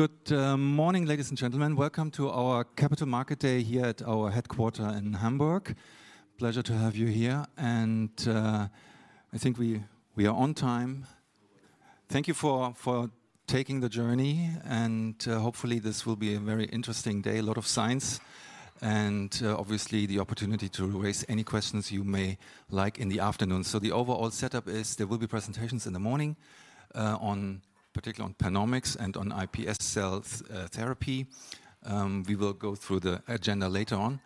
So, good morning, ladies and gentlemen. Welcome to our Capital Market Day here at our headquarters in Hamburg. Pleasure to have you here, and I think we are on time. Thank you for taking the journey, and hopefully this will be a very interesting day, a lot of science, and obviously the opportunity to raise any questions you may like in the afternoon. So the overall setup is there will be presentations in the morning, on particularly on PanOmics and on iPSC therapy. We will go through the agenda later on.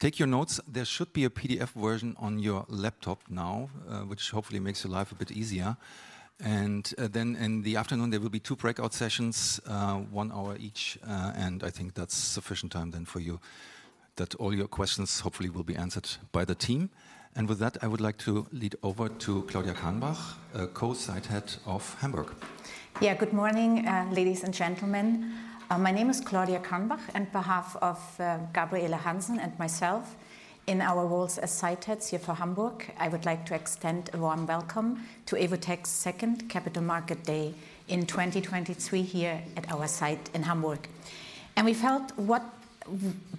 Take your notes. There should be a PDF version on your laptop now, which hopefully makes your life a bit easier. And, then in the afternoon, there will be two breakout sessions, one hour each, and I think that's sufficient time then for you, that all your questions hopefully will be answered by the team. And with that, I would like to lead over to Claudia Karnbach, Co-Site Head of Hamburg. Yeah, good morning, ladies and gentlemen. My name is Claudia Karnbach, on behalf of Gabriele Hansen and myself in our roles as site heads here for Hamburg. I would like to extend a warm welcome to Evotec's second Capital Market Day in 2023 here at our site in Hamburg. We felt what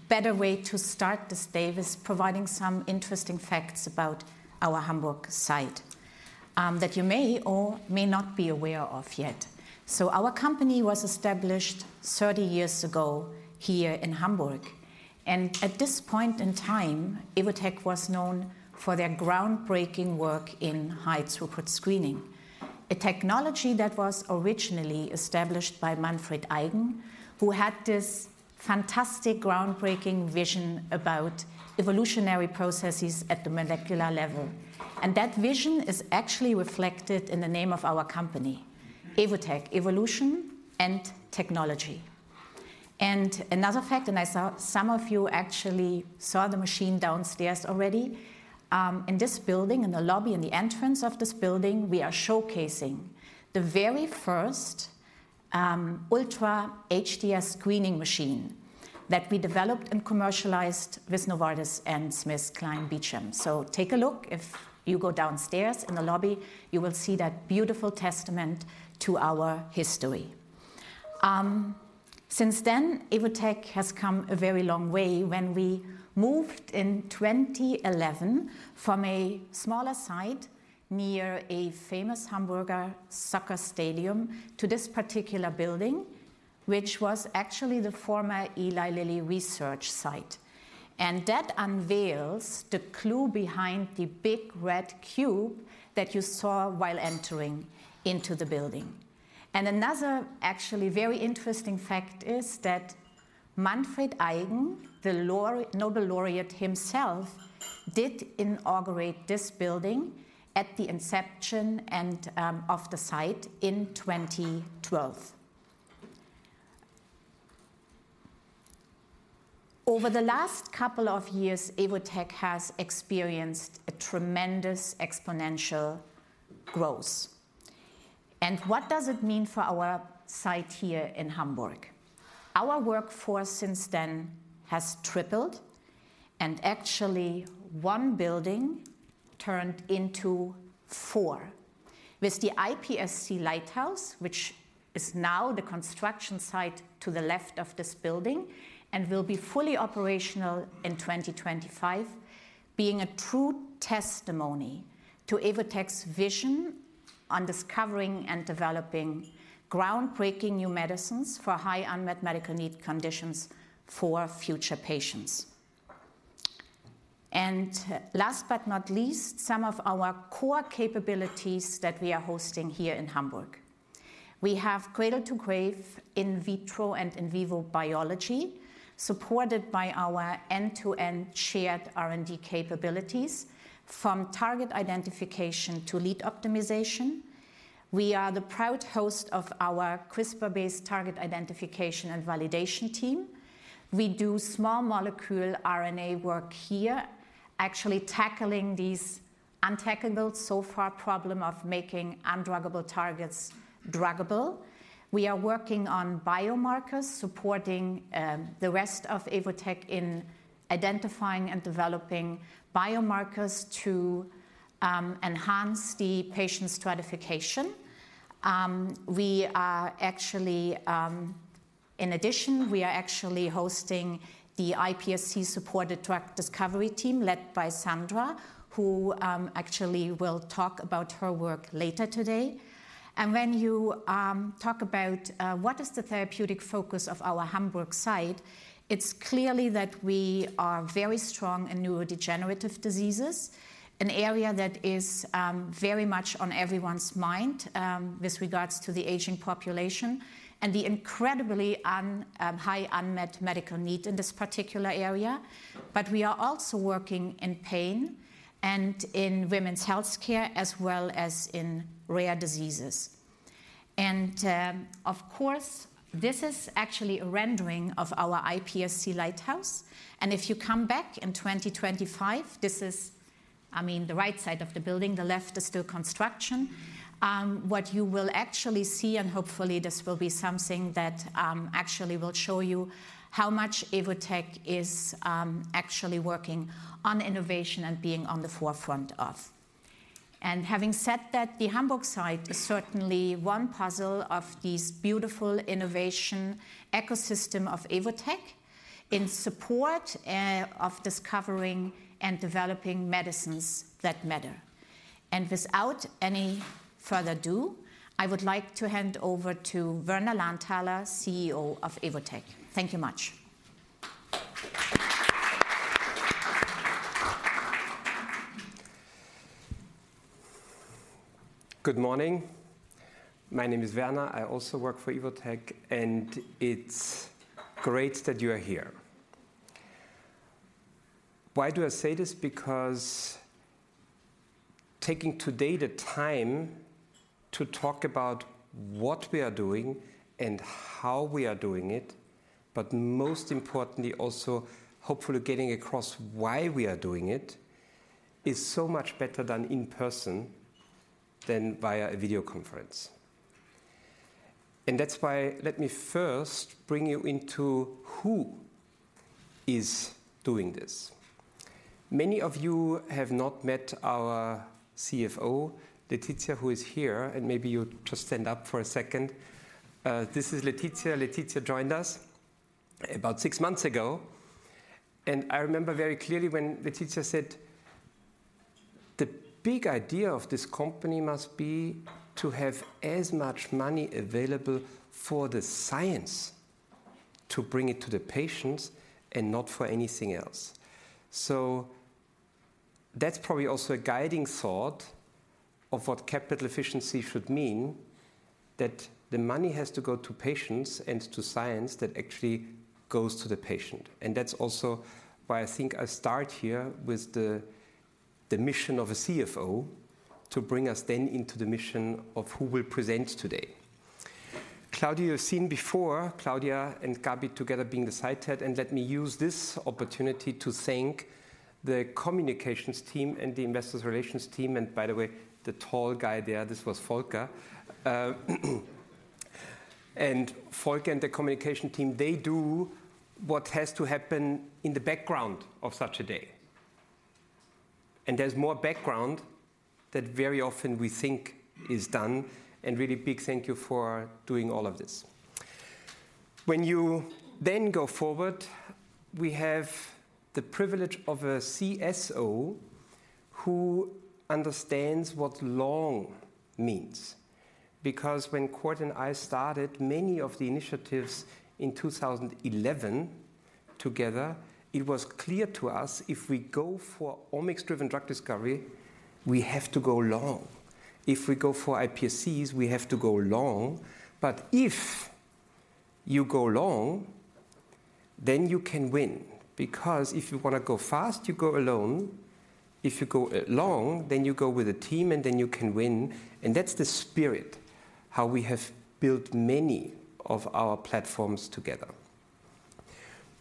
better way to start this day is providing some interesting facts about our Hamburg site that you may or may not be aware of yet. Our company was established 30 years ago here in Hamburg, and at this point in time, Evotec was known for their groundbreaking work in high-throughput screening, a technology that was originally established by Manfred Eigen, who had this fantastic, groundbreaking vision about evolutionary processes at the molecular level. That vision is actually reflected in the name of our company, Evotec, evolution and technology. And another fact, and I saw some of you actually saw the machine downstairs already, in this building, in the lobby, in the entrance of this building, we are showcasing the very first, Ultra-HTS screening machine that we developed and commercialized with Novartis and SmithKline Beecham. So take a look. If you go downstairs in the lobby, you will see that beautiful testament to our history. Since then, Evotec has come a very long way when we moved in 2011 from a smaller site near a famous Hamburger soccer stadium to this particular building, which was actually the former Eli Lilly research site. And that unveils the clue behind the big red cube that you saw while entering into the building. Another actually very interesting fact is that Manfred Eigen, the Nobel laureate himself, did inaugurate this building at the inception and of the site in 2012. Over the last couple of years, Evotec has experienced a tremendous exponential growth. And what does it mean for our site here in Hamburg? Our workforce since then has tripled, and actually one building turned into four, with the iPSC Lighthouse, which is now the construction site to the left of this building and will be fully operational in 2025, being a true testimony to Evotec's vision on discovering and developing groundbreaking new medicines for high unmet medical need conditions for future patients. And last but not least, some of our core capabilities that we are hosting here in Hamburg. We have cradle-to-grave in vitro and in vivo biology, supported by our end-to-end Shared R&D capabilities, from target identification to lead optimization. We are the proud host of our CRISPR-based target identification and validation team. We do small molecule RNA work here, actually tackling these untackled so far problem of making undruggable targets druggable. We are working on biomarkers, supporting the rest of Evotec in identifying and developing biomarkers to enhance the patient stratification. We are actually hosting the iPSC-supported Drug Discovery team, led by Sandra, who actually will talk about her work later today. When you talk about what is the therapeutic focus of our Hamburg site, it's clearly that we are very strong in neurodegenerative diseases, an area that is very much on everyone's mind with regards to the aging population and the incredibly unmet high medical need in this particular area. But we are also working in pain and in women's healthcare, as well as in rare diseases. And, of course, this is actually a rendering of our iPSC Lighthouse, and if you come back in 2025, this is, I mean, the right side of the building, the left is still construction what you will actually see, and hopefully this will be something that actually will show you how much Evotec is actually working on innovation and being on the forefront of. Having said that, the Hamburg site is certainly one puzzle of this beautiful innovation ecosystem of Evotec in support of discovering and developing medicines that matter. Without any further ado, I would like to hand over to Werner Lanthaler, CEO of Evotec. Thank you much. Good morning. My name is Werner. I also work for Evotec, and it's great that you are here. Why do I say this? Because taking today the time to talk about what we are doing and how we are doing it, but most importantly, also hopefully getting across why we are doing it, is so much better than in person than via a video conference. And that's why let me first bring you into who is doing this. Many of you have not met our CFO, Laetitia, who is here, and maybe you just stand up for a second. This is Laetitia. Laetitia joined us about six months ago, and I remember very clearly when Laetitia said, "The big idea of this company must be to have as much money available for the science to bring it to the patients and not for anything else." So that's probably also a guiding thought of what capital efficiency should mean, that the money has to go to patients and to science that actually goes to the patient. And that's also why I think I start here with the, the mission of a CFO to bring us then into the mission of who will present today. Claudia, you've seen before. Claudia and Gabi together being the site head, and let me use this opportunity to thank the communications team and the investor relations team. And by the way, the tall guy there, this was Volker. Volker and the communication team, they do what has to happen in the background of such a day. There's more background that very often we think is done, and really big thank you for doing all of this. When you then go forward, we have the privilege of a CSO who understands what long means. Because when Cord and I started many of the initiatives in 2011 together, it was clear to us, if we go for omics-driven drug discovery, we have to go long. If we go for iPSCs, we have to go long. But if you go long, then you can win, because if you want to go fast, you go alone. If you go long, then you go with a team, and then you can win, and that's the spirit, how we have built many of our platforms together.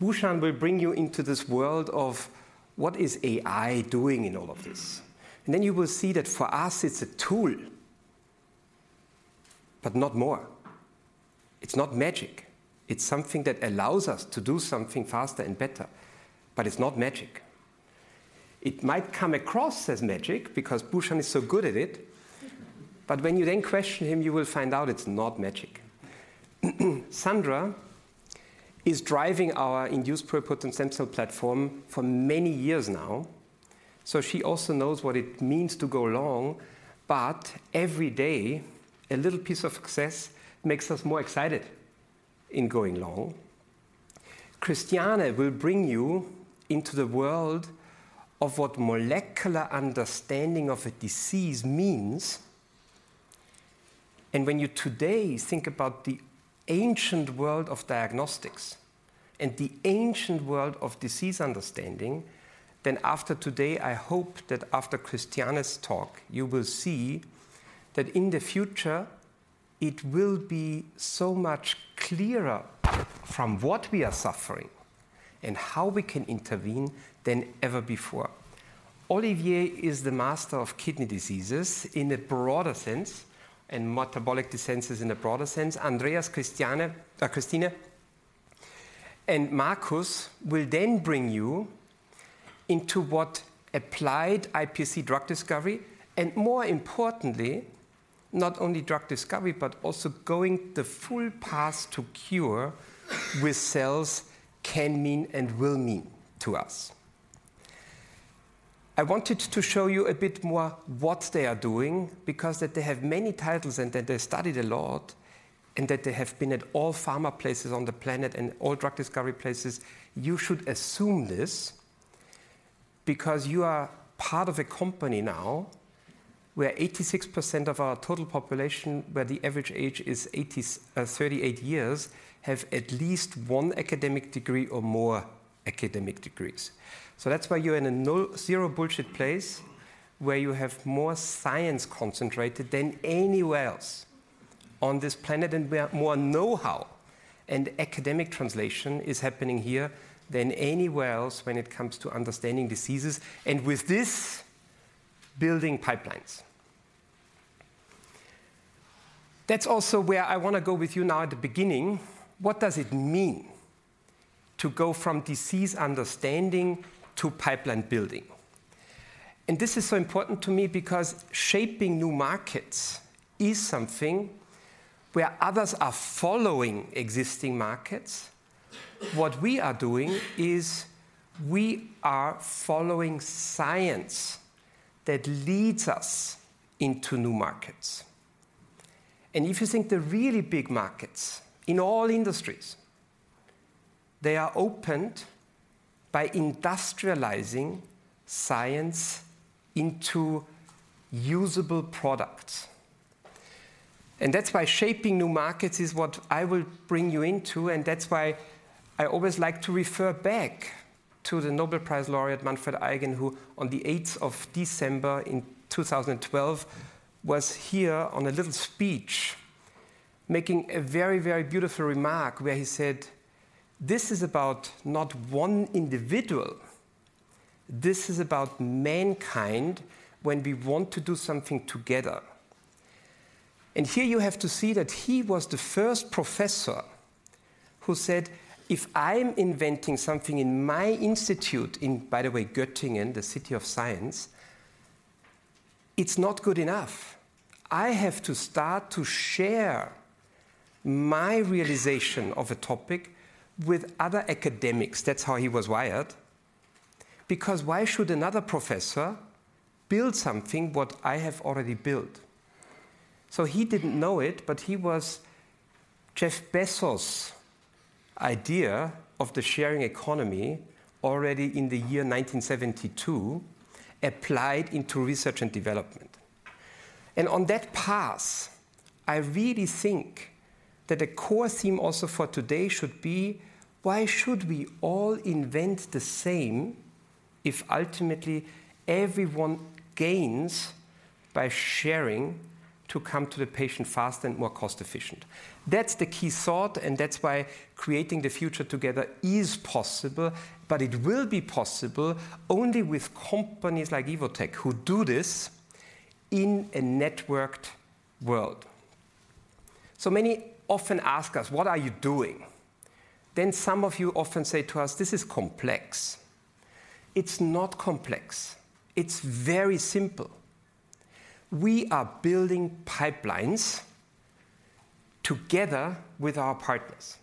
Bhushan will bring you into this world of what is AI doing in all of this? And then you will see that for us it's a tool, but not more. It's not magic. It's something that allows us to do something faster and better, but it's not magic. It might come across as magic because Bhushan is so good at it, but when you then question him, you will find out it's not magic. Sandra is driving our Induced Pluripotent Stem Cell platform for many years now, so she also knows what it means to go long, but every day, a little piece of success makes us more excited in going long. Christiane will bring you into the world of what molecular understanding of a disease means. And when you today think about the ancient world of diagnostics and the ancient world of disease understanding, then after today, I hope that after Christiane's talk, you will see that in the future it will be so much clearer from what we are suffering and how we can intervene than ever before. Olivier is the master of kidney diseases in a broader sense, and metabolic diseases in a broader sense. Andreas, Christiane, Christine, and Markus will then bring you into what applied iPSC drug discovery, and more importantly, not only drug discovery, but also going the full path to cure with cells can mean and will mean to us. I wanted to show you a bit more what they are doing, because that they have many titles and that they study a lot, and that they have been at all pharma places on the planet and all drug discovery places. You should assume this, because you are part of a company now where 86% of our total population, where the average age is thirty-eight years, have at least one academic degree or more academic degrees. So that's why you're in a zero bullshit place, where you have more science concentrated than anywhere else on this planet, and where more know-how and academic translation is happening here than anywhere else when it comes to understanding diseases, and with this, building pipelines. That's also where I wanna go with you now at the beginning. What does it mean to go from disease understanding to pipeline building? This is so important to me because shaping new markets is something where others are following existing markets. What we are doing is we are following science that leads us into new markets. And if you think the really big markets in all industries, they are opened by industrializing science into usable products. And that's why shaping new markets is what I will bring you into, and that's why I always like to refer back to the Nobel Prize laureate, Manfred Eigen, who, on the 8th of December in 2012, was here on a little speech, making a very, very beautiful remark, where he said, "This is about not one individual. This is about mankind when we want to do something together." And here you have to see that he was the first professor who said, "If I'm inventing something in my institute," in, by the way, Göttingen, the city of science, "it's not good enough. I have to start to share my realization of a topic with other academics." That's how he was wired. "Because why should another professor build something what I have already built?" So he didn't know it, but he was Jeff Bezos' idea of the sharing economy already in the year 1972, applied into research and development. And on that path, I really think that a core theme also for today should be: why should we all invent the same, if ultimately everyone gains by sharing to come to the patient faster and more cost-efficient? That's the key thought, and that's why creating the future together is possible, but it will be possible only with companies like Evotec, who do this in a networked world. So many often ask us: What are you doing? Then some of you often say to us: This is complex. It's not complex. It's very simple. We are building pipelines together with our partners.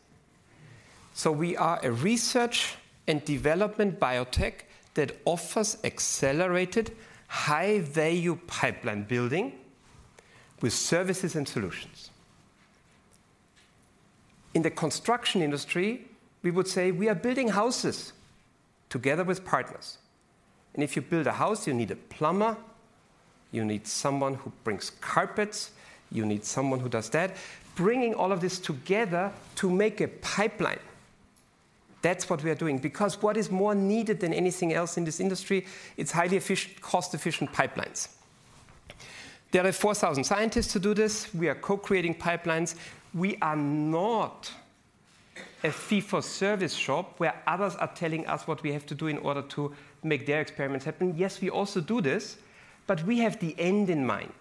So we are a research and development biotech that offers accelerated, high-value pipeline building with services and solutions. In the construction industry, we would say we are building houses together with partners, and if you build a house, you need a plumber, you need someone who brings carpets, you need someone who does that. Bringing all of this together to make a pipeline, that's what we are doing, because what is more needed than anything else in this industry? It's highly cost-efficient pipelines. There are 4,000 scientists who do this. We are co-creating pipelines. We are not a fee-for-service shop, where others are telling us what we have to do in order to make their experiments happen. Yes, we also do this, but we have the end in mind,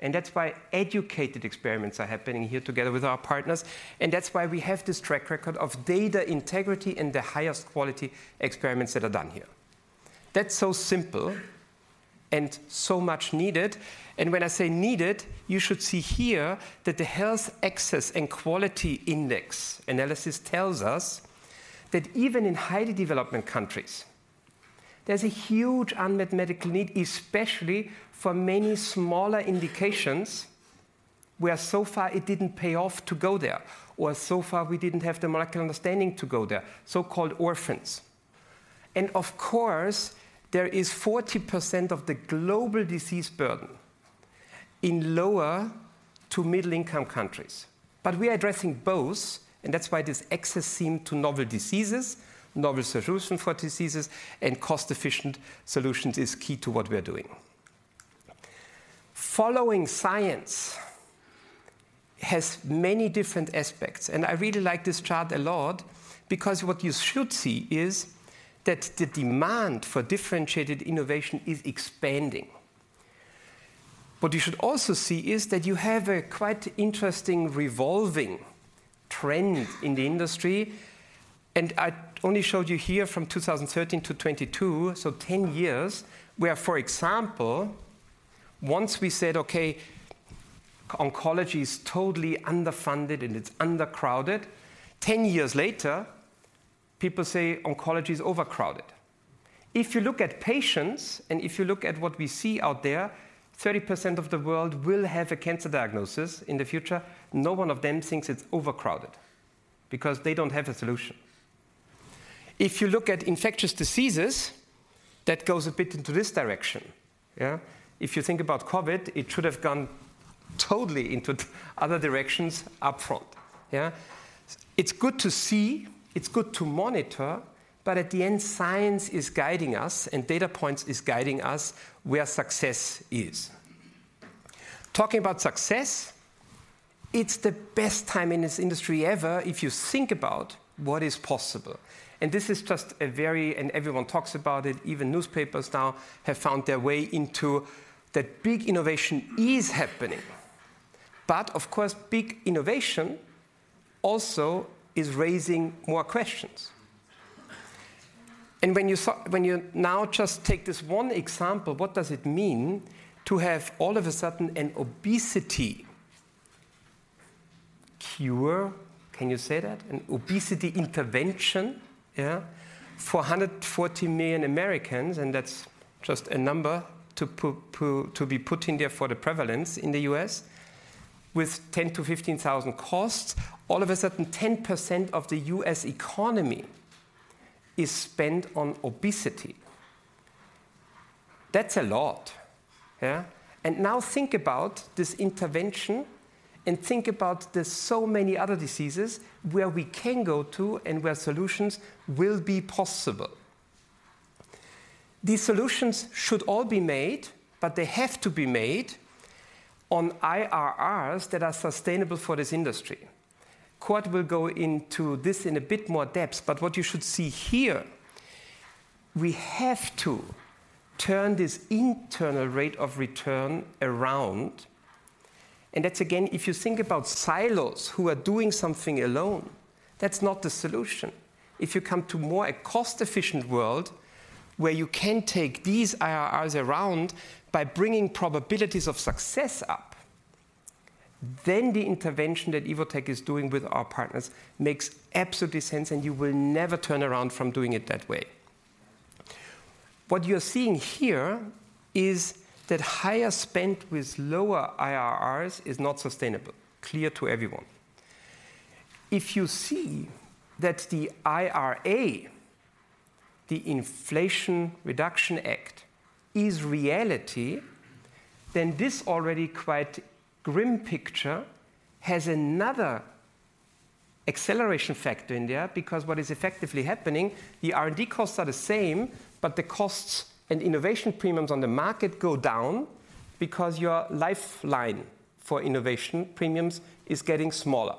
and that's why educated experiments are happening here together with our partners, and that's why we have this track record of data integrity and the highest quality experiments that are done here. That's so simple and so much needed, and when I say needed, you should see here that the Health Access and Quality Index analysis tells us that even in highly developed countries, there's a huge unmet medical need, especially for many smaller indications, where so far it didn't pay off to go there, or so far we didn't have the market understanding to go there, so-called orphans. Of course, there is 40% of the global disease burden in lower- to middle-income countries. But we are addressing both, and that's why this access seems to novel diseases, novel solution for diseases, and cost-efficient solutions is key to what we are doing. Following science has many different aspects, and I really like this chart a lot, because what you should see is that the demand for differentiated innovation is expanding. What you should also see is that you have a quite interesting evolving trend in the industry, and I only showed you here from 2013 to 2022, so 10 years, where, for example, once we said, "Okay, oncology is totally underfunded, and it's undercrowded," 10 years later, people say oncology is overcrowded. If you look at patients, and if you look at what we see out there, 30% of the world will have a cancer diagnosis in the future. No one of them thinks it's overcrowded because they don't have a solution. If you look at infectious diseases, that goes a bit into this direction, yeah? If you think about COVID, it should have gone totally into other directions upfront, yeah? It's good to see, it's good to monitor, but at the end, science is guiding us, and data points is guiding us where success is. Talking about success... It's the best time in this industry ever if you think about what is possible. This is just a very-- and everyone talks about it, even newspapers now have found their way into, that big innovation is happening. But of course, big innovation also is raising more questions. When you now just take this one example, what does it mean to have all of a sudden an obesity cure? Can you say that? An obesity intervention, yeah, for 140 million Americans, and that's just a number to be put in there for the prevalence in the U.S., with 10,000-15,000 costs. All of a sudden, 10% of the U.S. economy is spent on obesity. That's a lot. Yeah? And now think about this intervention, and think about the so many other diseases where we can go to and where solutions will be possible. These solutions should all be made, but they have to be made on IRRs that are sustainable for this industry. Cord will go into this in a bit more depth, but what you should see here, we have to turn this internal rate of return around, and that's again, if you think about silos who are doing something alone, that's not the solution. If you come to more a cost-efficient world where you can take these IRRs around by bringing probabilities of success up, then the intervention that Evotec is doing with our partners makes absolutely sense, and you will never turn around from doing it that way. What you're seeing here is that higher spent with lower IRRs is not sustainable, clear to everyone. If you see that the IRA, the Inflation Reduction Act, is reality, then this already quite grim picture has another acceleration factor in there, because what is effectively happening, the R&D costs are the same, but the costs and innovation premiums on the market go down because your lifeline for innovation premiums is getting smaller.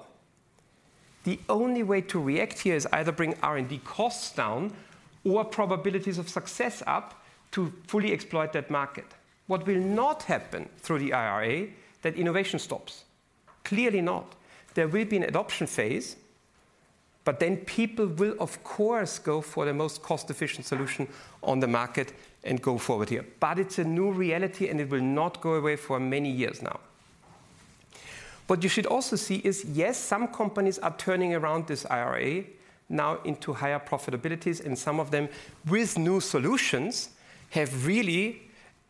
The only way to react here is either bring R&D costs down or probabilities of success up to fully exploit that market. What will not happen through the IRA, that innovation stops. Clearly not. There will be an adoption phase, but then people will, of course, go for the most cost-efficient solution on the market and go forward here. But it's a new reality, and it will not go away for many years now. What you should also see is, yes, some companies are turning around this IRA now into higher profitabilities, and some of them, with new solutions, have really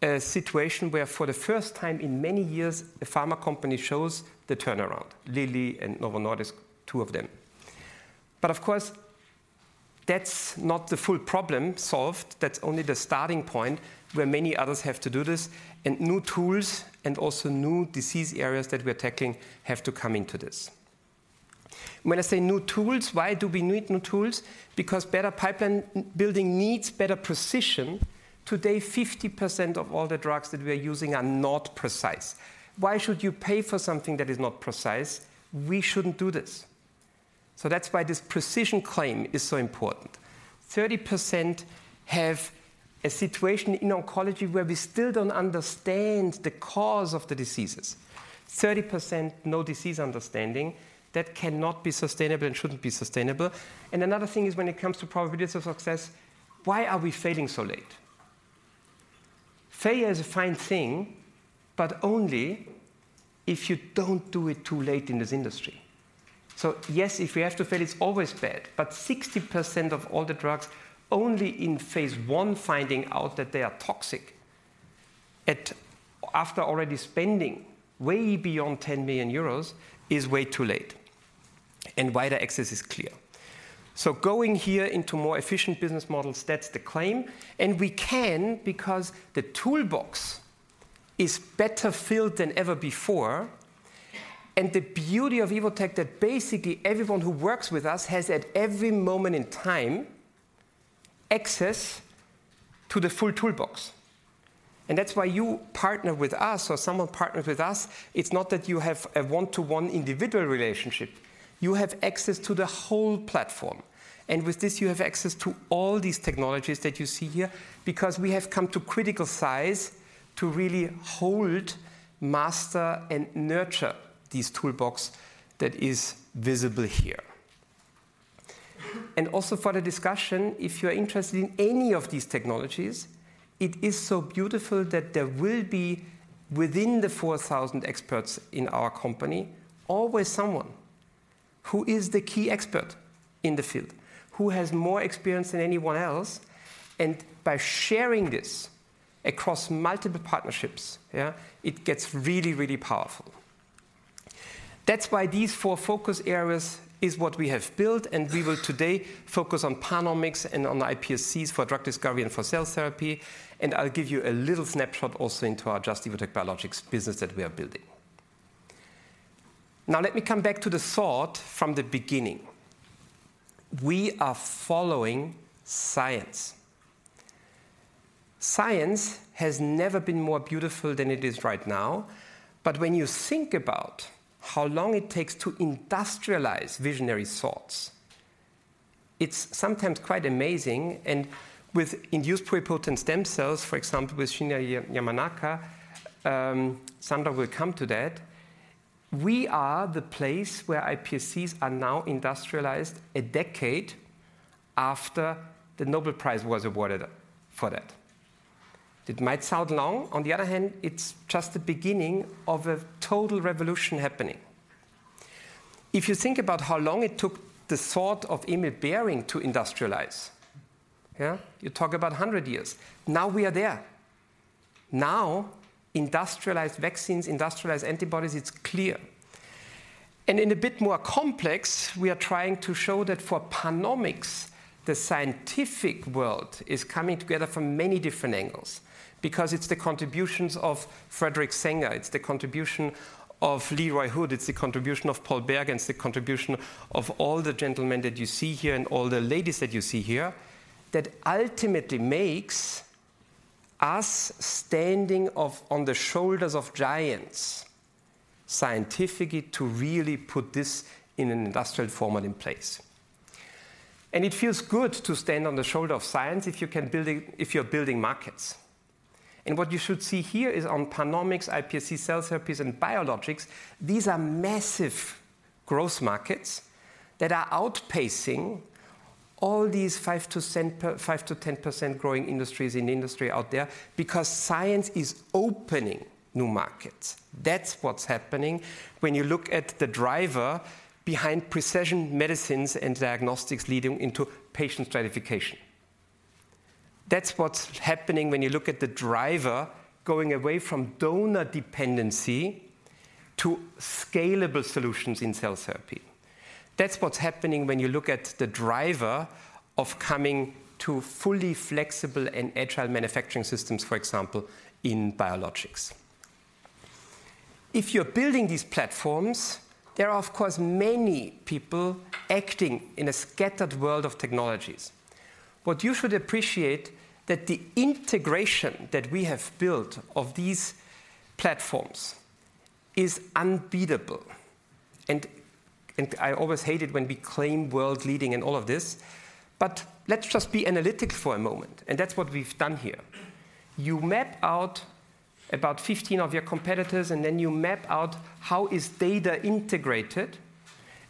a situation where for the first time in many years, a pharma company shows the turnaround. Lilly and Novo Nordisk, two of them. But of course, that's not the full problem solved. That's only the starting point where many others have to do this, and new tools and also new disease areas that we're tackling have to come into this. When I say new tools, why do we need new tools? Because better pipeline building needs better precision. Today, 50% of all the drugs that we are using are not precise. Why should you pay for something that is not precise? We shouldn't do this. So that's why this precision claim is so important. 30% have a situation in oncology where we still don't understand the cause of the diseases. 30% no disease understanding, that cannot be sustainable and shouldn't be sustainable. And another thing is when it comes to probabilities of success, why are we failing so late? Failure is a fine thing, but only if you don't do it too late in this industry. So yes, if we have to fail, it's always bad, but 60% of all the drugs only in phase I finding out that they are toxic after already spending way beyond 10 million euros, is way too late. And why? The excess is clear. So going here into more efficient business models, that's the claim. We can because the toolbox is better filled than ever before, and the beauty of Evotec, that basically everyone who works with us has, at every moment in time, access to the full toolbox. That's why you partner with us or someone partners with us, it's not that you have a one-to-one individual relationship, you have access to the whole platform. With this, you have access to all these technologies that you see here, because we have come to critical size to really hold, master, and nurture this toolbox that is visible here. Also for the discussion, if you're interested in any of these technologies, it is so beautiful that there will be, within the 4,000 experts in our company, always someone who is the key expert in the field, who has more experience than anyone else, and by sharing this across multiple partnerships, yeah, it gets really, really powerful. That's why these four focus areas is what we have built, and we will today focus on PanOmics and on iPSCs for drug discovery and for cell therapy. I'll give you a little snapshot also into our Just - Evotec Biologics business that we are building. Now, let me come back to the thought from the beginning. We are following science.... Science has never been more beautiful than it is right now. But when you think about how long it takes to industrialize visionary thoughts, it's sometimes quite amazing. With induced pluripotent stem cells, for example, with Shinya Yamanaka, sometime we'll come to that, we are the place where iPSCs are now industrialized a decade after the Nobel Prize was awarded for that. It might sound long, on the other hand, it's just the beginning of a total revolution happening. If you think about how long it took the thought of Emil Behring to industrialize, yeah, you talk about 100 years. Now we are there. Now, industrialized vaccines, industrialized antibodies, it's clear. In a bit more complex, we are trying to show that for PanOmics, the scientific world is coming together from many different angles, because it's the contributions of Frederick Sanger, it's the contribution of Leroy Hood, it's the contribution of Paul Berg, and it's the contribution of all the gentlemen that you see here and all the ladies that you see here, that ultimately makes us standing on the shoulders of giants, scientifically, to really put this in an industrial format in place. It feels good to stand on the shoulder of science if you can building if you're building markets. What you should see here is on PanOmics, iPSC, cell therapies, and biologics, these are massive growth markets that are outpacing all these 5%-10% growing industries in industry out there, because science is opening new markets. That's what's happening when you look at the driver behind precision medicines and diagnostics leading into patient stratification. That's what's happening when you look at the driver going away from donor dependency to scalable solutions in cell therapy. That's what's happening when you look at the driver of coming to fully flexible and agile manufacturing systems, for example, in biologics. If you're building these platforms, there are, of course, many people acting in a scattered world of technologies. What you should appreciate that the integration that we have built of these platforms is unbeatable. And I always hate it when we claim world-leading in all of this, but let's just be analytic for a moment, and that's what we've done here. You map out about 15 of your competitors, and then you map out how is data integrated,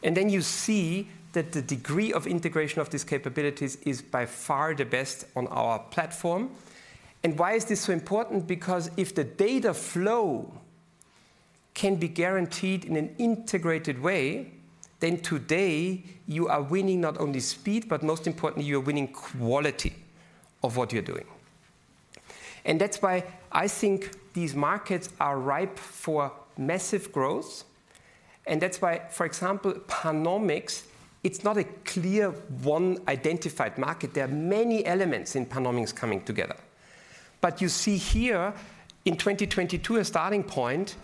and then you see that the degree of integration of these capabilities is by far the best on our platform. And why is this so important? Because if the data flow can be guaranteed in an integrated way, then today you are winning not only speed, but most importantly, you are winning quality of what you're doing. And that's why I think these markets are ripe for massive growth, and that's why, for example, PanOmics, it's not a clear, one identified market. There are many elements in PanOmics coming together. But you see here in 2022, a starting point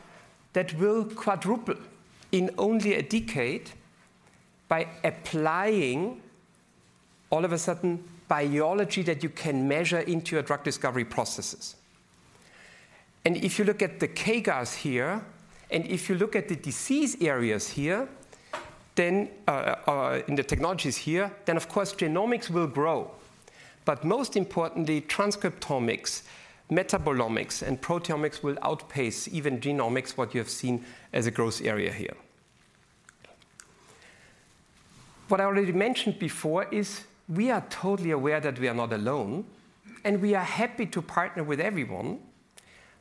that will quadruple in only a decade by applying, all of a sudden, biology that you can measure into your drug discovery processes. If you look at the CAGRs here, and if you look at the disease areas here, then, in the technologies here, then, of course, genomics will grow. But most importantly, transcriptomics, metabolomics, and proteomics will outpace even genomics, what you have seen as a growth area here. What I already mentioned before is we are totally aware that we are not alone, and we are happy to partner with everyone,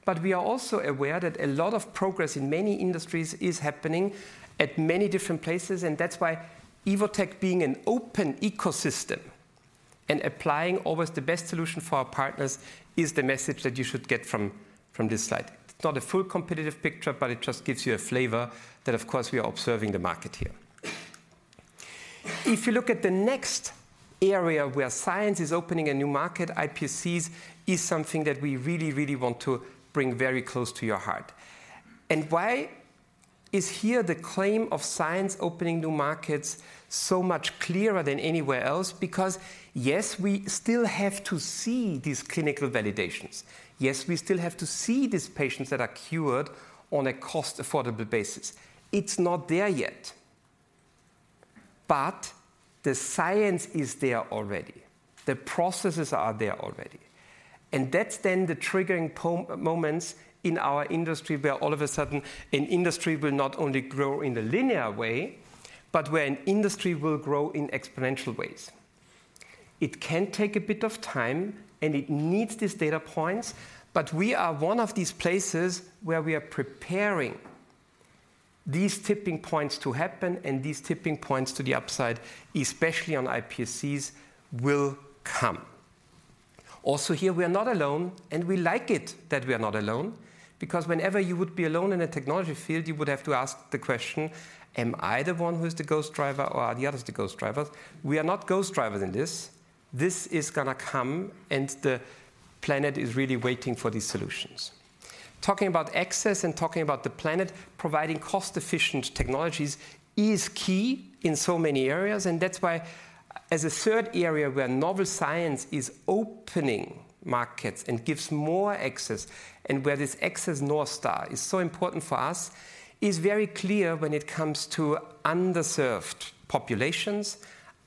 but we are also aware that a lot of progress in many industries is happening at many different places, and that's why Evotec being an open ecosystem and applying always the best solution for our partners, is the message that you should get from this slide. It's not a full competitive picture, but it just gives you a flavor that, of course, we are observing the market here. If you look at the next area where science is opening a new market, iPSCs is something that we really, really want to bring very close to your heart. And why is here the claim of science opening new markets so much clearer than anywhere else? Because, yes, we still have to see these clinical validations. Yes, we still have to see these patients that are cured on a cost-affordable basis. It's not there yet, but the science is there already. The processes are there already. And that's then the triggering moments in our industry, where all of a sudden, an industry will not only grow in a linear way, but where an industry will grow in exponential ways. It can take a bit of time, and it needs these data points, but we are one of these places where we are preparing these tipping points to happen, and these tipping points to the upside, especially on iPSCs, will come. Also, here, we are not alone, and we like it that we are not alone, because whenever you would be alone in a technology field, you would have to ask the question: Am I the one who is the ghost driver, or are the others the ghost drivers? We are not ghost drivers in this. This is going to come, and the planet is really waiting for these solutions... Talking about access and talking about the planet, providing cost-efficient technologies is key in so many areas, and that's why, as a third area where novel science is opening markets and gives more access, and where this access North Star is so important for us, is very clear when it comes to underserved populations,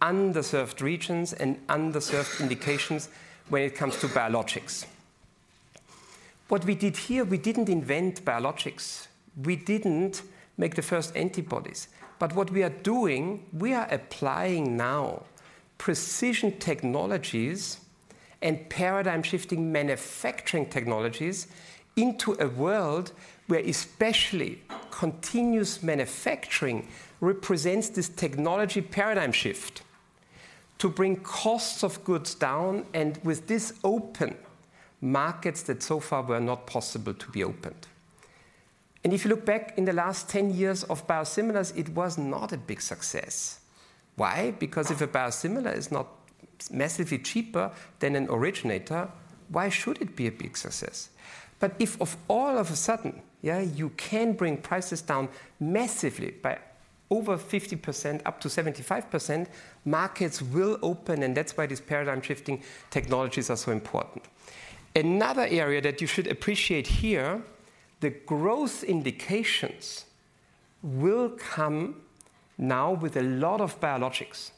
underserved regions, and underserved indications when it comes to biologics. What we did here, we didn't invent biologics, we didn't make the first antibodies, but what we are doing, we are applying now precision technologies and paradigm-shifting manufacturing technologies into a world where especially continuous manufacturing represents this technology paradigm shift to bring costs of goods down, and with this, open markets that so far were not possible to be opened. If you look back in the last 10 years of biosimilars, it was not a big success. Why? Because if a biosimilar is not massively cheaper than an originator, why should it be a big success? But if of all of a sudden, yeah, you can bring prices down massively by over 50%, up to 75%, markets will open, and that's why these paradigm-shifting technologies are so important. Another area that you should appreciate here, the growth indications will come now with a lot of biologics.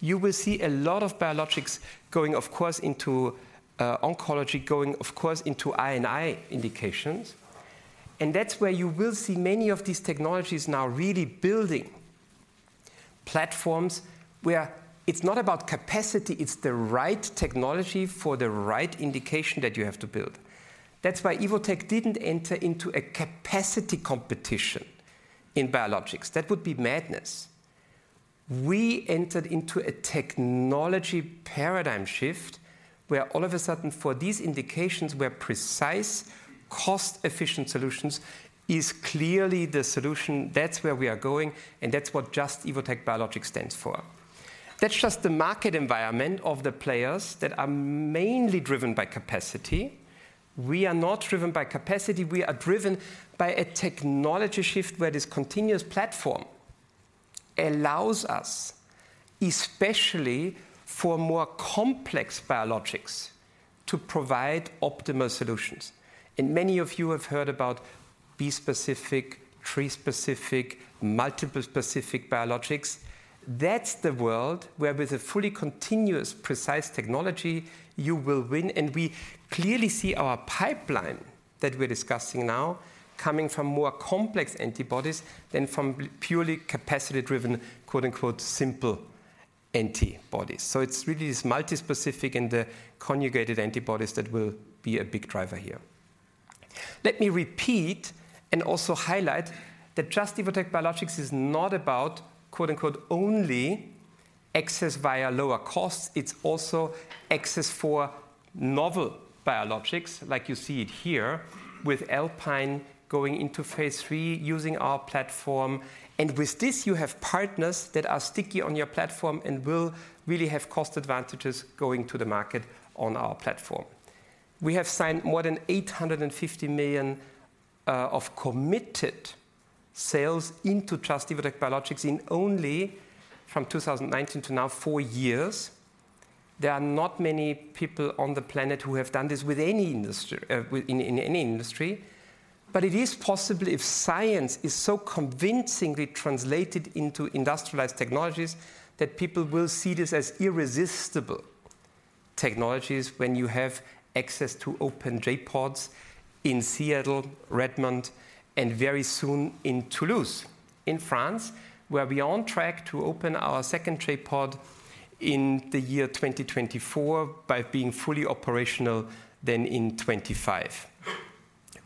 You will see a lot of biologics going, of course, into oncology, going, of course, into eye and eye indications, and that's where you will see many of these technologies now really building platforms where it's not about capacity, it's the right technology for the right indication that you have to build. That's why Evotec didn't enter into a capacity competition in biologics. That would be madness. We entered into a technology paradigm shift, where all of a sudden, for these indications, where precise, cost-efficient solutions is clearly the solution, that's where we are going, and that's what Just - Evotec Biologics stands for. That's just the market environment of the players that are mainly driven by capacity. We are not driven by capacity, we are driven by a technology shift where this continuous platform allows us, especially for more complex biologics, to provide optimal solutions. And many of you have heard about bispecific, trispecific, multispecific biologics. That's the world where, with a fully continuous, precise technology, you will win, and we clearly see our pipeline that we're discussing now coming from more complex antibodies than from purely capacity-driven, quote-unquote, "simple" antibodies. So it's really this multispecific and the conjugated antibodies that will be a big driver here. Let me repeat and also highlight that Just - Evotec Biologics is not about, quote-unquote, "only access via lower costs," it's also access for novel biologics, like you see it here with Alpine going into phase III using our platform, and with this, you have partners that are sticky on your platform and will really have cost advantages going to the market on our platform. We have signed more than 850 million of committed sales into Just - Evotec Biologics in only from 2019 to now, four years. There are not many people on the planet who have done this with any industry, in any industry, but it is possible, if science is so convincingly translated into industrialized technologies, that people will see this as irresistible technologies when you have access to open J.PODs in Seattle, Redmond, and very soon in Toulouse, in France, where we are on track to open our second J.POD in the year 2024, by being fully operational then in 2025.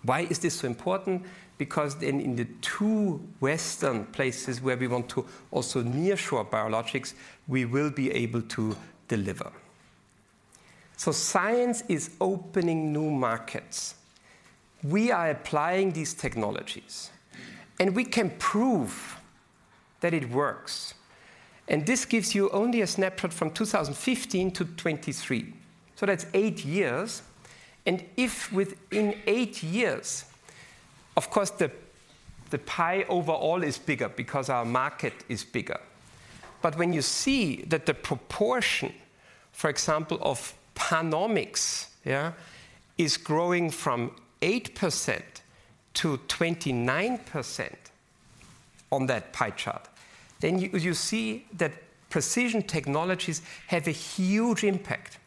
Why is this so important? Because then in the two Western places where we want to also nearshore biologics, we will be able to deliver. So science is opening new markets. We are applying these technologies, and we can prove that it works. And this gives you only a snapshot from 2015 to 2023, so that's eight years, and if within eight years... Of course, the pie overall is bigger because our market is bigger. But when you see that the proportion, for example, of PanOmics, yeah, is growing from 8%-29% on that pie chart, then you see that precision technologies have a huge impact,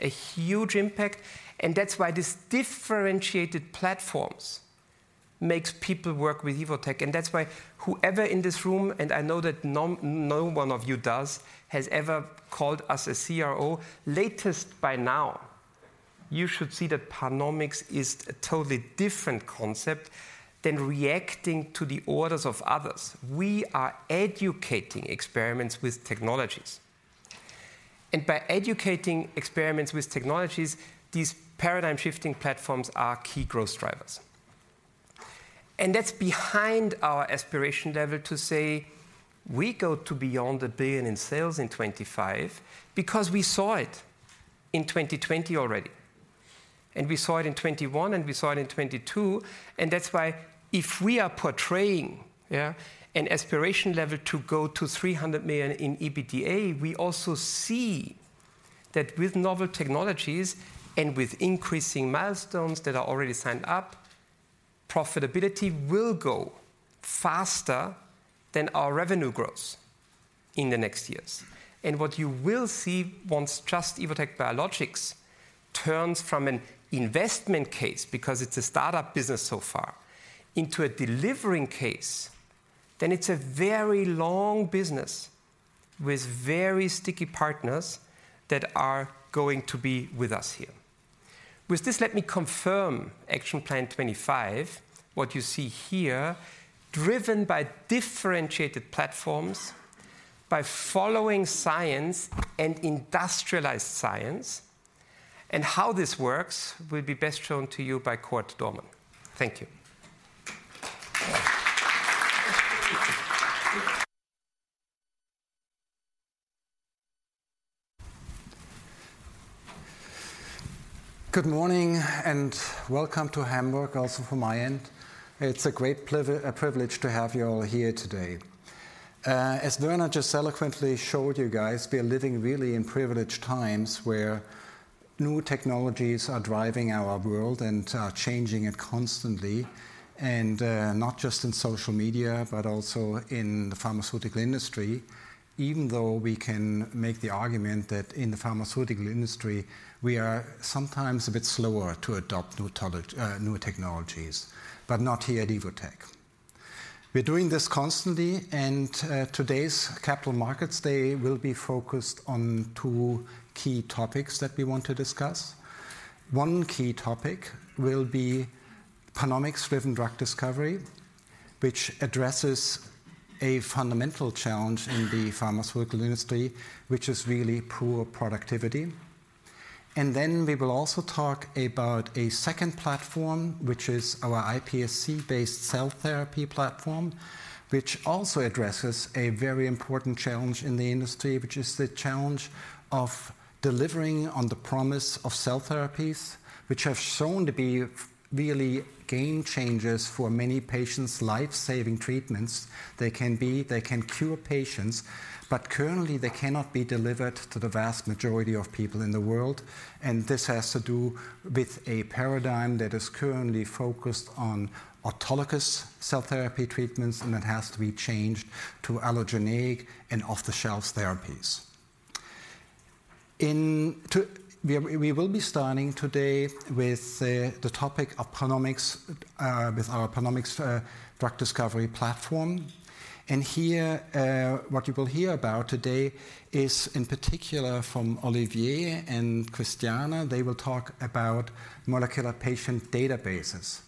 a huge impact, and that's why this differentiated platforms makes people work with Evotec, and that's why whoever in this room, and I know that no one of you does, has ever called us a CRO, latest by now, you should see that PanOmics is a totally different concept than reacting to the orders of others. We are educating experiments with technologies, and by educating experiments with technologies, these paradigm-shifting platforms are key growth drivers.... That's behind our aspiration level to say we go to beyond 1 billion in sales in 2025, because we saw it in 2020 already, and we saw it in 2021, and we saw it in 2022. That's why if we are portraying, yeah, an aspiration level to go to 300 million in EBITDA, we also see that with novel technologies and with increasing milestones that are already signed up, profitability will go faster than our revenue growth in the next years. What you will see once Just - Evotec Biologics turns from an investment case, because it's a startup business so far, into a delivering case, then it's a very long business with very sticky partners that are going to be with us here. With this, let me confirm Action Plan 25, what you see here, driven by differentiated platforms, by following science and industrialized science, and how this works will be best shown to you by Cord Dohrmann. Thank you. Good morning, and welcome to Hamburg, also from my end. It's a great privilege to have you all here today. As Werner just eloquently showed you guys, we are living really in privileged times, where new technologies are driving our world and are changing it constantly, and not just in social media, but also in the pharmaceutical industry. Even though we can make the argument that in the pharmaceutical industry, we are sometimes a bit slower to adopt new technologies, but not here at Evotec. We're doing this constantly, and today's Capital Markets Day will be focused on two key topics that we want to discuss. One key topic will be PanOmics-driven drug discovery, which addresses a fundamental challenge in the pharmaceutical industry, which is really poor productivity. And then we will also talk about a second platform, which is our iPSC-based cell therapy platform, which also addresses a very important challenge in the industry, which is the challenge of delivering on the promise of cell therapies, which have shown to be really game changers for many patients, life-saving treatments. They can be. They can cure patients, but currently, they cannot be delivered to the vast majority of people in the world, and this has to do with a paradigm that is currently focused on autologous cell therapy treatments, and that has to be changed to allogeneic and off-the-shelf therapies. We will be starting today with the topic of PanOmics with our PanOmics drug discovery platform. And here, what you will hear about today is, in particular from Olivier and Christiane, they will talk about molecular patient databases.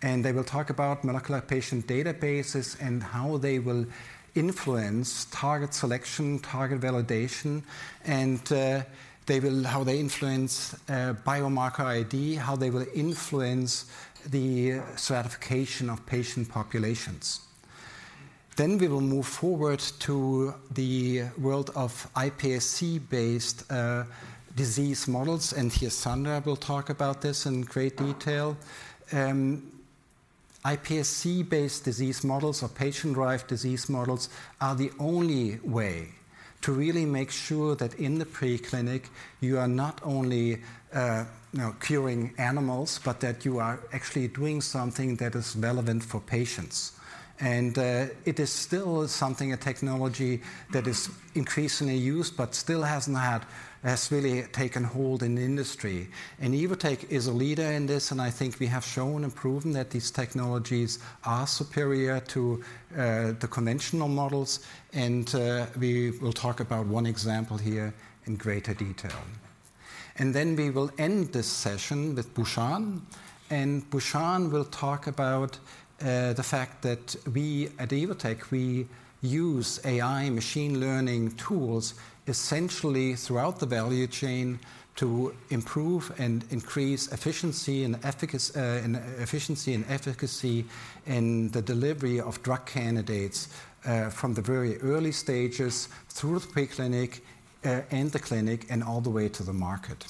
They will talk about molecular patient databases and how they will influence target selection, target validation, and how they influence biomarker ID, how they will influence the stratification of patient populations. Then, we will move forward to the world of iPSC-based disease models, and here Sandra will talk about this in great detail. iPSC-based disease models or patient-derived disease models are the only way to really make sure that in the pre-clinic, you are not only, you know, curing animals, but that you are actually doing something that is relevant for patients. And it is still something, a technology that is increasingly used but still has not really taken hold in the industry. Evotec is a leader in this, and I think we have shown and proven that these technologies are superior to the conventional models, and we will talk about one example here in greater detail. Then we will end this session with Bhushan, and Bhushan will talk about the fact that we at Evotec, we use AI machine learning tools, essentially throughout the value chain, to improve and increase efficiency and efficacy in the delivery of drug candidates, from the very early stages through the pre-clinic, and the clinic, and all the way to the market.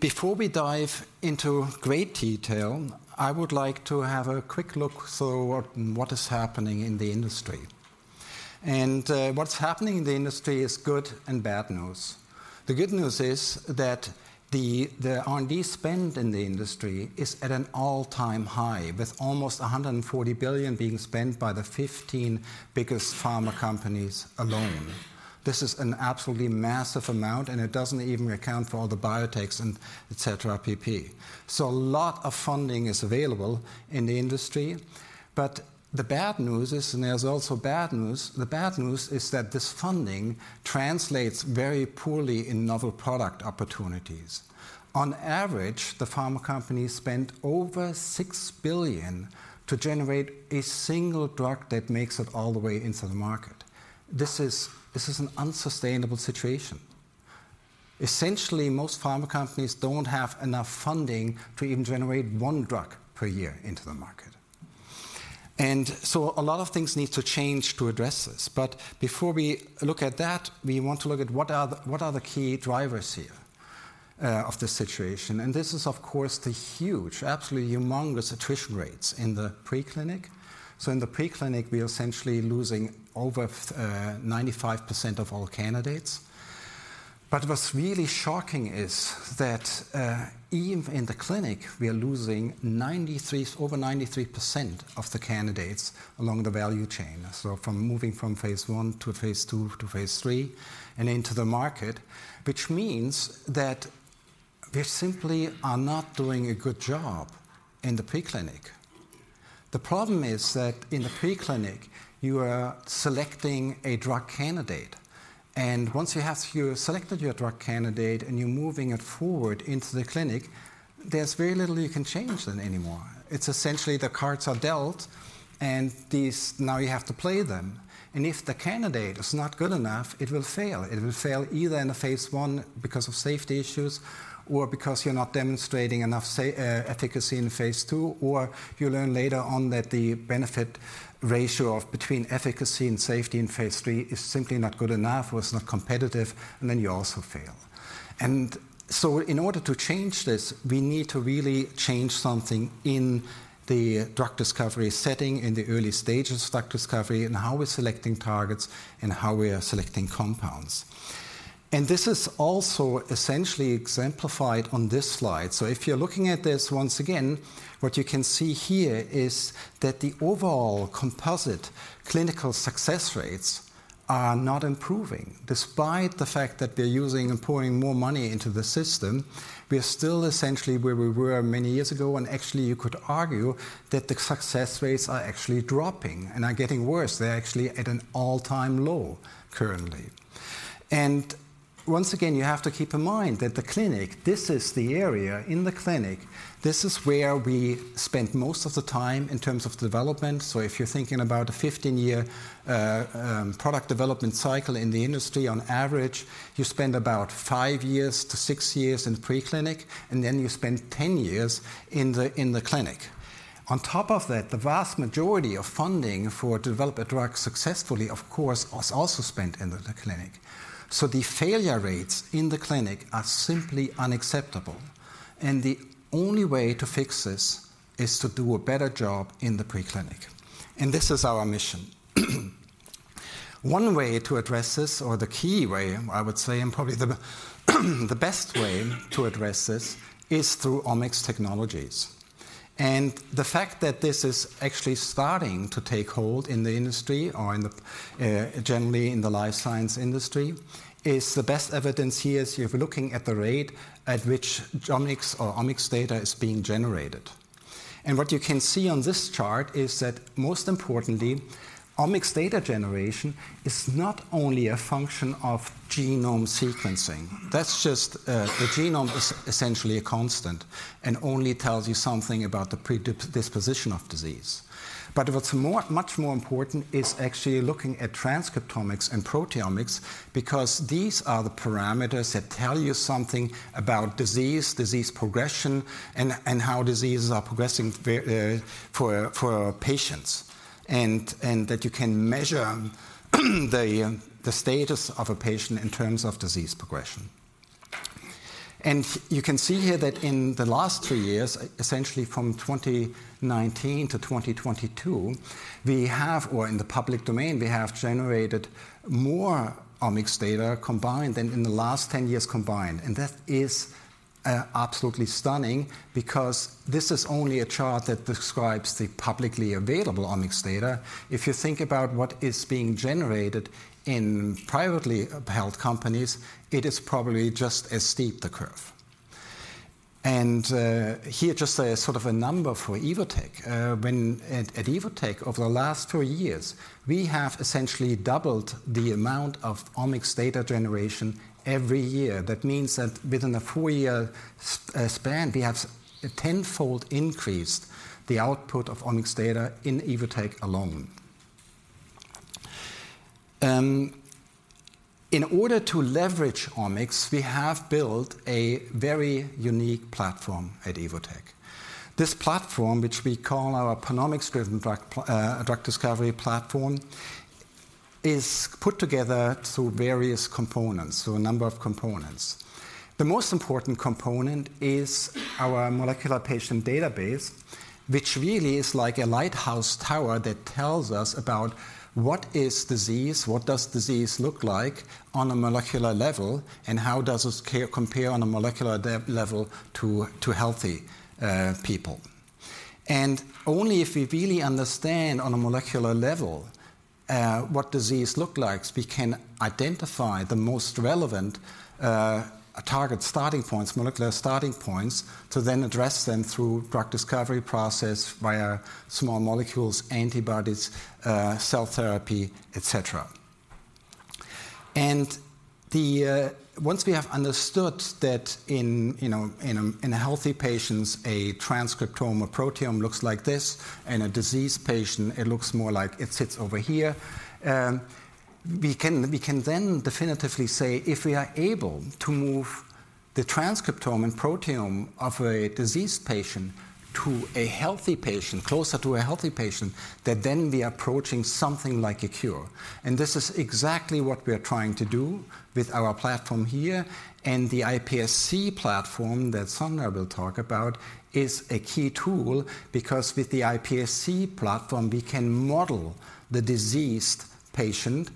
Before we dive into great detail, I would like to have a quick look so at what is happening in the industry. What's happening in the industry is good and bad news. The good news is that the R&D spend in the industry is at an all-time high, with almost 140 billion being spent by the 15 biggest pharma companies alone. This is an absolutely massive amount, and it doesn't even account for all the biotechs and et cetera, etc. So a lot of funding is available in the industry, but the bad news is, and there's also bad news, the bad news is that this funding translates very poorly in novel product opportunities. On average, the pharma companies spend over 6 billion to generate a single drug that makes it all the way into the market. This is, this is an unsustainable situation... essentially, most pharma companies don't have enough funding to even generate one drug per year into the market. And so a lot of things need to change to address this. But before we look at that, we want to look at what are the, what are the key drivers here, of this situation? And this is, of course, the huge, absolutely humongous attrition rates in the preclinical. So in the preclinical, we are essentially losing over 95% of all candidates. But what's really shocking is that, even in the clinic, we are losing over 93% of the candidates along the value chain. So from moving from phase I to phase II, to phase III, and into the market, which means that we simply are not doing a good job in the preclinical. The problem is that in the preclinical, you are selecting a drug candidate, and once you have selected your drug candidate and you're moving it forward into the clinic, there's very little you can change then anymore. It's essentially the cards are dealt and these now you have to play them. And if the candidate is not good enough, it will fail. It will fail either in phase I because of safety issues, or because you're not demonstrating enough efficacy in phase II, or you learn later on that the benefit ratio of between efficacy and safety in phase III is simply not good enough, or it's not competitive, and then you also fail. And so in order to change this, we need to really change something in the drug discovery setting, in the early stages of drug discovery, and how we're selecting targets and how we are selecting compounds. And this is also essentially exemplified on this slide. So if you're looking at this, once again, what you can see here is that the overall composite clinical success rates are not improving. Despite the fact that we're using and pouring more money into the system, we are still essentially where we were many years ago, and actually, you could argue that the success rates are actually dropping and are getting worse. They're actually at an all-time low currently. Once again, you have to keep in mind that the clinic, this is the area in the clinic, this is where we spend most of the time in terms of development. So if you're thinking about a 15-year product development cycle in the industry, on average, you spend about five-six years in preclinic, and then you spend 10 years in the, in the clinic. On top of that, the vast majority of funding for develop a drug successfully, of course, is also spent in the clinic. So the failure rates in the clinic are simply unacceptable, and the only way to fix this is to do a better job in the preclinical. This is our mission. One way to address this, or the key way, I would say, and probably the best way to address this, is through omics technologies. The fact that this is actually starting to take hold in the industry or generally in the life science industry is the best evidence here: if you're looking at the rate at which genomics or omics data is being generated. What you can see on this chart is that, most importantly, omics data generation is not only a function of genome sequencing. That's just. The genome is essentially a constant and only tells you something about the predisposition of disease. But what's more, much more important is actually looking at transcriptomics and proteomics because these are the parameters that tell you something about disease, disease progression, and how diseases are progressing for patients, and that you can measure the, the status of a patient in terms of disease progression. And you can see here that in the last two years, essentially from 2019 to 2022, we have, or in the public domain, we have generated more omics data combined than in the last 10 years combined. And that is absolutely stunning because this is only a chart that describes the publicly available omics data. If you think about what is being generated in privately held companies, it is probably just as steep the curve. And here, just a sort of a number for Evotec. When at Evotec, over the last two years, we have essentially doubled the amount of omics data generation every year. That means that within a four-year span, we have tenfold increased the output of omics data in Evotec alone. In order to leverage omics, we have built a very unique platform at Evotec. This platform, which we call our PanOmics-driven drug discovery platform, is put together through various components, so a number of components. The most important component is our molecular patient database, which really is like a lighthouse tower that tells us about what is disease, what does disease look like on a molecular level, and how does this compare on a molecular level to healthy people? Only if we really understand on a molecular level what disease look like, we can identify the most relevant target starting points, molecular starting points, to then address them through drug discovery process via small molecules, antibodies, cell therapy, et cetera. Once we have understood that, you know, in a healthy patients, a transcriptome or proteome looks like this, and a diseased patient, it looks more like it sits over here, we can then definitively say, if we are able to move the transcriptome and proteome of a diseased patient to a healthy patient, closer to a healthy patient, that then we are approaching something like a cure. And this is exactly what we are trying to do with our platform here, and the iPSC platform that Sandra will talk about, is a key tool, because with the iPSC platform, we can model the diseased patient,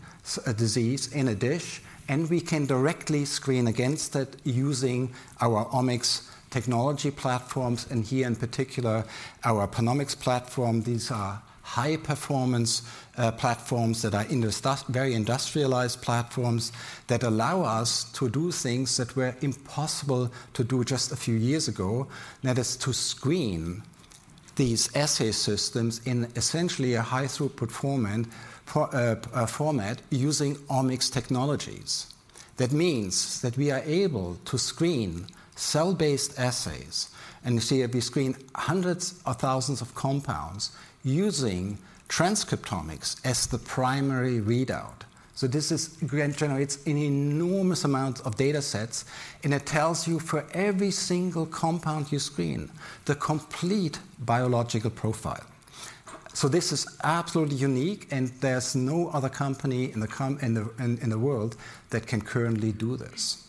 a disease in a dish, and we can directly screen against it using our omics technology platforms, and here in particular, our PanOmics platform. These are high performance platforms that are very industrialized platforms, that allow us to do things that were impossible to do just a few years ago. That is, to screen these assay systems in essentially a high throughput performant format using omics technologies. That means that we are able to screen cell-based assays, and you see that we screen hundreds of thousands of compounds using transcriptomics as the primary readout. So this is, in general, it's an enormous amount of datasets, and it tells you for every single compound you screen, the complete biological profile. So this is absolutely unique, and there's no other company in the world that can currently do this.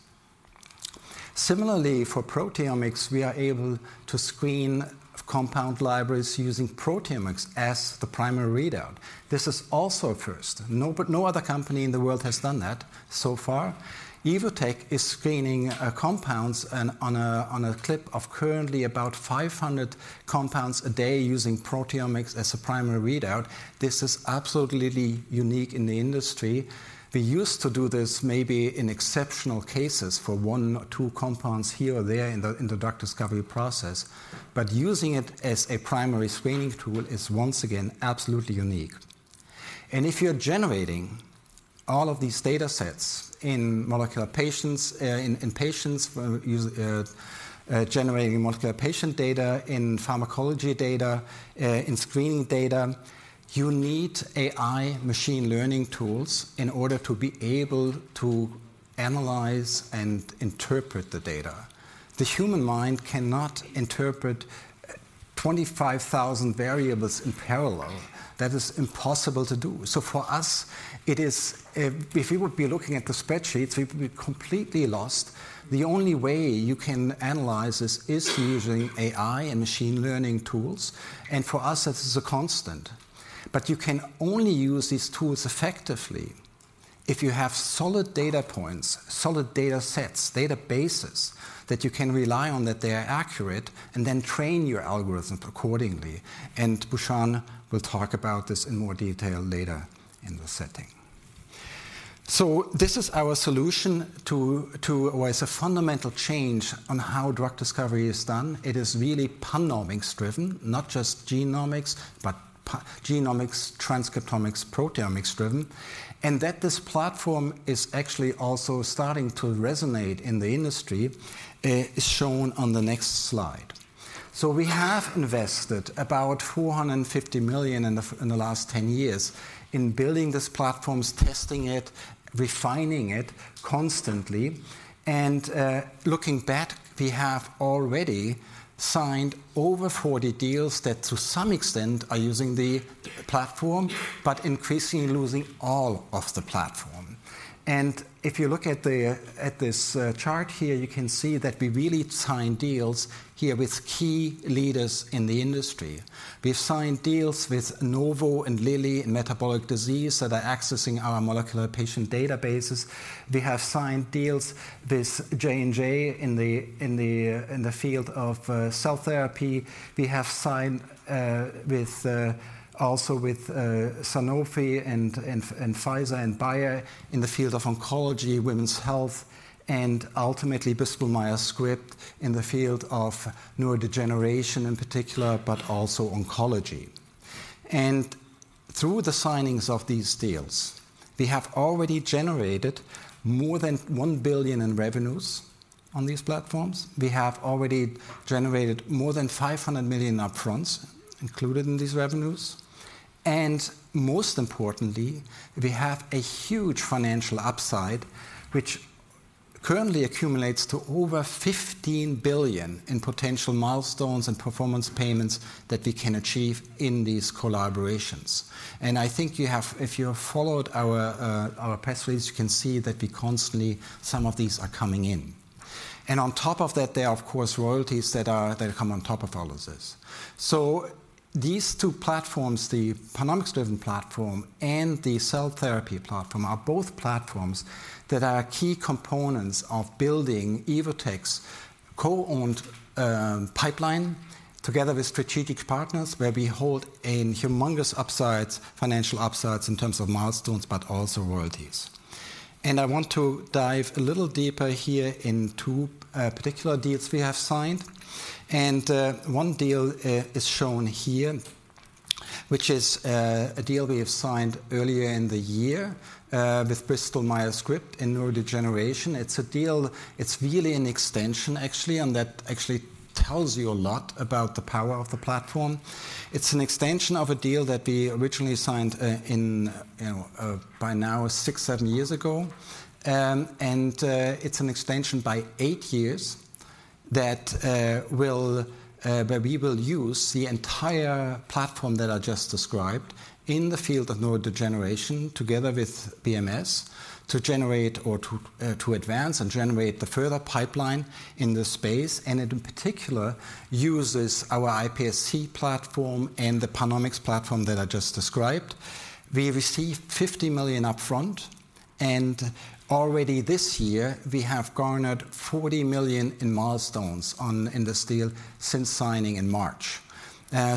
Similarly, for proteomics, we are able to screen compound libraries using proteomics as the primary readout. This is also a first. No other company in the world has done that so far. Evotec is screening compounds at a clip of currently about 500 compounds a day using proteomics as a primary readout. This is absolutely unique in the industry. We used to do this maybe in exceptional cases for one or two compounds here or there in the drug discovery process, but using it as a primary screening tool is, once again, absolutely unique. And if you're generating all of these datasets in molecular patient data, in pharmacology data, in screening data, you need AI machine learning tools in order to be able to analyze and interpret the data. The human mind cannot interpret 25,000 variables in parallel. That is impossible to do. So for us, it is if we would be looking at the spreadsheets, we would be completely lost. The only way you can analyze this is using AI and machine learning tools, and for us, this is a constant. But you can only use these tools effectively if you have solid data points, solid datasets, databases, that you can rely on, that they are accurate, and then train your algorithms accordingly. And Bhushan will talk about this in more detail later in the setting. So this is our solution to. Well, it's a fundamental change on how drug discovery is done. It is really PanOmics driven, not just genomics, but pan-genomics, transcriptomics, proteomics driven. And that this platform is actually also starting to resonate in the industry is shown on the next slide. So we have invested about 450 million in the last 10 years in building these platforms, testing it, refining it constantly. And looking back, we have already signed over 40 deals that, to some extent, are using the platform, but increasingly using all of the platform. If you look at this chart here, you can see that we really signed deals here with key leaders in the industry. We've signed deals with Novo and Lilly in metabolic disease that are accessing our molecular patient databases. We have signed deals with J&J in the field of cell therapy. We have signed also with Sanofi and Pfizer and Bayer in the field of oncology, women's health, and ultimately, Bristol Myers Squibb, in the field of neurodegeneration in particular, but also oncology. Through the signings of these deals, we have already generated more than 1 billion in revenues on these platforms. We have already generated more than 500 million upfronts included in these revenues. Most importantly, we have a huge financial upside, which currently accumulates to over 15 billion in potential milestones and performance payments that we can achieve in these collaborations. I think if you have followed our press release, you can see that we constantly, some of these are coming in. On top of that, there are, of course, royalties that come on top of all of this. So these two platforms, the PanOmics-driven platform and the cell therapy platform, are both platforms that are key components of building Evotec's co-owned pipeline, together with strategic partners, where we hold a humongous upsides, financial upsides in terms of milestones, but also royalties. I want to dive a little deeper into two particular deals we have signed. One deal is shown here, which is a deal we have signed earlier in the year with Bristol Myers Squibb in neurodegeneration. It's really an extension, actually, that tells you a lot about the power of the platform. It's an extension of a deal that we originally signed in, you know, by now six, seven years ago. It's an extension by eight years where we will use the entire platform that I just described in the field of neurodegeneration together with BMS, to generate or to advance and generate the further pipeline in this space, and it in particular uses our iPSC platform and the PanOmics platform that I just described. We received 50 million upfront, and already this year, we have garnered 40 million in milestones in this deal since signing in March.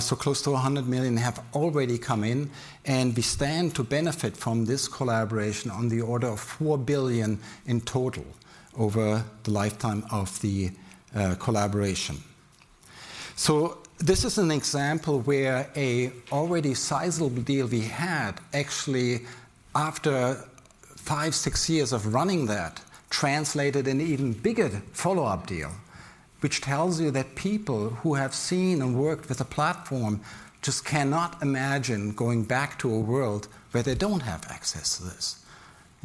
So close to 100 million have already come in, and we stand to benefit from this collaboration on the order of 4 billion in total over the lifetime of the collaboration. So this is an example where a already sizable deal we had, actually, after five, six years of running that, translated an even bigger follow-up deal, which tells you that people who have seen and worked with the platform just cannot imagine going back to a world where they don't have access to this.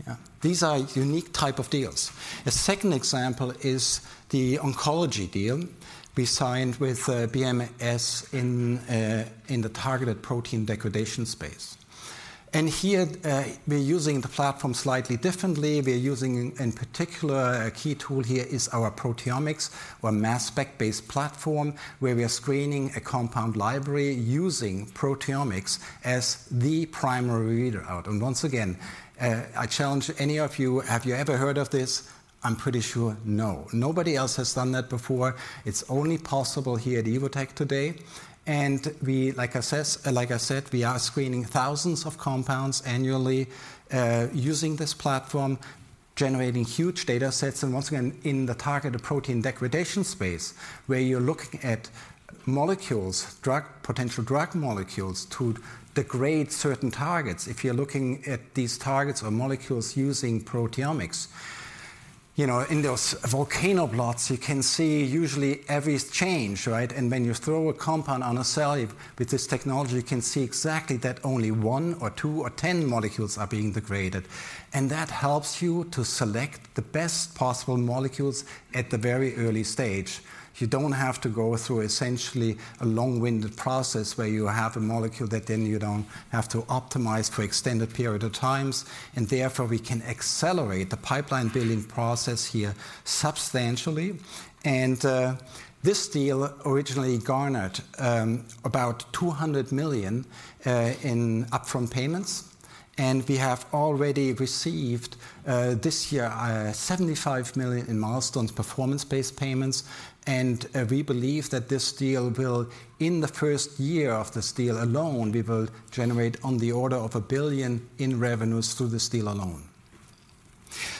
Yeah. These are unique type of deals. A second example is the oncology deal we signed with BMS in the targeted protein degradation space. And here, we're using the platform slightly differently. We're using, in particular, a key tool here is our proteomics or mass spec-based platform, where we are screening a compound library using proteomics as the primary readout. And once again, I challenge any of you, have you ever heard of this? I'm pretty sure, no. Nobody else has done that before. It's only possible here at Evotec today, and we, like I said, we are screening thousands of compounds annually, using this platform, generating huge datasets, and once again, in the targeted protein degradation space, where you're looking at molecules, potential drug molecules to degrade certain targets. If you're looking at these targets or molecules using proteomics, you know, in those volcano plots, you can see usually every change, right? And when you throw a compound on a cell, with this technology, you can see exactly that only one or two or 10 molecules are being degraded, and that helps you to select the best possible molecules at the very early stage. You don't have to go through essentially a long-winded process where you have a molecule that then you don't have to optimize for extended period of times, and therefore, we can accelerate the pipeline building process here substantially. And, this deal originally garnered, about 200 million in upfront payments, and we have already received, this year, 75 million in milestones, performance-based payments. And, we believe that this deal will, in the first year of this deal alone, we will generate on the order of 1 billion in revenues through this deal alone.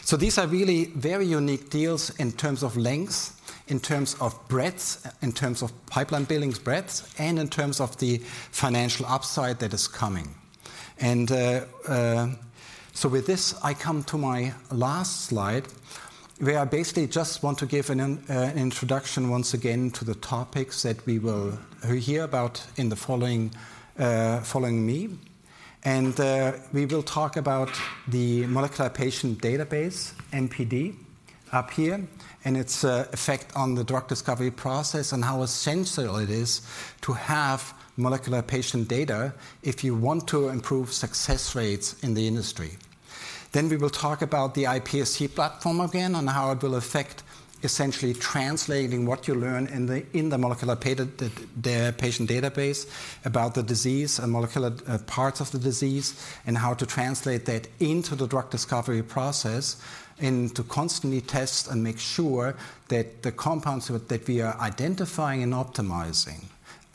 So these are really very unique deals in terms of length, in terms of breadth, in terms of pipeline building breadth, and in terms of the financial upside that is coming. And so with this, I come to my last slide, where I basically just want to give an introduction once again to the topics that we will hear about in the following, following me. And we will talk about the Molecular Patient Database, MPD, up here, and its effect on the drug discovery process and how essential it is to have molecular patient data if you want to improve success rates in the industry. Then, we will talk about the iPSC platform again and how it will affect essentially translating what you learn in the molecular patient database about the disease and molecular parts of the disease, and how to translate that into the drug discovery process, and to constantly test and make sure that the compounds that we are identifying and optimizing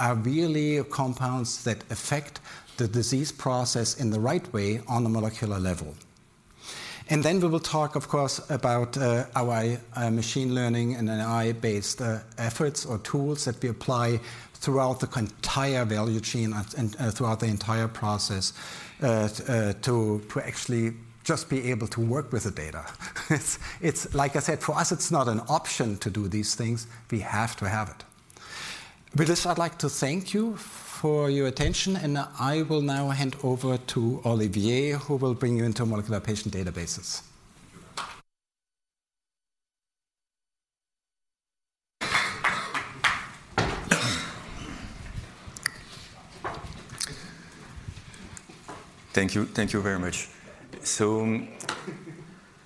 are really compounds that affect the disease process in the right way on a molecular level. And then we will talk, of course, about our machine learning and AI-based efforts or tools that we apply throughout the entire value chain and throughout the entire process to actually just be able to work with the data. It's like I said, for us, it's not an option to do these things; we have to have it. With this, I'd like to thank you for your attention, and I will now hand over to Olivier, who will bring you into molecular patient databases. Thank you. Thank you very much. So,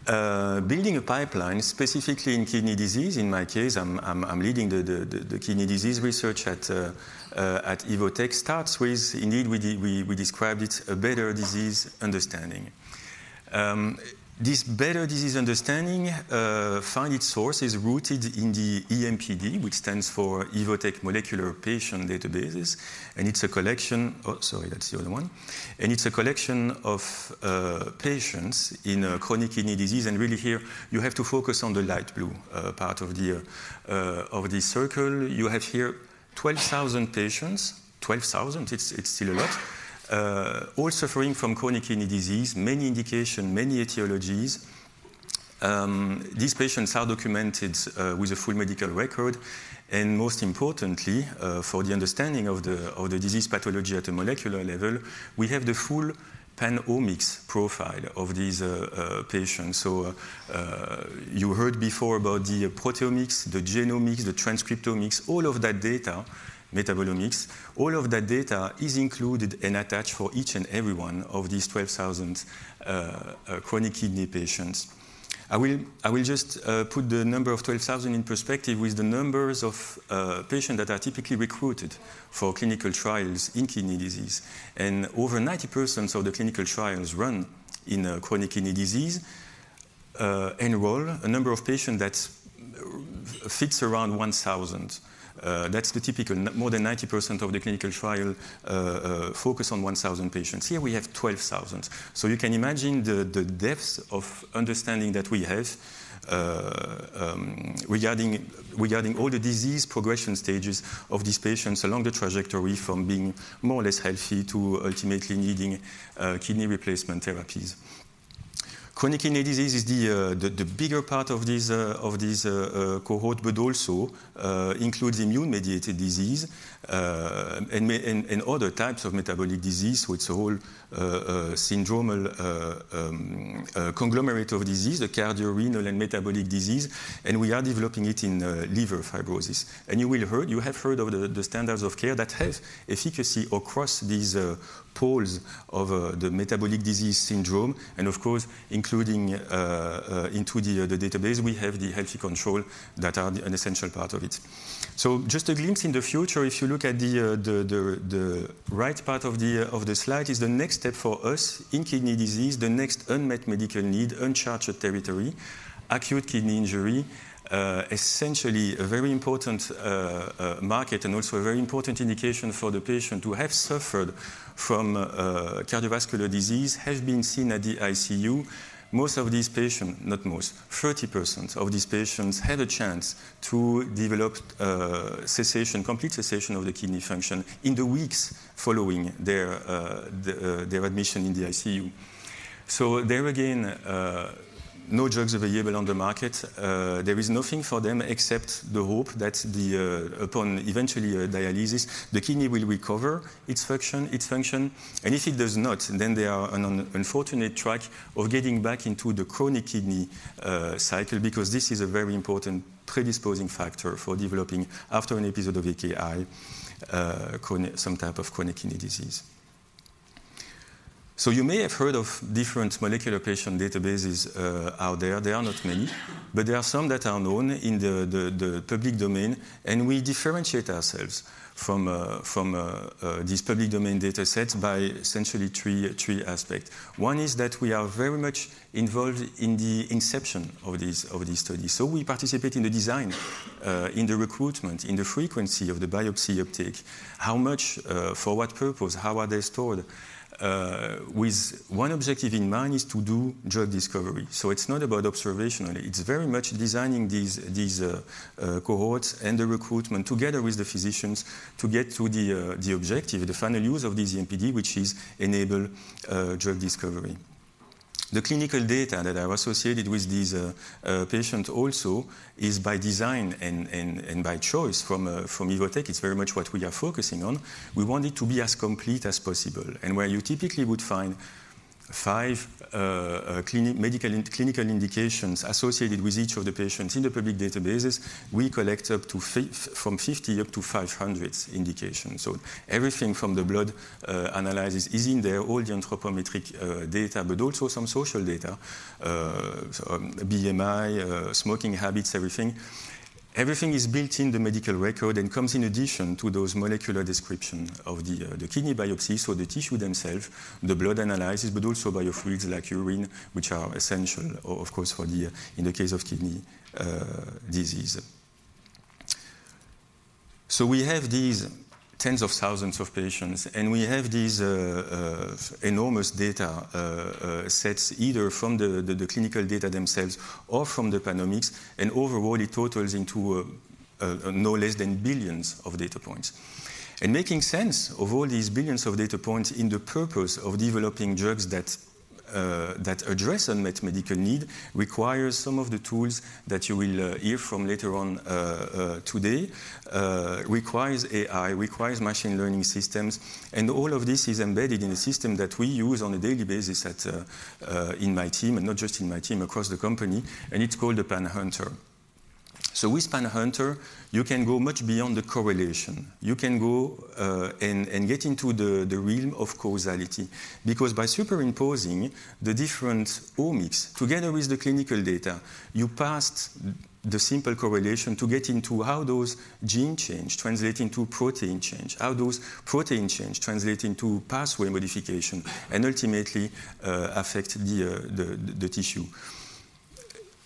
building a pipeline, specifically in kidney disease, in my case, I'm leading the kidney disease research at Evotec, starts with indeed, we described it, a better disease understanding. This better disease understanding finds its source is rooted in the EMPD, which stands for Evotec Molecular Patient Databases, and it's a collection. Oh, sorry, that's the other one. And it's a collection of patients in a chronic kidney disease. And really here, you have to focus on the light blue part of the circle. You have here 12,000 patients. 12,000, it's still a lot, all suffering from chronic kidney disease, many indication, many etiologies. These patients are documented with a full medical record, and most importantly, for the understanding of the disease pathology at a molecular level, we have the full PanOmics profile of these patients. So, you heard before about the proteomics, the genomics, the transcriptomics, all of that data, metabolomics, all of that data is included and attached for each and every one of these 12,000 chronic kidney patients. I will just put the number of 12,000 in perspective with the numbers of patients that are typically recruited for clinical trials in kidney disease. And over 90% of the clinical trials run in chronic kidney disease enroll a number of patients that fits around 1,000. That's the typical. More than 90% of the clinical trials focus on 1,000 patients. Here we have 12,000. So you can imagine the depth of understanding that we have regarding all the disease progression stages of these patients along the trajectory from being more or less healthy to ultimately needing kidney replacement therapies. Chronic kidney disease is the bigger part of this cohort, but also includes immune-mediated disease, and other types of metabolic disease. So it's a whole syndromal conglomerate of disease, the cardiorenal and metabolic disease, and we are developing it in liver fibrosis. You have heard of the standards of care that have efficacy across these poles of the metabolic disease syndrome, and of course, including into the database, we have the healthy control that are an essential part of it. Just a glimpse in the future, if you look at the right part of the slide, is the next step for us in kidney disease, the next unmet medical need, uncharted territory, acute kidney injury. Essentially, a very important market and also a very important indication for the patient to have suffered from cardiovascular disease, have been seen at the ICU. Most of these patients, not most, 30% of these patients had a chance to develop cessation, complete cessation of the kidney function in the weeks following their admission in the ICU. So there again, no drugs available on the market. There is nothing for them except the hope that upon eventually dialysis, the kidney will recover its function, its function. And if it does not, then they are on an unfortunate track of getting back into the chronic kidney cycle, because this is a very important predisposing factor for developing, after an episode of AKI, chronic, some type of chronic kidney disease. So you may have heard of different molecular patient databases out there. There are not many, but there are some that are known in the public domain, and we differentiate ourselves from these public domain datasets by essentially three aspects. One is that we are very much involved in the inception of these studies. So we participate in the design, in the recruitment, in the frequency of the biopsy uptake, how much, for what purpose, how are they stored? With one objective in mind is to do drug discovery. So it's not about observationally, it's very much designing these cohorts and the recruitment together with the physicians to get to the objective, the final use of this MPD, which is enable drug discovery. The clinical data that are associated with these patients also is by design and by choice from Evotec. It's very much what we are focusing on. We want it to be as complete as possible. Where you typically would find five medical and clinical indications associated with each of the patients in the public databases, we collect from 50 up to 500 indications. So everything from the blood analysis is in there, all the anthropometric data, but also some social data, so BMI, smoking habits, everything. Everything is built in the medical record and comes in addition to those molecular description of the kidney biopsy, so the tissue themselves, the blood analysis, but also biofluids like urine, which are essential, of course, for the in the case of kidney disease. So we have these tens of thousands of patients, and we have these enormous data sets, either from the clinical data themselves or from the PanOmics, and overall, it totals into no less than billions of data points. And making sense of all these billions of data points in the purpose of developing drugs that that address unmet medical need requires some of the tools that you will hear from later on today requires AI, requires machine learning systems, and all of this is embedded in a system that we use on a daily basis in my team, and not just in my team, across the company, and it's called the PanHunter. So with PanHunter, you can go much beyond the correlation. You can go and get into the realm of causality, because by superimposing the different omics together with the clinical data, you pass the simple correlation to get into how those gene change translate into protein change, how those protein change translate into pathway modification, and ultimately affect the tissue.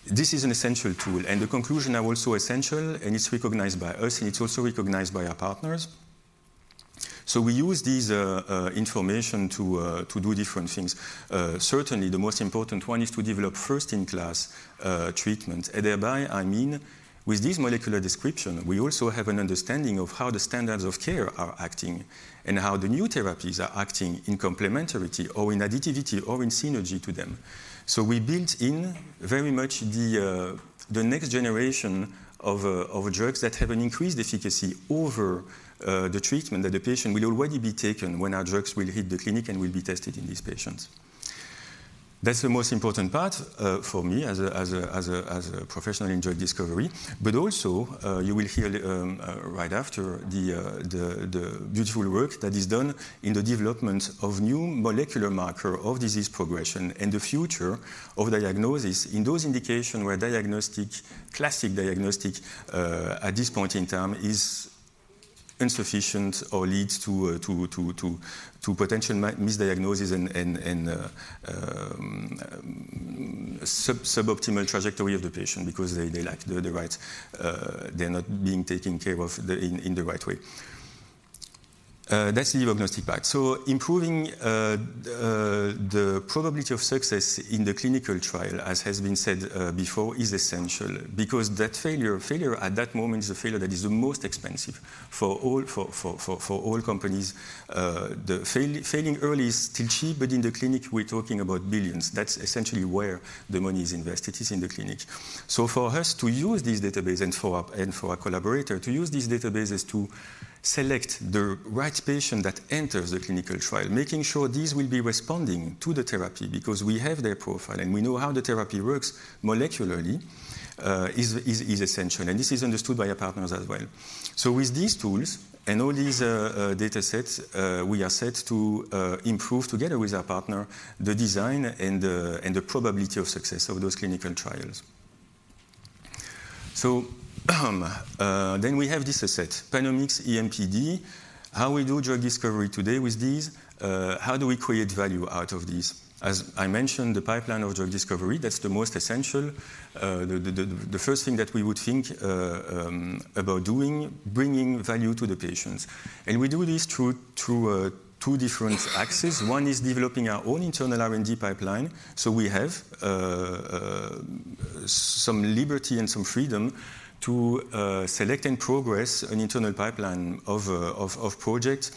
This is an essential tool, and the conclusion are also essential, and it's recognized by us, and it's also recognized by our partners. So we use these information to do different things. Certainly, the most important one is to develop first-in-class treatment. And thereby, I mean, with this molecular description, we also have an understanding of how the standards of care are acting and how the new therapies are acting in complementarity or in additivity or in synergy to them. So we built in very much the next generation of drugs that have an increased efficacy over the treatment that the patient will already be taking when our drugs will hit the clinic and will be tested in these patients. That's the most important part for me as a professional in drug discovery. But also, you will hear right after the beautiful work that is done in the development of new molecular marker of disease progression and the future of diagnosis in those indications where classic diagnostic at this point in time is insufficient or leads to potential misdiagnosis and suboptimal trajectory of the patient because they lack the right—they're not being taken care of in the right way. That's the EVOgnostics part. So improving the probability of success in the clinical trial, as has been said before, is essential because that failure at that moment is a failure that is the most expensive for all companies. The failing early is still cheap, but in the clinic, we're talking about billions. That's essentially where the money is invested, is in the clinic. So for us to use these database and for our collaborator to use these databases to select the right patient that enters the clinical trial, making sure these will be responding to the therapy because we have their profile, and we know how the therapy works molecularly, is essential, and this is understood by our partners as well. So with these tools and all these datasets, we are set to improve together with our partner, the design and the, and the probability of success of those clinical trials. Then we have this asset, PanOmics EMPD. How do we do drug discovery today with these? How do we create value out of these? As I mentioned, the pipeline of drug discovery, that's the most essential. The first thing that we would think about doing, bringing value to the patients. And we do this through two different axes. One is developing our own internal R&D pipeline, so we have some liberty and some freedom to select and progress an internal pipeline of projects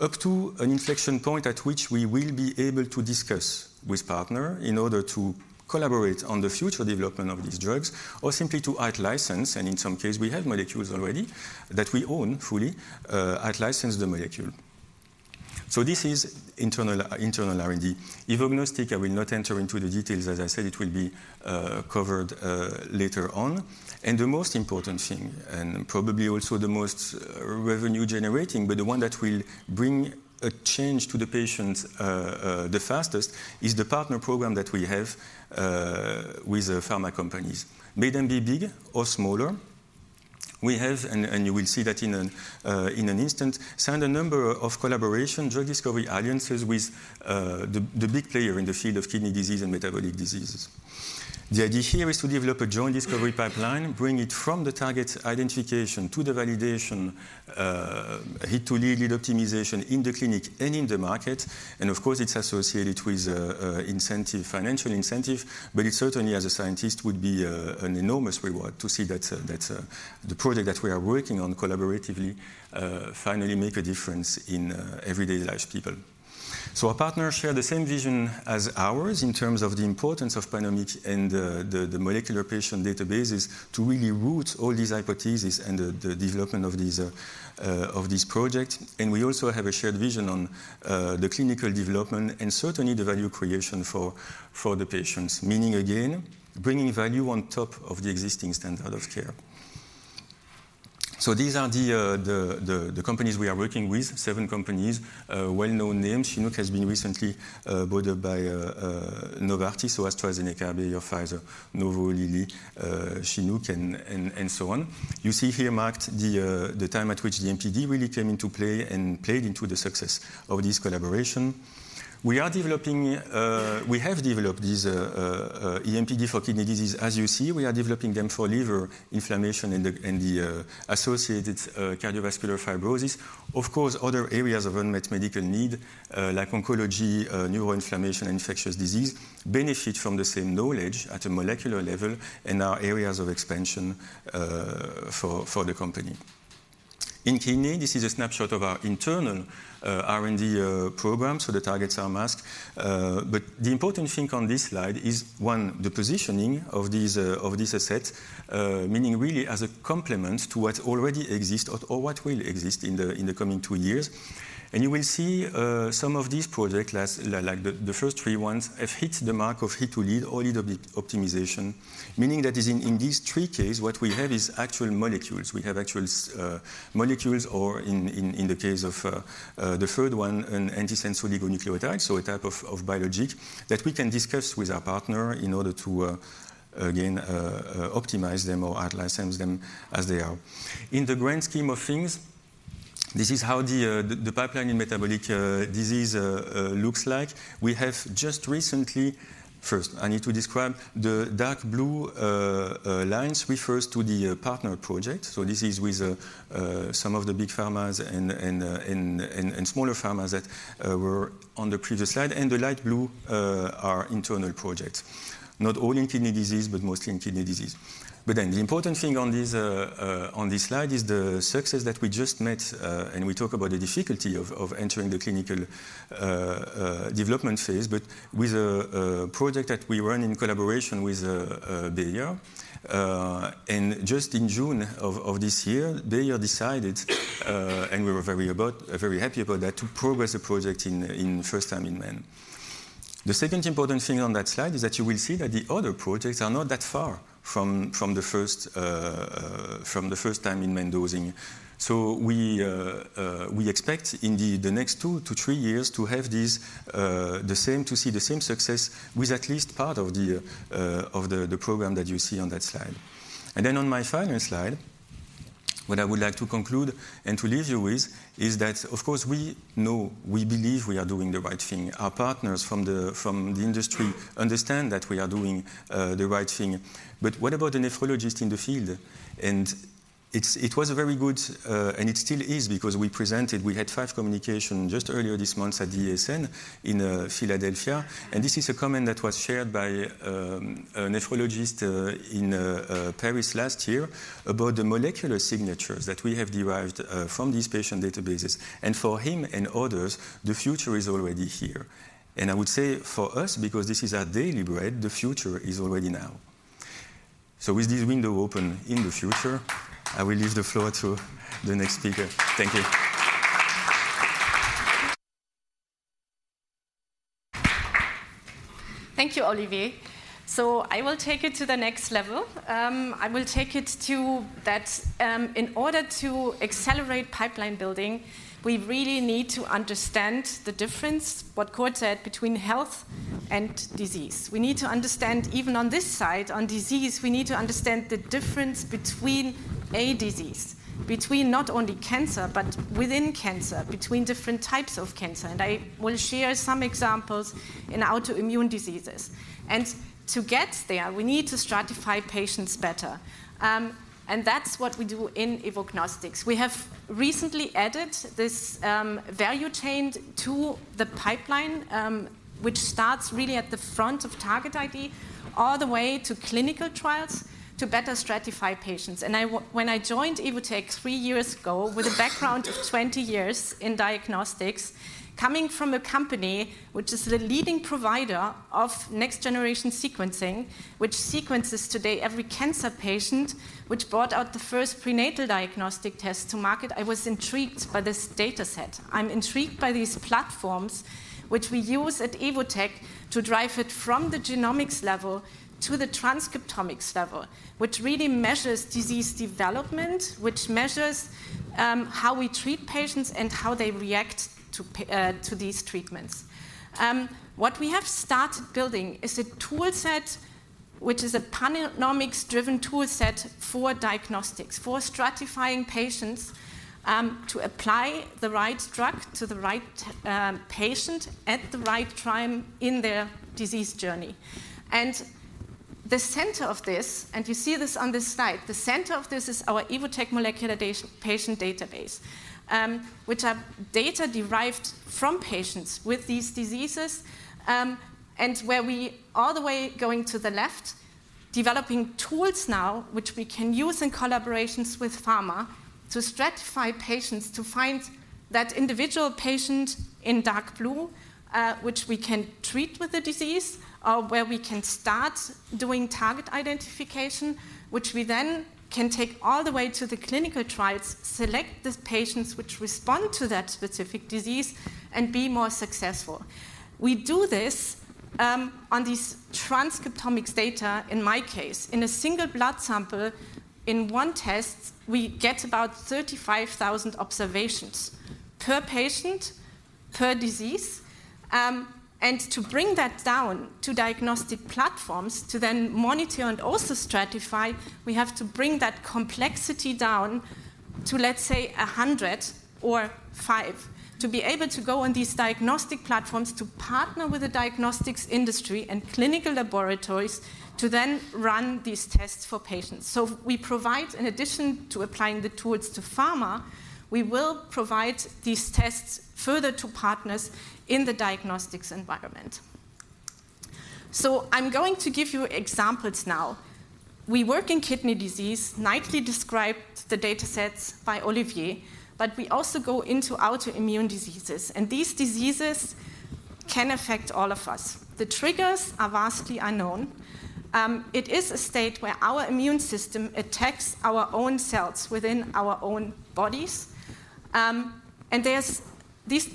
up to an inflection point at which we will be able to discuss with partner in order to collaborate on the future development of these drugs, or simply to out-license, and in some cases, we have molecules already that we own fully, out-license the molecule. So this is internal R&D. EVOgnostics, I will not enter into the details. As I said, it will be covered later on. And the most important thing, and probably also the most revenue-generating, but the one that will bring a change to the patients the fastest, is the partner program that we have with pharma companies. Whether they be big or smaller, we have, and you will see that in an instant, signed a number of collaboration drug discovery alliances with the big player in the field of kidney disease and metabolic diseases. The idea here is to develop a joint discovery pipeline, bring it from the target identification to the validation, hit to lead, lead optimization in the clinic and in the market. And of course, it's associated with incentive, financial incentive, but it certainly, as a scientist, would be an enormous reward to see that the project that we are working on collaboratively finally make a difference in everyday lives of people. So our partners share the same vision as ours in terms of the importance of Panomics and the molecular patient databases to really root all these hypotheses and the development of these of this project. And we also have a shared vision on the clinical development and certainly the value creation for the patients, meaning, again, bringing value on top of the existing standard of care. So these are the companies we are working with, seven companies, well-known names. Chinook has been recently bought out by Novartis, so AstraZeneca, Bayer, Pfizer, Novo, Lilly, Chinook, and so on. You see here marked the time at which the EMPD really came into play and played into the success of this collaboration. We are developing, we have developed these EMPD for kidney disease. As you see, we are developing them for liver inflammation and the associated cardiovascular fibrosis. Of course, other areas of unmet medical need, like oncology, neuroinflammation, infectious disease, benefit from the same knowledge at a molecular level and are areas of expansion, for the company. In kidney, this is a snapshot of our internal R&D program, so the targets are masked. But the important thing on this slide is, one, the positioning of these, of this asset, meaning really as a complement to what already exists or what will exist in the coming two years. You will see some of these projects, like the first three ones, have hit the mark of hit-to-lead or lead optimization. Meaning that is in these three cases, what we have is actual molecules. We have actual molecules, or in the case of the third one, an antisense oligonucleotide, so a type of biologic, that we can discuss with our partner in order to again optimize them or out-license them as they are. In the grand scheme of things. This is how the pipeline in metabolic disease looks like. We have just recently first, I need to describe the dark blue lines refers to the partner project. So this is with some of the big pharmas and smaller pharmas that were on the previous slide. And the light blue are internal projects. Not all in kidney disease, but mostly in kidney disease. But then the important thing on this slide is the success that we just met, and we talk about the difficulty of entering the clinical development phase, but with a project that we run in collaboration with Bayer. And just in June of this year, Bayer decided, and we were very happy about that, to progress the project in first time in men. The second important thing on that slide is that you will see that the other projects are not that far from the first time in men dosing. So we expect in the next two to three years to have this, the same, to see the same success with at least part of the program that you see on that slide. And then on my final slide, what I would like to conclude and to leave you with is that, of course, we know, we believe we are doing the right thing. Our partners from the industry understand that we are doing the right thing. But what about the nephrologist in the field? And it was a very good. And it still is because we presented; we had five communications just earlier this month at ASN in Philadelphia. And this is a comment that was shared by a nephrologist in Paris last year about the molecular signatures that we have derived from these patient databases. And for him and others, the future is already here. And I would say for us, because this is our daily bread, the future is already now. So with this window open in the future, I will leave the floor to the next speaker. Thank you. Thank you, Olivier. So I will take it to the next level. I will take it to that, in order to accelerate pipeline building, we really need to understand the difference, what Cord said, between health and disease. We need to understand, even on this side, on disease, we need to understand the difference between a disease, between not only cancer, but within cancer, between different types of cancer. And I will share some examples in autoimmune diseases. And to get there, we need to stratify patients better. And that's what we do in EVOgnostics. We have recently added this, value chain to the pipeline, which starts really at the front of target ID, all the way to clinical trials to better stratify patients. When I joined Evotec 3 years ago, with a background of 20 years in diagnostics, coming from a company which is the leading provider of next-generation sequencing, which sequences today every cancer patient, which brought out the first prenatal diagnostic test to market, I was intrigued by this data set. I'm intrigued by these platforms, which we use at Evotec to drive it from the genomics level to the transcriptomics level, which really measures disease development, which measures how we treat patients and how they react to these treatments. What we have started building is a tool set, which is a PanOmics-driven tool set for diagnostics, for stratifying patients, to apply the right drug to the right patient at the right time in their disease journey. And the center of this, and you see this on this slide, the center of this is our Evotec Molecular Patient Database, which are data derived from patients with these diseases, and where we, all the way going to the left, developing tools now, which we can use in collaborations with pharma to stratify patients, to find that individual patient in dark blue, which we can treat with the disease, or where we can start doing target identification, which we then can take all the way to the clinical trials, select the patients which respond to that specific disease, and be more successful. We do this, on these transcriptomics data, in my case. In a single blood sample, in one test, we get about 35,000 observations per patient, per disease. And to bring that down to diagnostic platforms, to then monitor and also stratify, we have to bring that complexity down to, let's say, 100 or five, to be able to go on these diagnostic platforms, to partner with the diagnostics industry and clinical laboratories, to then run these tests for patients. So we provide, in addition to applying the tools to pharma, we will provide these tests further to partners in the diagnostics environment. So I'm going to give you examples now. We work in kidney disease, nicely described the datasets by Olivier, but we also go into autoimmune diseases, and these diseases can affect all of us. The triggers are vastly unknown. It is a state where our immune system attacks our own cells within our own bodies. And there's these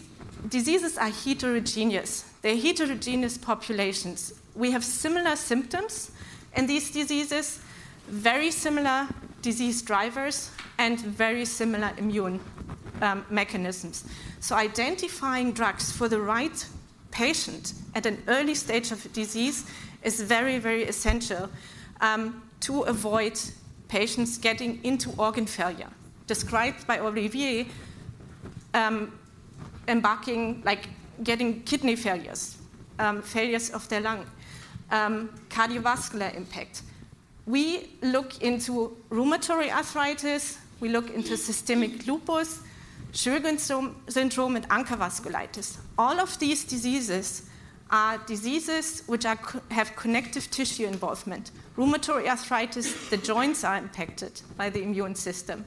diseases are heterogeneous. They're heterogeneous populations. We have similar symptoms in these diseases, very similar disease drivers, and very similar immune mechanisms. So identifying drugs for the right patient at an early stage of disease is very, very essential, to avoid patients getting into organ failure, described by Olivier, embarking like getting kidney failures, failures of their lung, cardiovascular impact. We look into rheumatoid arthritis, we look into systemic lupus, Sjögren's syndrome, and ANCA vasculitis. All of these diseases are diseases which have connective tissue involvement. Rheumatoid arthritis, the joints are impacted by the immune system,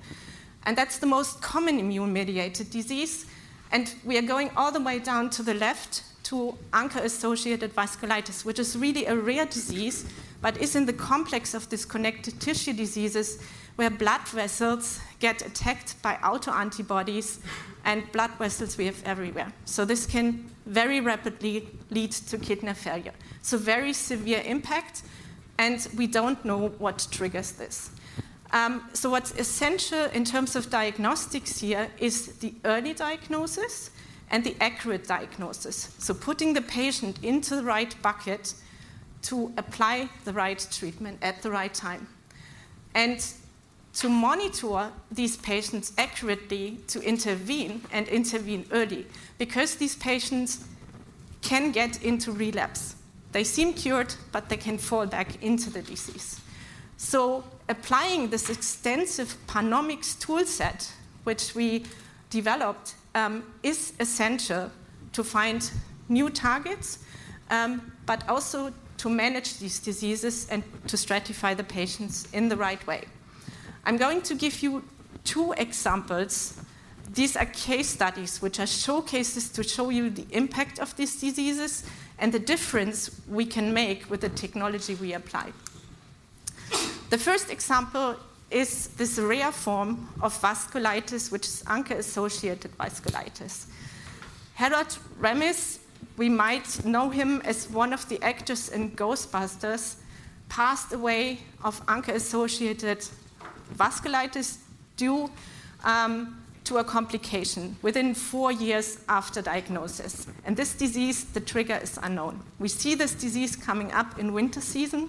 and that's the most common immune-mediated disease. And we are going all the way down to the left to ANCA-associated vasculitis, which is really a rare disease, but is in the complex of these connective tissue diseases, where blood vessels get attacked by autoantibodies, and blood vessels we have everywhere. So this can very rapidly lead to kidney failure. So very severe impact, and we don't know what triggers this. So what's essential in terms of diagnostics here is the early diagnosis and the accurate diagnosis. So putting the patient into the right bucket to apply the right treatment at the right time, and to monitor these patients accurately, to intervene, and intervene early, because these patients can get into relapse. They seem cured, but they can fall back into the disease. So applying this extensive PanOmics toolset, which we developed, is essential to find new targets, but also to manage these diseases and to stratify the patients in the right way. I'm going to give you two examples. These are case studies which are showcases to show you the impact of these diseases and the difference we can make with the technology we apply. The first example is this rare form of vasculitis, which is ANCA-associated vasculitis. Harold Ramis, we might know him as one of the actors in Ghostbusters, passed away of ANCA-associated vasculitis due to a complication within four years after diagnosis. This disease, the trigger is unknown. We see this disease coming up in winter season,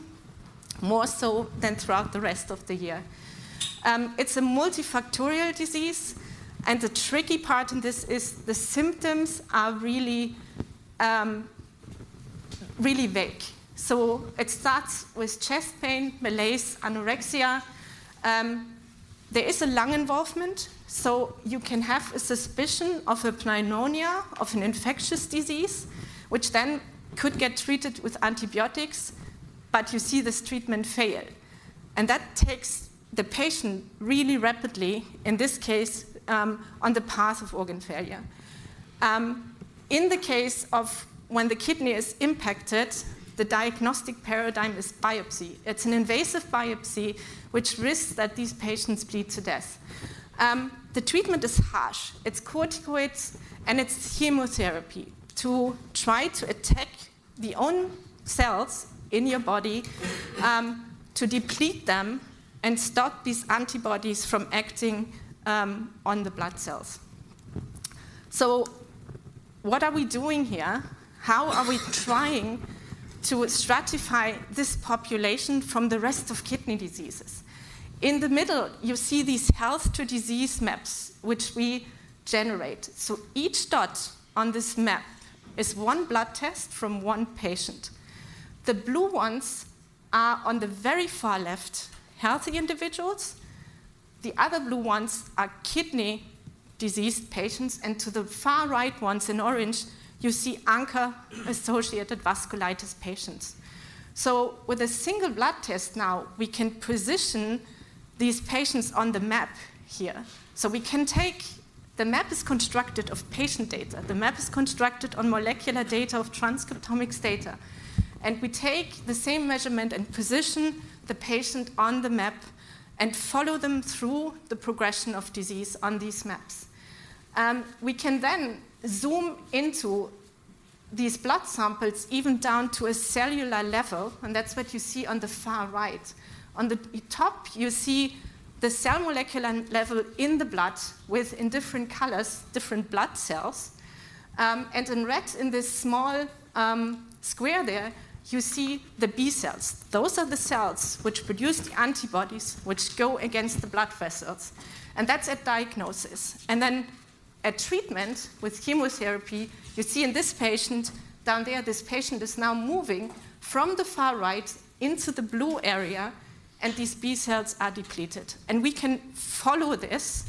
more so than throughout the rest of the year. It's a multifactorial disease, and the tricky part in this is the symptoms are really, really vague. It starts with chest pain, malaise, anorexia. There is a lung involvement, so you can have a suspicion of a pneumonia, of an infectious disease, which then could get treated with antibiotics, but you see this treatment fail. That takes the patient really rapidly, in this case, on the path of organ failure. In the case of when the kidney is impacted, the diagnostic paradigm is biopsy. It's an invasive biopsy which risks that these patients bleed to death. The treatment is harsh. It's corticosteroids, and it's chemotherapy to try to attack the own cells in your body, to deplete them and stop these antibodies from acting, on the blood cells. So what are we doing here? How are we trying to stratify this population from the rest of kidney diseases? In the middle, you see these health to disease maps, which we generate. So each dot on this map is one blood test from one patient. The blue ones are, on the very far left, healthy individuals. The other blue ones are kidney disease patients, and to the far right ones in orange, you see ANCA-associated vasculitis patients. So with a single blood test now, we can position these patients on the map here. The map is constructed of patient data. The map is constructed on molecular data of transcriptomics data, and we take the same measurement and position the patient on the map and follow them through the progression of disease on these maps. We can then zoom into these blood samples, even down to a cellular level, and that's what you see on the far right. On the top, you see the cell molecular level in the blood with, in different colors, different blood cells, and in red, in this small square there, you see the B cells. Those are the cells which produce the antibodies, which go against the blood vessels, and that's at diagnosis. And then at treatment with chemotherapy, you see in this patient down there, this patient is now moving from the far right into the blue area, and these B cells are depleted. And we can follow this,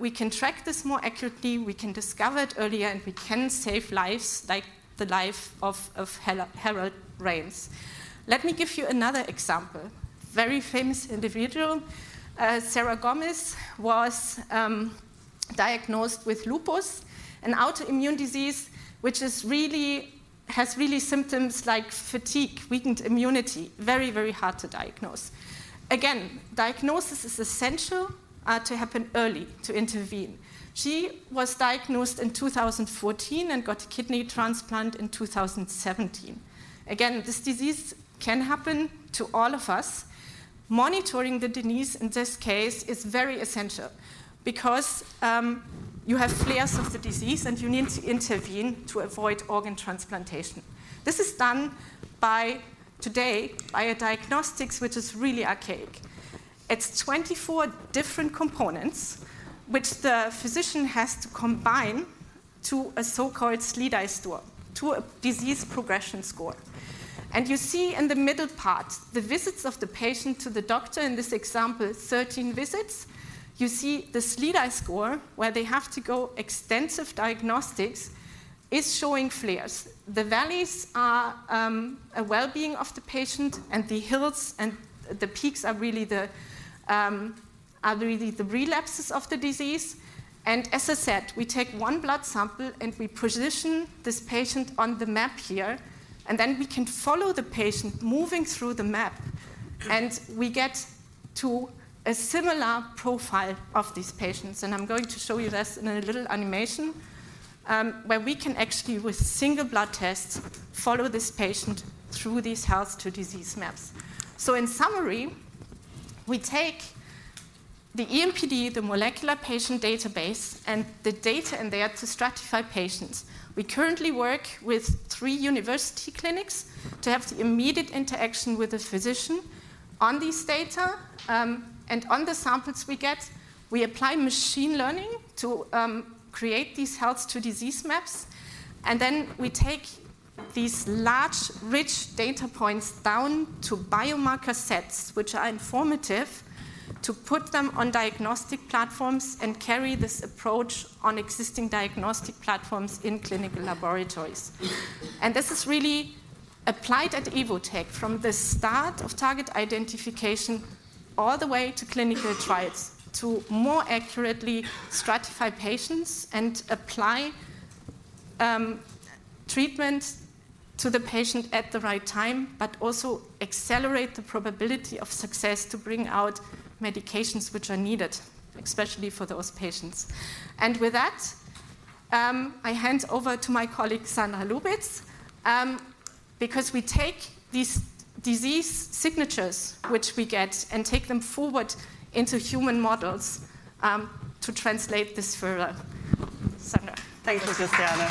we can track this more accurately, we can discover it earlier, and we can save lives, like the life of Harold Ramis. Let me give you another example. Very famous individual, Serena Williams, was diagnosed with lupus, an autoimmune disease, which really has symptoms like fatigue, weakened immunity. Very, very hard to diagnose. Again, diagnosis is essential to happen early, to intervene. She was diagnosed in 2014 and got a kidney transplant in 2017. Again, this disease can happen to all of us. Monitoring the disease in this case is very essential because. You have flares of the disease, and you need to intervene to avoid organ transplantation. This is done by, today, by a diagnostics which is really archaic. It's 24 different components, which the physician has to combine to a so-called SLEDAI score, to a disease progression score. And you see in the middle part, the visits of the patient to the doctor, in this example, 13 visits. You see the SLEDAI score, where they have to go extensive diagnostics, is showing flares. The valleys are a well-being of the patient, and the hills and the peaks are really the relapses of the disease. And as I said, we take one blood sample, and we position this patient on the map here, and then we can follow the patient moving through the map, and we get to a similar profile of these patients. I'm going to show you this in a little animation, where we can actually, with single blood tests, follow this patient through these health to disease maps. So in summary, we take the EMPD, the molecular patient database, and the data in there to stratify patients. We currently work with three university clinics to have the immediate interaction with the physician on these data. On the samples we get, we apply machine learning to create these health to disease maps, and then we take these large, rich data points down to biomarker sets, which are informative, to put them on diagnostic platforms and carry this approach on existing diagnostic platforms in clinical laboratories. This is really applied at Evotec from the start of target identification all the way to clinical trials, to more accurately stratify patients and apply treatment to the patient at the right time, but also accelerate the probability of success to bring out medications which are needed, especially for those patients. And with that, I hand over to my colleague, Sandra Lubitz, because we take these disease signatures, which we get, and take them forward into human models, to translate this further. Sandra. Thank you, Christiane.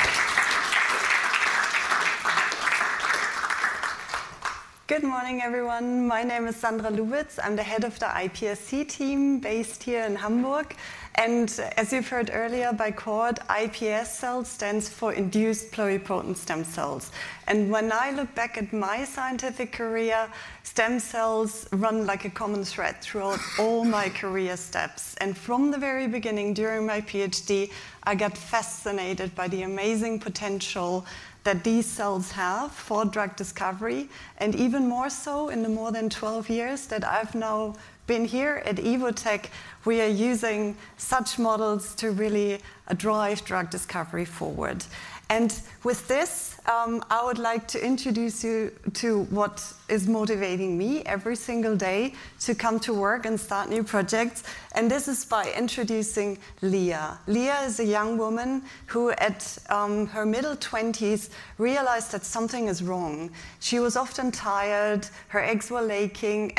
Good morning, everyone. My name is Sandra Lubitz. I'm the head of the iPSC team based here in Hamburg, and as you've heard earlier by Cord, iPS cell stands for induced pluripotent stem cells. And when I look back at my scientific career, stem cells run like a common thread throughout all my career steps. And from the very beginning, during my PhD, I got fascinated by the amazing potential that these cells have for drug discovery, and even more so in the more than 12 years that I've now been here at Evotec, we are using such models to really drive drug discovery forward. And with this, I would like to introduce you to what is motivating me every single day to come to work and start new projects, and this is by introducing Leah. Leah is a young woman who, at her middle twenties, realized that something is wrong. She was often tired, her legs were aching,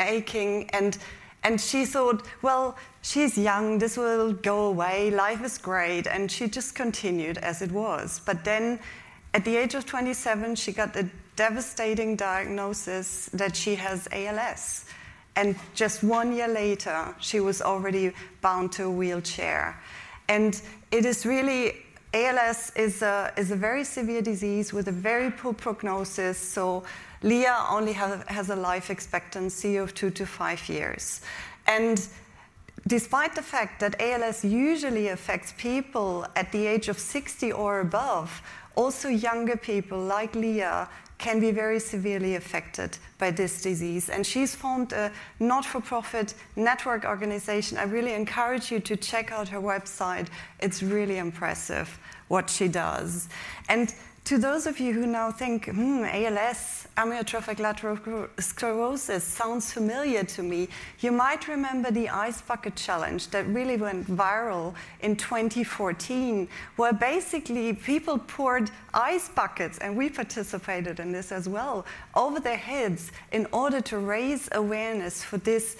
and she thought, well, she's young. This will go away. Life is great. And she just continued as it was. But then, at the age of 27, she got the devastating diagnosis that she has ALS, and just one year later, she was already bound to a wheelchair. And it is really ALS is a very severe disease with a very poor prognosis, so Leah only has a life expectancy of two-five years. And despite the fact that ALS usually affects people at the age of 60 or above, also, younger people like Leah can be very severely affected by this disease. And she's formed a not-for-profit network organization. I really encourage you to check out her website. It's really impressive what she does. To those of you who now think, "Hmm, ALS, amyotrophic lateral sclerosis sounds familiar to me," you might remember the Ice Bucket Challenge that really went viral in 2014, where basically people poured ice buckets, and we participated in this as well, over their heads in order to raise awareness for this,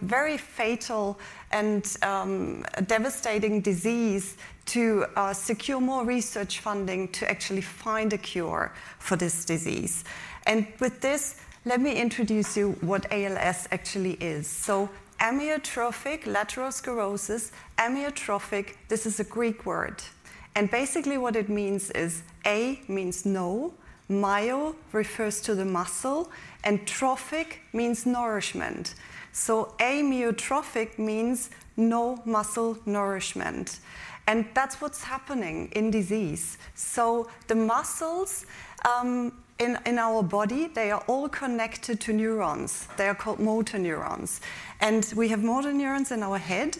very fatal and, devastating disease to, secure more research funding to actually find a cure for this disease. And with this, let me introduce you what ALS actually is. So amyotrophic lateral sclerosis. Amyotrophic, this is a Greek word, and basically what it means is, a means no, myo refers to the muscle, and trophic means nourishment. So amyotrophic means no muscle nourishment, and that's what's happening in disease. So the muscles, in our body, they are all connected to neurons. They are called motor neurons. We have motor neurons in our head.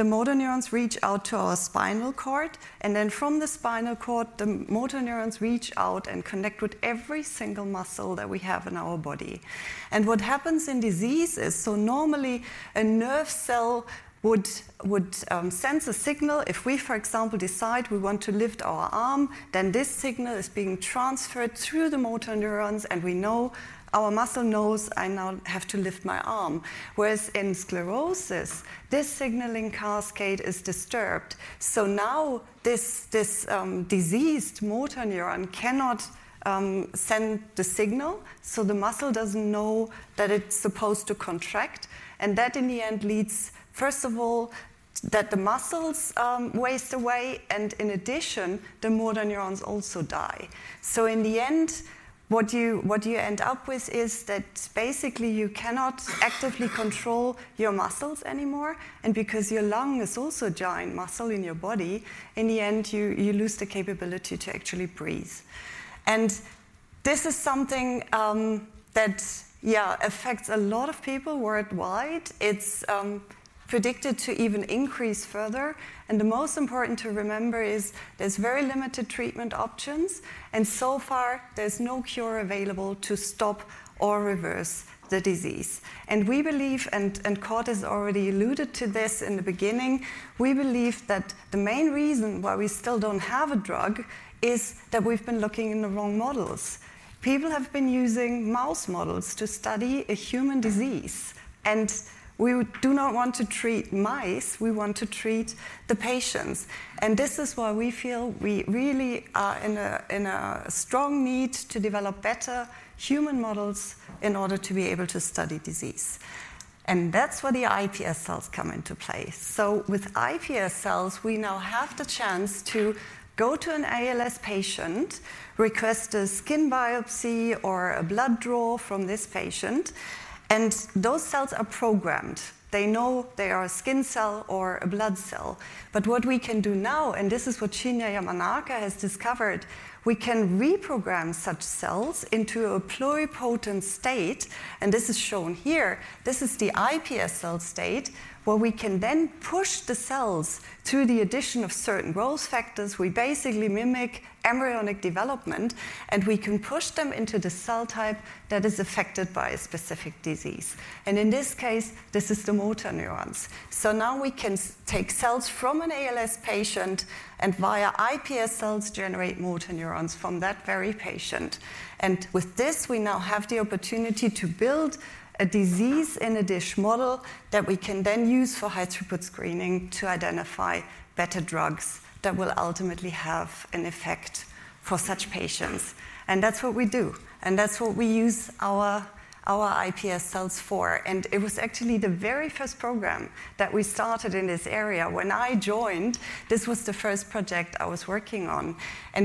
The motor neurons reach out to our spinal cord, and then from the spinal cord, the motor neurons reach out and connect with every single muscle that we have in our body. What happens in disease is, so normally a nerve cell would sense a signal. If we, for example, decide we want to lift our arm, then this signal is being transferred through the motor neurons, and we know—our muscle knows I now have to lift my arm. Whereas in sclerosis, this signaling cascade is disturbed. So now, this diseased motor neuron cannot send the signal, so the muscle doesn't know that it's supposed to contract, and that, in the end, leads, first of all, that the muscles waste away, and in addition, the motor neurons also die. So in the end, what you end up with is that basically you cannot actively control your muscles anymore, and because your lung is also a giant muscle in your body, in the end, you lose the capability to actually breathe. And this is something that, yeah, affects a lot of people worldwide. It's predicted to even increase further, and the most important to remember is there's very limited treatment options, and so far, there's no cure available to stop or reverse the disease. And we believe, and Cord has already alluded to this in the beginning, we believe that the main reason why we still don't have a drug is that we've been looking in the wrong models. People have been using mouse models to study a human disease, and we do not want to treat mice, we want to treat the patients. This is why we feel we really are in a strong need to develop better human models in order to be able to study disease. That's where the iPS cells come into play. With iPS cells, we now have the chance to go to an ALS patient, request a skin biopsy or a blood draw from this patient, and those cells are programmed. They know they are a skin cell or a blood cell. But what we can do now, and this is what Shinya Yamanaka has discovered, we can reprogram such cells into a pluripotent state, and this is shown here. This is the iPS cell state, where we can then push the cells through the addition of certain growth factors. We basically mimic embryonic development, and we can push them into the cell type that is affected by a specific disease. In this case, this is the motor neurons. Now we can take cells from an ALS patient, and via iPS cells, generate motor neurons from that very patient. With this, we now have the opportunity to build a disease in a dish model that we can then use for high-throughput screening to identify better drugs that will ultimately have an effect for such patients. That's what we do, and that's what we use our, our iPS cells for. It was actually the very first program that we started in this area. When I joined, this was the first project I was working on.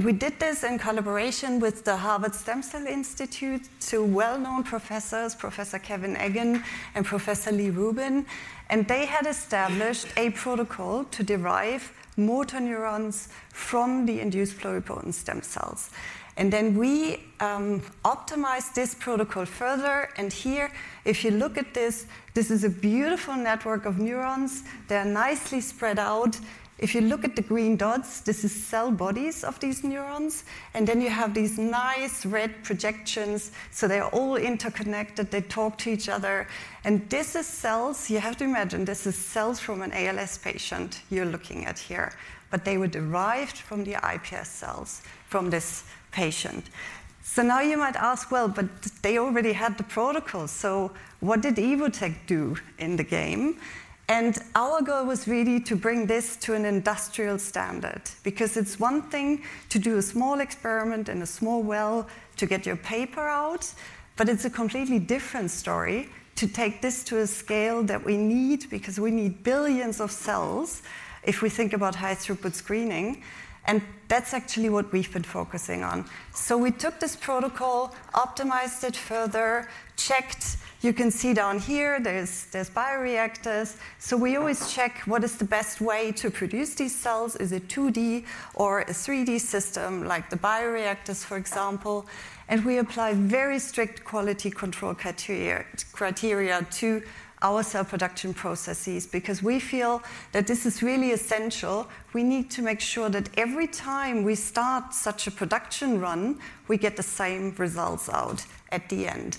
We did this in collaboration with the Harvard Stem Cell Institute, two well-known professors, Professor Kevin Eggan and Professor Lee Rubin, and they had established a protocol to derive motor neurons from the induced pluripotent stem cells. And then we optimized this protocol further, and here, if you look at this, this is a beautiful network of neurons. They're nicely spread out. If you look at the green dots, this is cell bodies of these neurons, and then you have these nice red projections, so they're all interconnected. They talk to each other, and this is cells... You have to imagine, this is cells from an ALS patient you're looking at here, but they were derived from the iPS cells from this patient. So now you might ask, "Well, but they already had the protocol, so what did Evotec do in the game?" And our goal was really to bring this to an industrial standard, because it's one thing to do a small experiment in a small well to get your paper out, but it's a completely different story to take this to a scale that we need, because we need billions of cells if we think about high-throughput screening, and that's actually what we've been focusing on. So we took this protocol, optimized it further, checked. You can see down here, there's bioreactors. So we always check what is the best way to produce these cells. Is it 2D or a 3D system, like the bioreactors, for example? And we apply very strict quality control criteria to our cell production processes because we feel that this is really essential. We need to make sure that every time we start such a production run, we get the same results out at the end.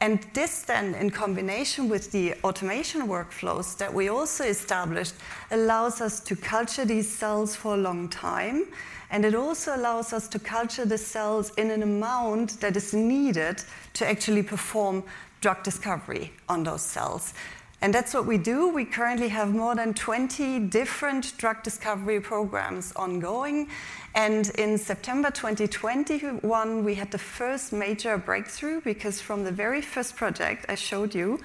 And this then, in combination with the automation workflows that we also established, allows us to culture these cells for a long time, and it also allows us to culture the cells in an amount that is needed to actually perform drug discovery on those cells. And that's what we do. We currently have more than 20 different drug discovery programs ongoing, and in September 2021, we had the first major breakthrough, because from the very first project I showed you,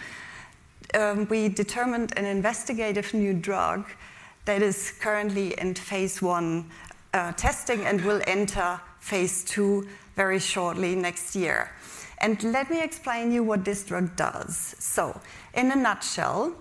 we determined and investigated a new drug that is currently in phase I testing and will enter phase II very shortly next year. And let me explain to you what this drug does. So in a nutshell,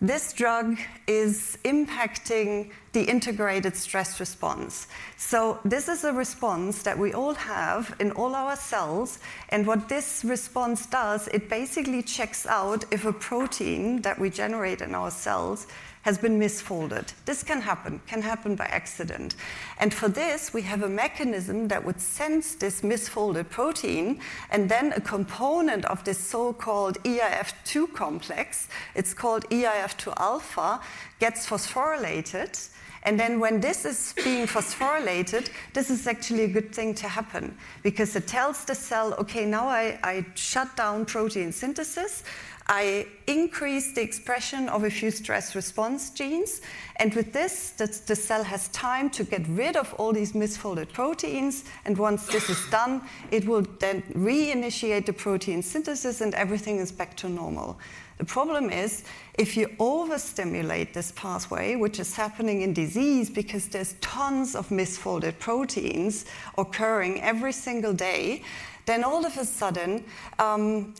this drug is impacting the integrated stress response. So this is a response that we all have in all our cells, and what this response does, it basically checks out if a protein that we generate in our cells has been misfolded. This can happen by accident, and for this, we have a mechanism that would sense this misfolded protein, and then a component of this so-called eIF2 complex, it's called eIF2α, gets phosphorylated. And then when this is being phosphorylated, this is actually a good thing to happen because it tells the cell: "Okay, now I, I shut down protein synthesis, I increase the expression of a few stress response genes." And with this, the cell has time to get rid of all these misfolded proteins, and once this is done, it will then reinitiate the protein synthesis, and everything is back to normal. The problem is, if you overstimulate this pathway, which is happening in disease because there's tons of misfolded proteins occurring every single day, then all of a sudden,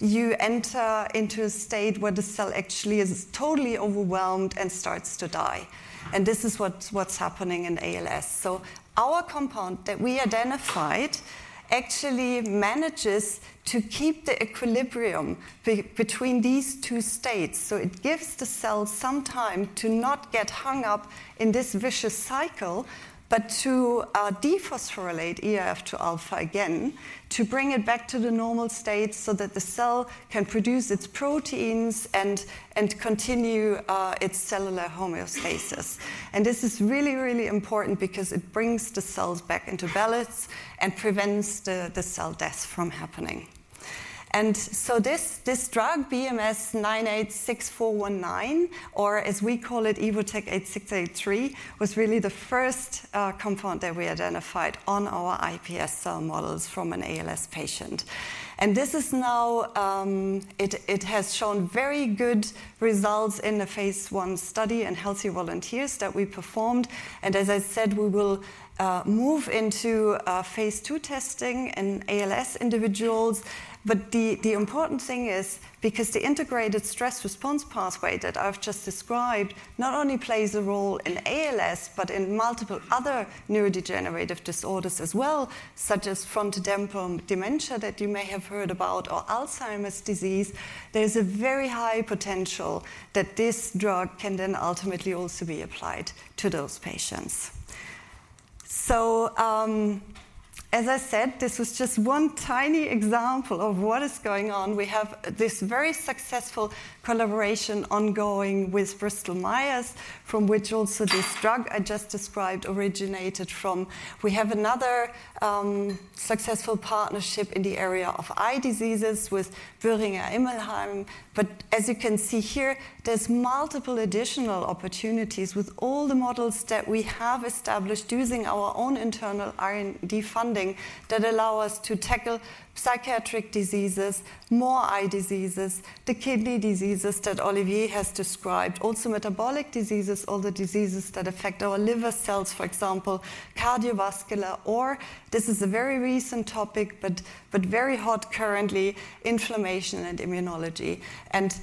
you enter into a state where the cell actually is totally overwhelmed and starts to die. And this is what's happening in ALS. So our compound that we identified actually manages to keep the equilibrium between these two states. So it gives the cell some time to not get hung up in this vicious cycle, but to dephosphorylate eIF2α again, to bring it back to the normal state, so that the cell can produce its proteins and continue its cellular homeostasis. And this is really, really important because it brings the cells back into balance and prevents the cell death from happening. And so this drug, BMS-986419, or as we call it, Evotec-8683, was really the first compound that we identified on our iPS cell models from an ALS patient. And this is now, it, it has shown very good results in the phase I study in healthy volunteers that we performed. And as I said, we will move into phase II testing in ALS individuals. But the important thing is, because the integrated stress response pathway that I've just described not only plays a role in ALS, but in multiple other neurodegenerative disorders as well, such as frontotemporal dementia that you may have heard about, or Alzheimer's disease, there's a very high potential that this drug can then ultimately also be applied to those patients. So, as I said, this was just one tiny example of what is going on. We have this very successful collaboration ongoing with Bristol Myers, from which also this drug I just described originated from. We have another successful partnership in the area of eye diseases with Boehringer Ingelheim. But as you can see here, there's multiple additional opportunities with all the models that we have established using our own internal R&D funding, that allow us to tackle psychiatric diseases, more eye diseases, the kidney diseases that Olivier has described, also metabolic diseases, all the diseases that affect our liver cells, for example, cardiovascular, or this is a very recent topic, but very hot currently, inflammation and immunology. And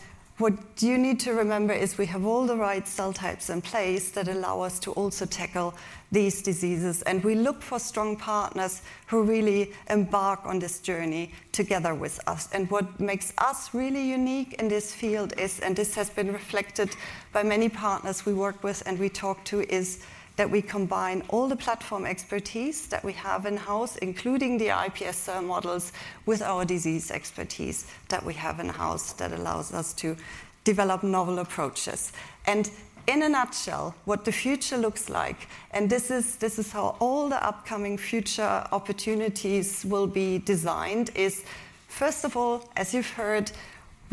what you need to remember is we have all the right cell types in place that allow us to also tackle these diseases, and we look for strong partners who really embark on this journey together with us. And what makes us really unique in this field is, and this has been reflected by many partners we work with and we talk to, is that we combine all the platform expertise that we have in-house, including the iPS cell models, with our disease expertise that we have in-house that allows us to develop novel approaches. And in a nutshell, what the future looks like, and this is, this is how all the upcoming future opportunities will be designed, is, first of all, as you've heard,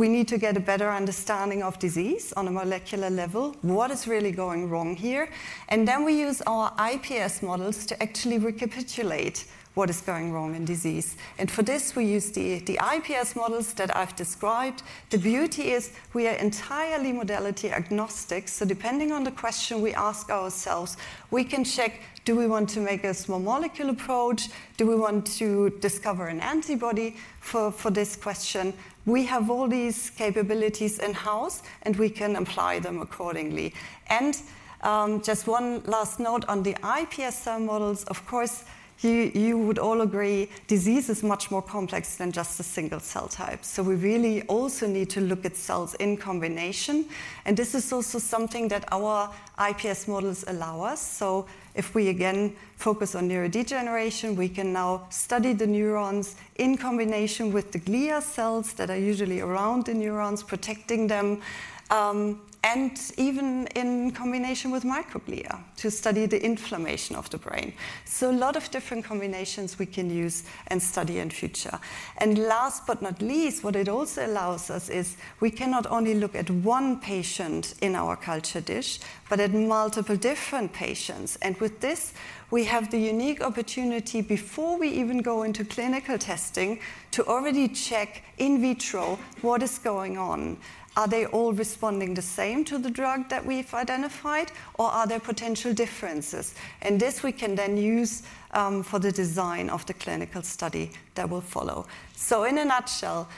we need to get a better understanding of disease on a molecular level. What is really going wrong here? And then we use our iPS models to actually recapitulate what is going wrong in disease. And for this, we use the, the iPS models that I've described. The beauty is we are entirely modality agnostic, so depending on the question we ask ourselves, we can check, do we want to make a small molecule approach? Do we want to discover an antibody for this question? We have all these capabilities in-house, and we can apply them accordingly. And just one last note on the iPS cell models, of course, you would all agree, disease is much more complex than just a single cell type. So we really also need to look at cells in combination, and this is also something that our iPS models allow us. So if we again focus on neurodegeneration, we can now study the neurons in combination with the glial cells that are usually around the neurons, protecting them, and even in combination with microglia to study the inflammation of the brain. So a lot of different combinations we can use and study in future. And last but not least, what it also allows us is, we cannot only look at one patient in our culture dish, but at multiple different patients. And with this, we have the unique opportunity, before we even go into clinical testing, to already check in vitro what is going on. Are they all responding the same to the drug that we've identified, or are there potential differences? And this we can then use for the design of the clinical study that will follow. So in a nutshell,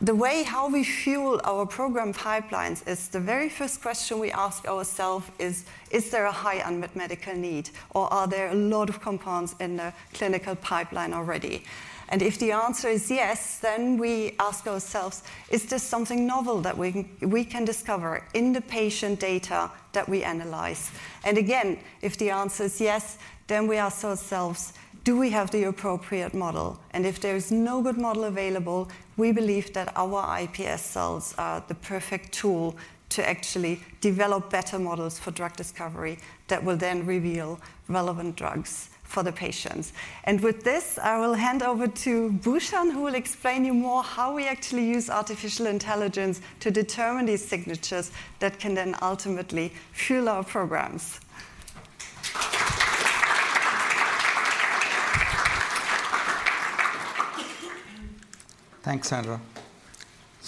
the way how we fuel our program pipelines is the very first question we ask ourselves is: is there a high unmet medical need, or are there a lot of compounds in the clinical pipeline already? And if the answer is yes, then we ask ourselves: is this something novel that we can discover in the patient data that we analyze? And again, if the answer is yes, then we ask ourselves: do we have the appropriate model? And if there is no good model available, we believe that our iPS cells are the perfect tool to actually develop better models for drug discovery that will then reveal relevant drugs for the patients. And with this, I will hand over to Bhushan, who will explain you more how we actually use artificial intelligence to determine these signatures that can then ultimately fuel our programs. Thanks, Sandra.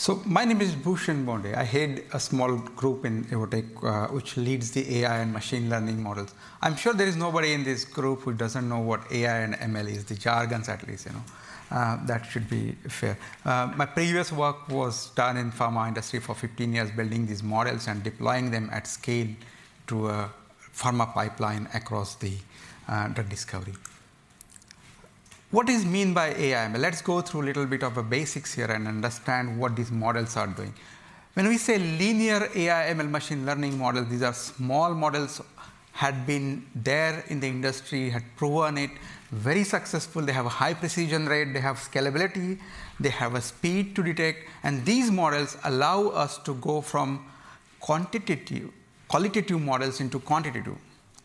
So my name is Bhushan Bonde. I head a small group in Evotec, which leads the AI and machine learning models. I'm sure there is nobody in this group who doesn't know what AI and ML is, the jargons at least, you know. That should be fair. My previous work was done in pharma industry for 15 years, building these models and deploying them at scale to a pharma pipeline across the drug discovery. What is mean by AI/ML? Let's go through a little bit of a basics here and understand what these models are doing. When we say linear AI/ML machine learning models, these are small models, had been there in the industry, had proven it very successful. They have a high precision rate, they have scalability, they have a speed to detect. These models allow us to go from qualitative models into quantitative.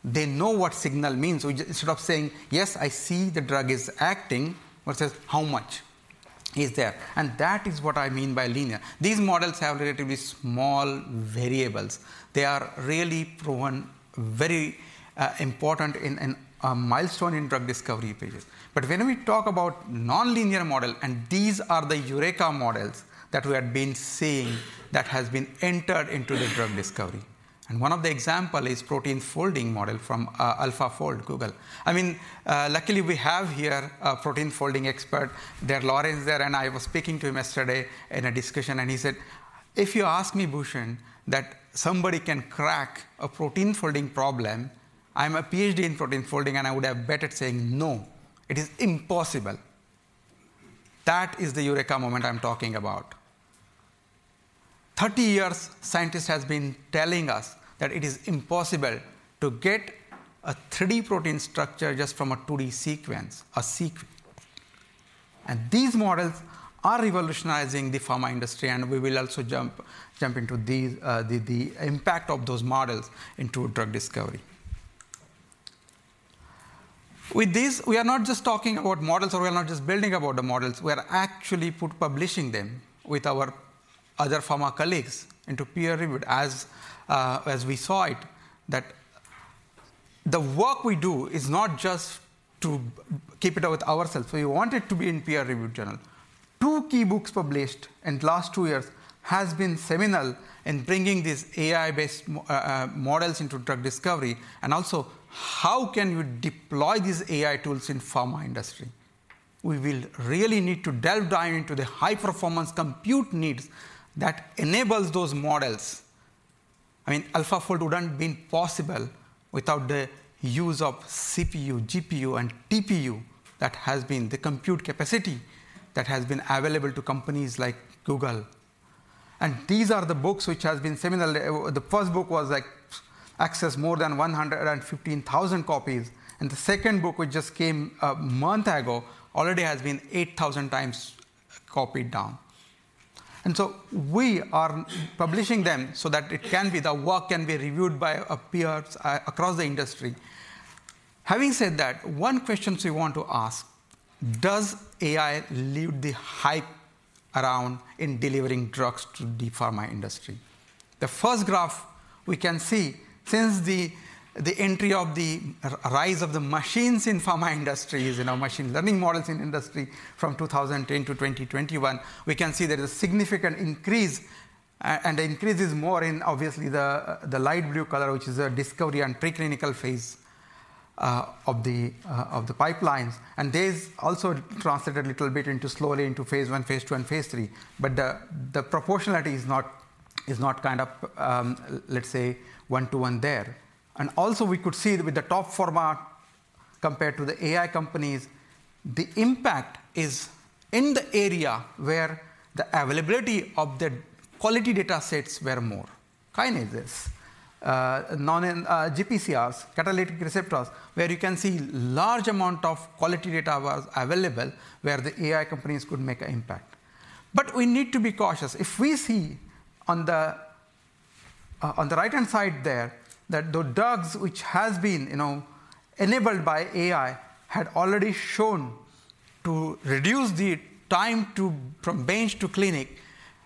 They know what signal means. So instead of saying, "Yes, I see the drug is acting," one says: "How much is there?" And that is what I mean by linear. These models have relatively small variables. They are really proven very important in a milestone in drug discovery phases. But when we talk about non-linear model, and these are the eureka models that we have been seeing, that has been entered into the drug discovery. And one of the example is protein folding model from AlphaFold Google. I mean, luckily, we have here a protein folding expert there, Lawrence there, and I was speaking to him yesterday in a discussion, and he said, "If you ask me, Bhushan, that somebody can crack a protein folding problem, I'm a PhD in protein folding, and I would have bet at saying no, it is impossible." That is the eureka moment I'm talking about. 30 years, scientist has been telling us that it is impossible to get a 3D protein structure just from a 2D sequence, a sequence. These models are revolutionizing the pharma industry, and we will also jump, jump into these, the, the impact of those models into drug discovery. With this, we are not just talking about models, or we are not just building about the models, we are actually publishing them with our other pharma colleagues into peer review. As we saw it, that the work we do is not just to keep it up with ourselves, so we want it to be in peer-reviewed journal. Two key books published in the last two years has been seminal in bringing these AI-based models into drug discovery, and also how can we deploy these AI tools in pharma industry? We will really need to delve deep into the high-performance compute needs that enables those models. I mean, AlphaFold wouldn't have been possible without the use of CPU, GPU, and TPU. That has been the compute capacity that has been available to companies like Google. And these are the books which has been similarly... The first book was like accessed more than 115,000 copies, and the second book, which just came a month ago, already has been 8,000x copied down. We are publishing them so that it can be, the work can be reviewed by our peers across the industry. Having said that, one question we want to ask: Does AI live the hype around in delivering drugs to the pharma industry? The first graph we can see, since the entry of the rise of the machines in pharma industries, you know, machine learning models in industry from 2010-2021, we can see there is a significant increase, and the increase is more in obviously the light blue color, which is a discovery and preclinical phase of the pipelines. And this also translated a little bit into slowly into phase I, phase II, and phase III. But the proportionality is not, is not kind of, let's say, one to one there. And also we could see with the top pharma compared to the AI companies, the impact is in the area where the availability of the quality datasets were more. Kinases, ion channels, GPCRs, catalytic receptors, where you can see large amount of quality data was available, where the AI companies could make an impact. But we need to be cautious. If we see on the, on the right-hand side there, that the drugs which has been, you know, enabled by AI, had already shown to reduce the time to, from bench to clinic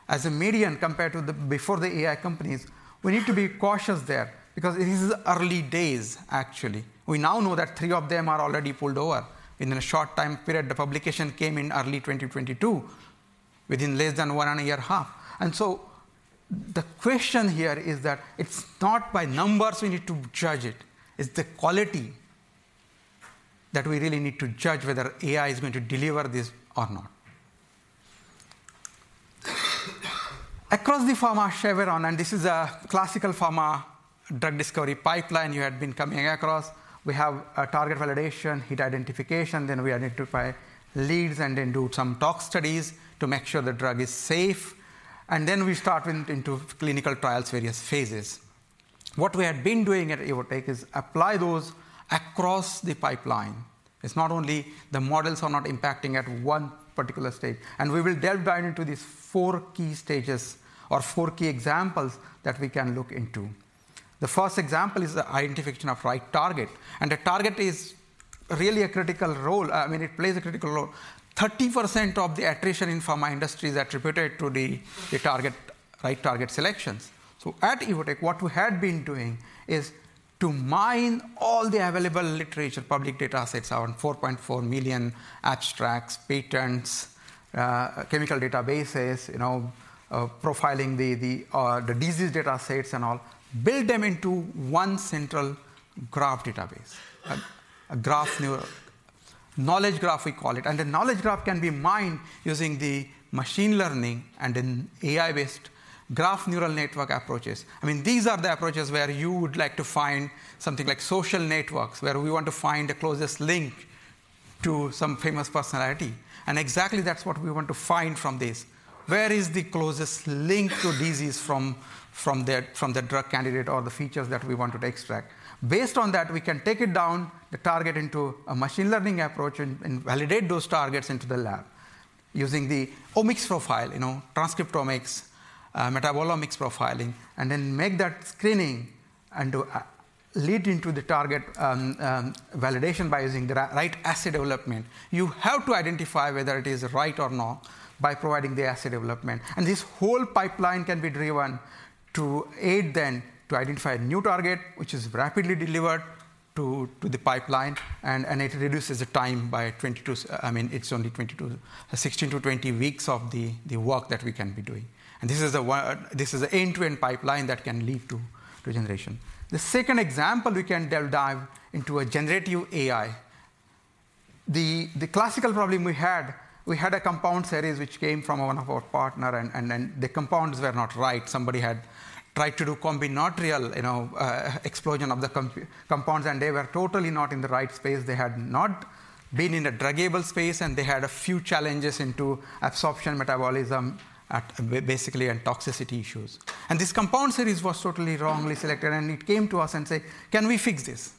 as a median compared to the before the AI companies, we need to be cautious there because it is early days, actually. We now know that three of them are already pulled over in a short time period. The publication came in early 2022, within less than 1.5 year. So the question here is that it's not by numbers we need to judge it, it's the quality that we really need to judge whether AI is going to deliver this or not. Across the pharma chevron, and this is a classical pharma drug discovery pipeline you had been coming across. We have a target validation, hit identification, then we identify leads, and then do some tox studies to make sure the drug is safe. Then we start into clinical trials, various phases. What we had been doing at Evotec is apply those across the pipeline. It's not only the models are not impacting at one particular stage, and we will deep dive into these four key stages or four key examples that we can look into. The first example is the identification of right target, and the target is really a critical role. I mean, it plays a critical role. 30% of the attrition in pharma industry is attributed to the target-right target selections. So at Evotec, what we had been doing is to mine all the available literature, public datasets, around 4.4 million abstracts, patents, chemical databases, you know, profiling the disease datasets and all, build them into one central graph database, a graph neural. Knowledge graph, we call it. And the knowledge graph can be mined using the machine learning and then AI-based graph neural network approaches. I mean, these are the approaches where you would like to find something like social networks, where we want to find the closest link to some famous personality, and exactly that's what we want to find from this. Where is the closest link to disease from the drug candidate or the features that we want to extract? Based on that, we can take it down the target into a machine learning approach and validate those targets into the lab using the omics profile, you know, transcriptomics, metabolomics profiling, and then make that screening and do a lead into the target validation by using the right assay development. You have to identify whether it is right or not by providing the assay development. And this whole pipeline can be driven to aid then to identify a new target, which is rapidly delivered to the pipeline, and it reduces the time by 22, I mean, it's only 22, 16-20 weeks of the work that we can be doing. And this is an end-to-end pipeline that can lead to regeneration. The second example, we can delve into a generative AI. The classical problem we had, we had a compound series which came from one of our partner, and then the compounds were not right. Somebody had tried to do combinatorial, you know, explosion of the compounds, and they were totally not in the right space. They had not been in a druggable space, and they had a few challenges into absorption, metabolism, basically, and toxicity issues. And this compound series was totally wrongly selected, and it came to us and say: "Can we fix this?"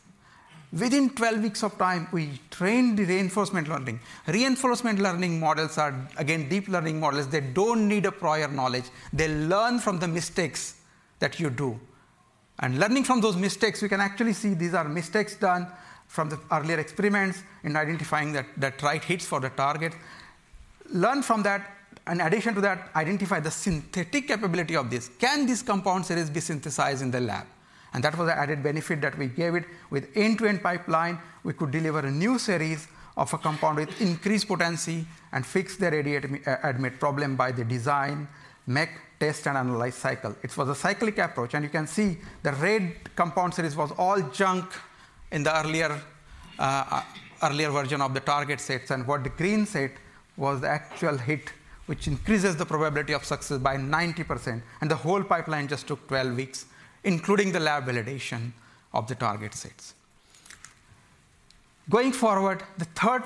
Within 12 weeks of time, we trained the reinforcement learning. Reinforcement learning models are, again, deep learning models. They don't need a prior knowledge. They learn from the mistakes that you do. Learning from those mistakes, we can actually see these are mistakes done from the earlier experiments in identifying the right hits for the target. Learn from that, in addition to that, identify the synthetic capability of this. Can this compound series be synthesized in the lab? And that was the added benefit that we gave it. With end-to-end pipeline, we could deliver a new series of a compound with increased potency and fix the related ADMET problem by the design, make, test, and analyze cycle. It was a cyclic approach, and you can see the red compound series was all junk in the earlier version of the target sets, and what the green set was the actual hit, which increases the probability of success by 90%, and the whole pipeline just took 12 weeks, including the lab validation of the target sets. Going forward, the third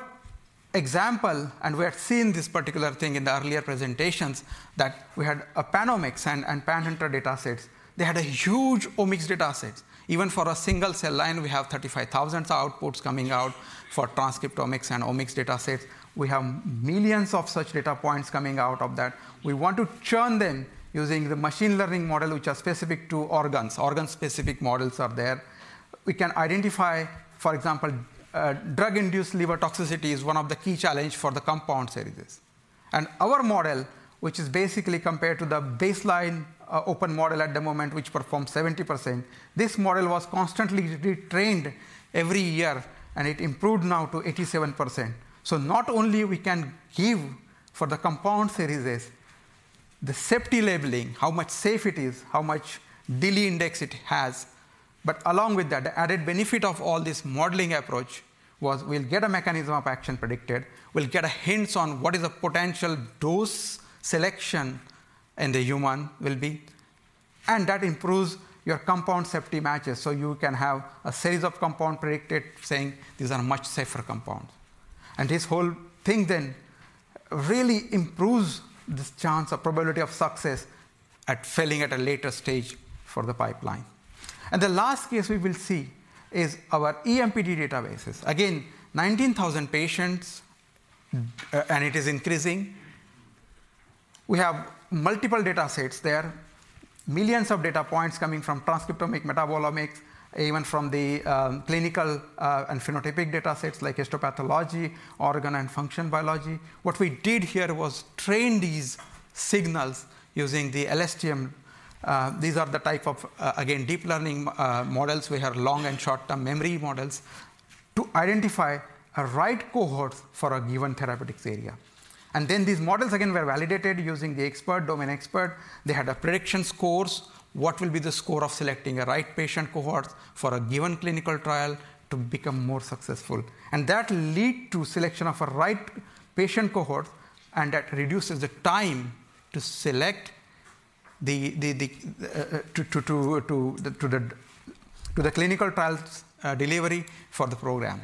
example, and we have seen this particular thing in the earlier presentations, that we had a PanOmics and PanHunter datasets. They had a huge omics datasets. Even for a single cell line, we have 35,000 outputs coming out for transcriptomics and omics datasets. We have millions of such data points coming out of that. We want to churn them using the machine learning model, which are specific to organs. Organ-specific models are there. We can identify, for example, drug-induced liver toxicity is one of the key challenge for the compound series. And our model, which is basically compared to the baseline, open model at the moment, which performs 70%, this model was constantly retrained every year, and it improved now to 87%. So not only we can give for the compound series the safety labeling, how much safe it is, how much DILI index it has, but along with that, the added benefit of all this modeling approach was we'll get a mechanism of action predicted, we'll get a hints on what is the potential dose selection in the human will be, and that improves your compound safety matches. So you can have a series of compound predicted, saying these are much safer compounds. And this whole thing then really improves this chance of probability of success at failing at a later stage for the pipeline. And the last case we will see is our EMPD databases. Again, 19,000 patients, and it is increasing. We have multiple data sets there, millions of data points coming from transcriptomics, metabolomics, even from the clinical, and phenotypic data sets like histopathology, organ and function biology. What we did here was train these signals using the LSTM. These are the type of, again, deep learning models. We have long and short-term memory models to identify a right cohort for a given therapeutics area. And then these models again, were validated using the expert, domain expert. They had a prediction scores. What will be the score of selecting a right patient cohort for a given clinical trial to become more successful? And that lead to selection of a right patient cohort, and that reduces the time to select the clinical trials delivery for the program.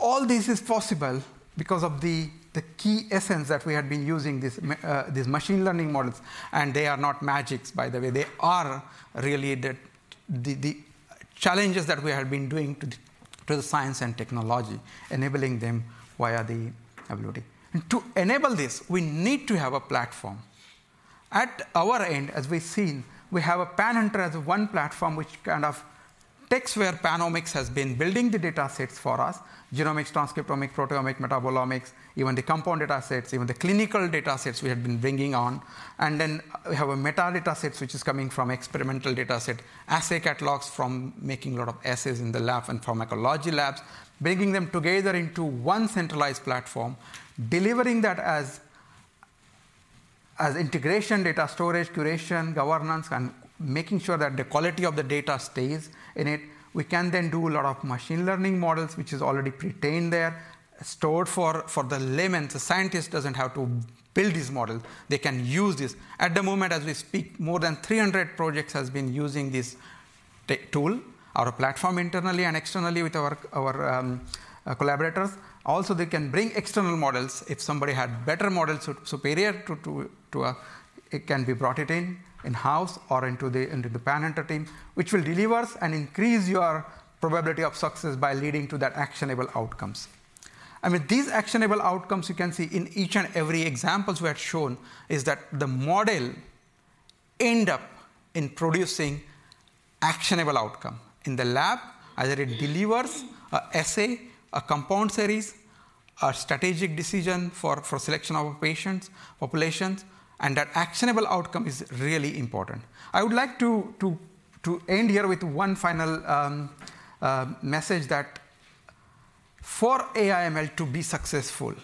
All this is possible because of the key essence that we had been using, these machine learning models, and they are not magic, by the way. They are really the challenges that we have been doing to the science and technology, enabling them via the ability. To enable this, we need to have a platform. At our end, as we've seen, we have a PanHunter as one platform, which kind of takes where PanOmics has been building the data sets for us: genomics, transcriptomics, proteomics, metabolomics, even the compound data sets, even the clinical data sets we have been bringing on. And then we have metadata sets, which is coming from experimental data set, assay catalogs, from making a lot of assays in the lab and pharmacology labs, bringing them together into one centralized platform, delivering that as, as integration, data storage, curation, governance, and making sure that the quality of the data stays in it. We can then do a lot of machine learning models, which is already pre-trained there, stored for the layman. The scientist doesn't have to build this model. They can use this. At the moment, as we speak, more than 300 projects has been using this tool, our platform, internally and externally with our collaborators. Also, they can bring external models. If somebody had better models, superior to a. It can be brought in in-house or into the PanHunter team, which will deliver us and increase your probability of success by leading to that actionable outcomes. And with these actionable outcomes, you can see in each and every examples we have shown is that the model end up in producing actionable outcome. In the lab, either it delivers a assay, a compound series, a strategic decision for selection of patients, populations, and that actionable outcome is really important. I would like to end here with one final message that for AI/ML to be successful,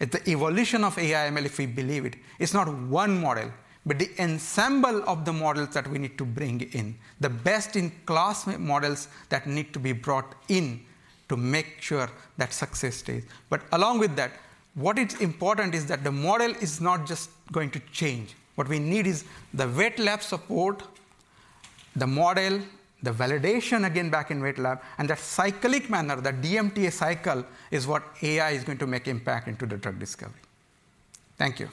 at the evolution of AI/ML, if we believe it, it's not one model, but the ensemble of the models that we need to bring in, the best-in-class models that need to be brought in to make sure that success stays. But along with that, what is important is that the model is not just going to change. What we need is the wet lab support, the model, the validation again, back in wet lab, and the cyclic manner, the DMTA cycle, is what AI is going to make impact into the drug discovery. Thank you.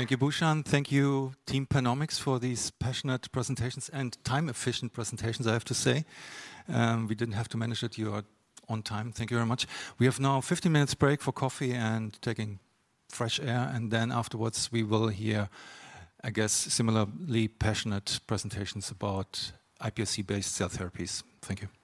Thank you, Bhushan. Thank you, team PanOmics, for these passionate presentations and time-efficient presentations, I have to say. We didn't have to manage it. You are on time. Thank you very much. We have now 50 minutes break for coffee and taking fresh air, and then afterwards, we will hear, I guess, similarly passionate presentations about iPSC-based cell therapies. Thank you. Thank you.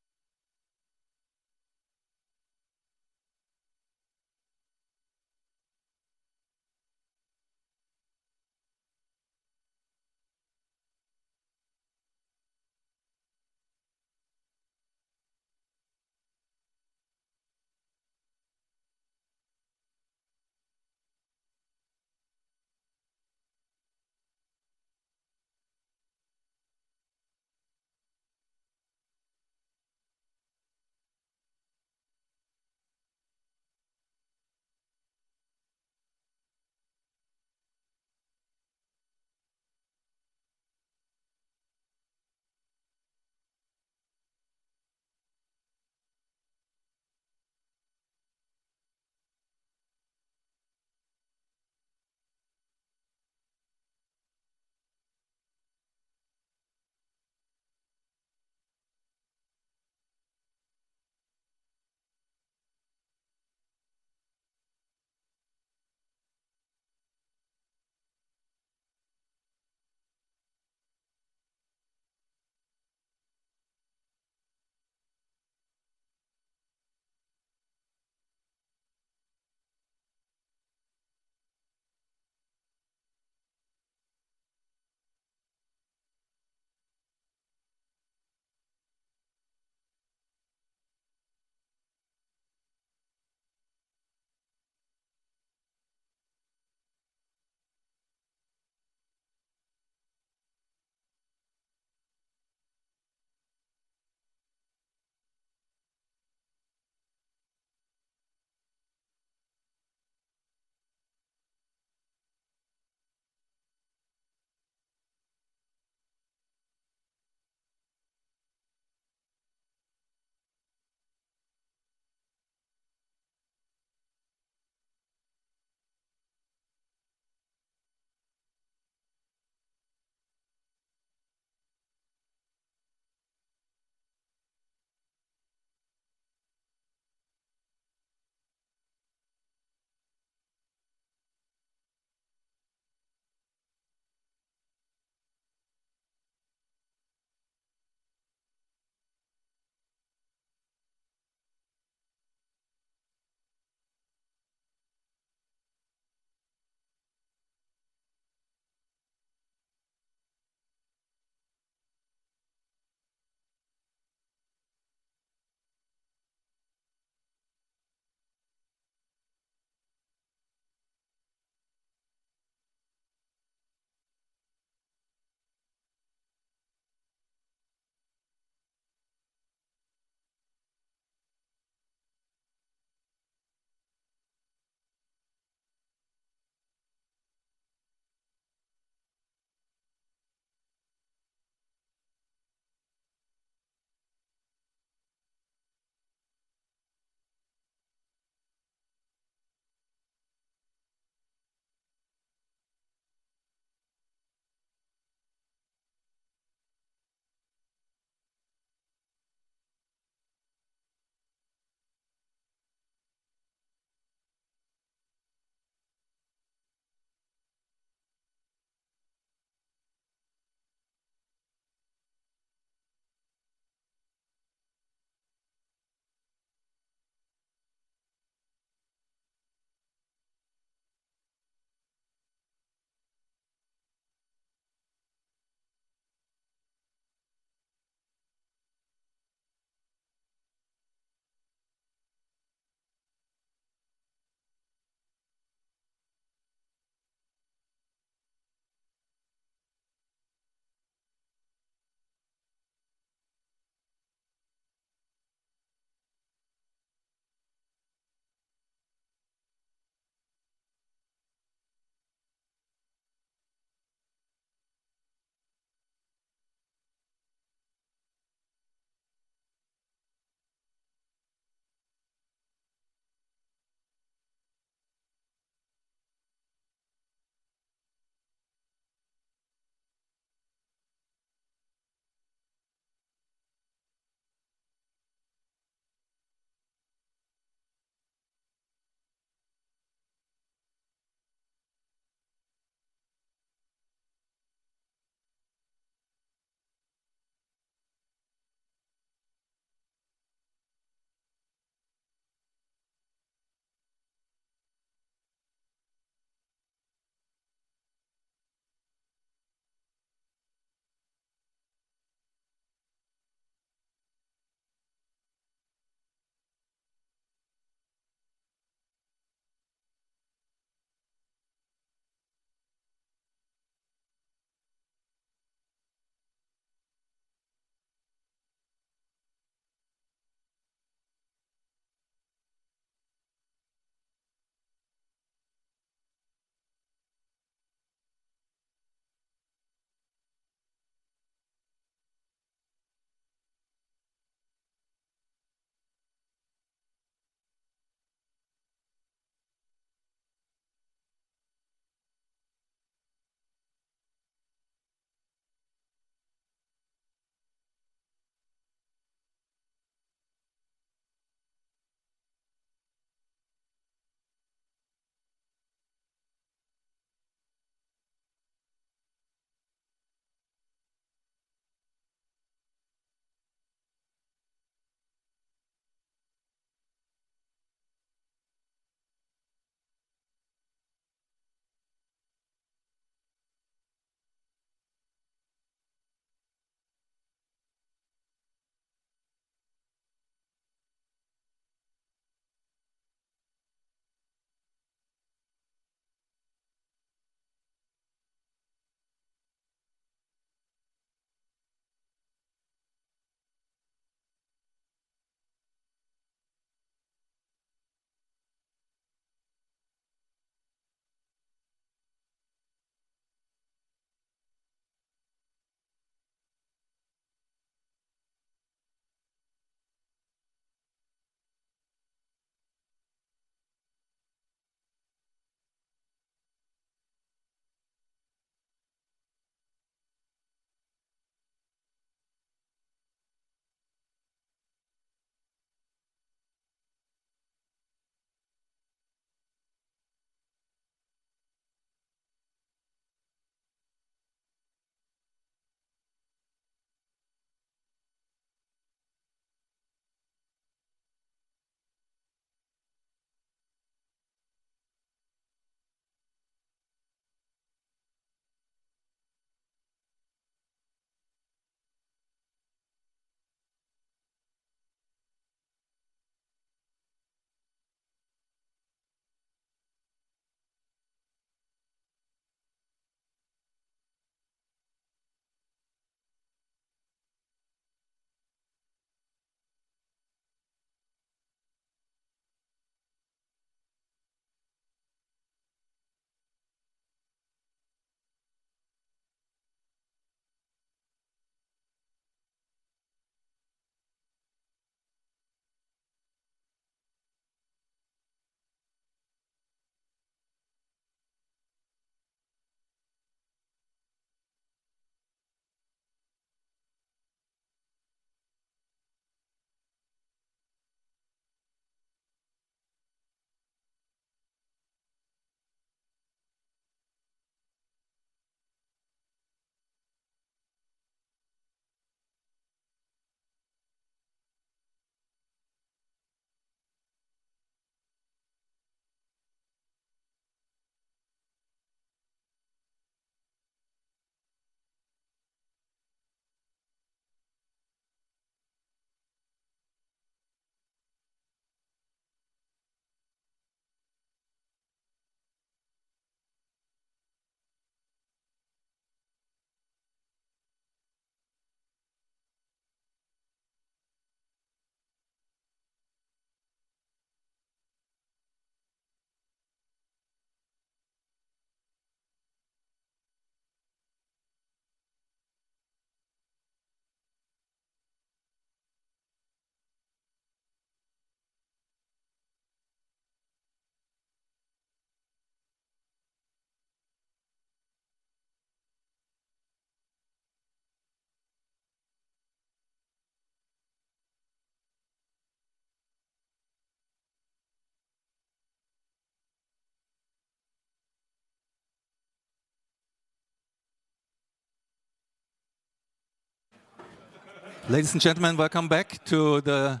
Ladies and gentlemen, welcome back to the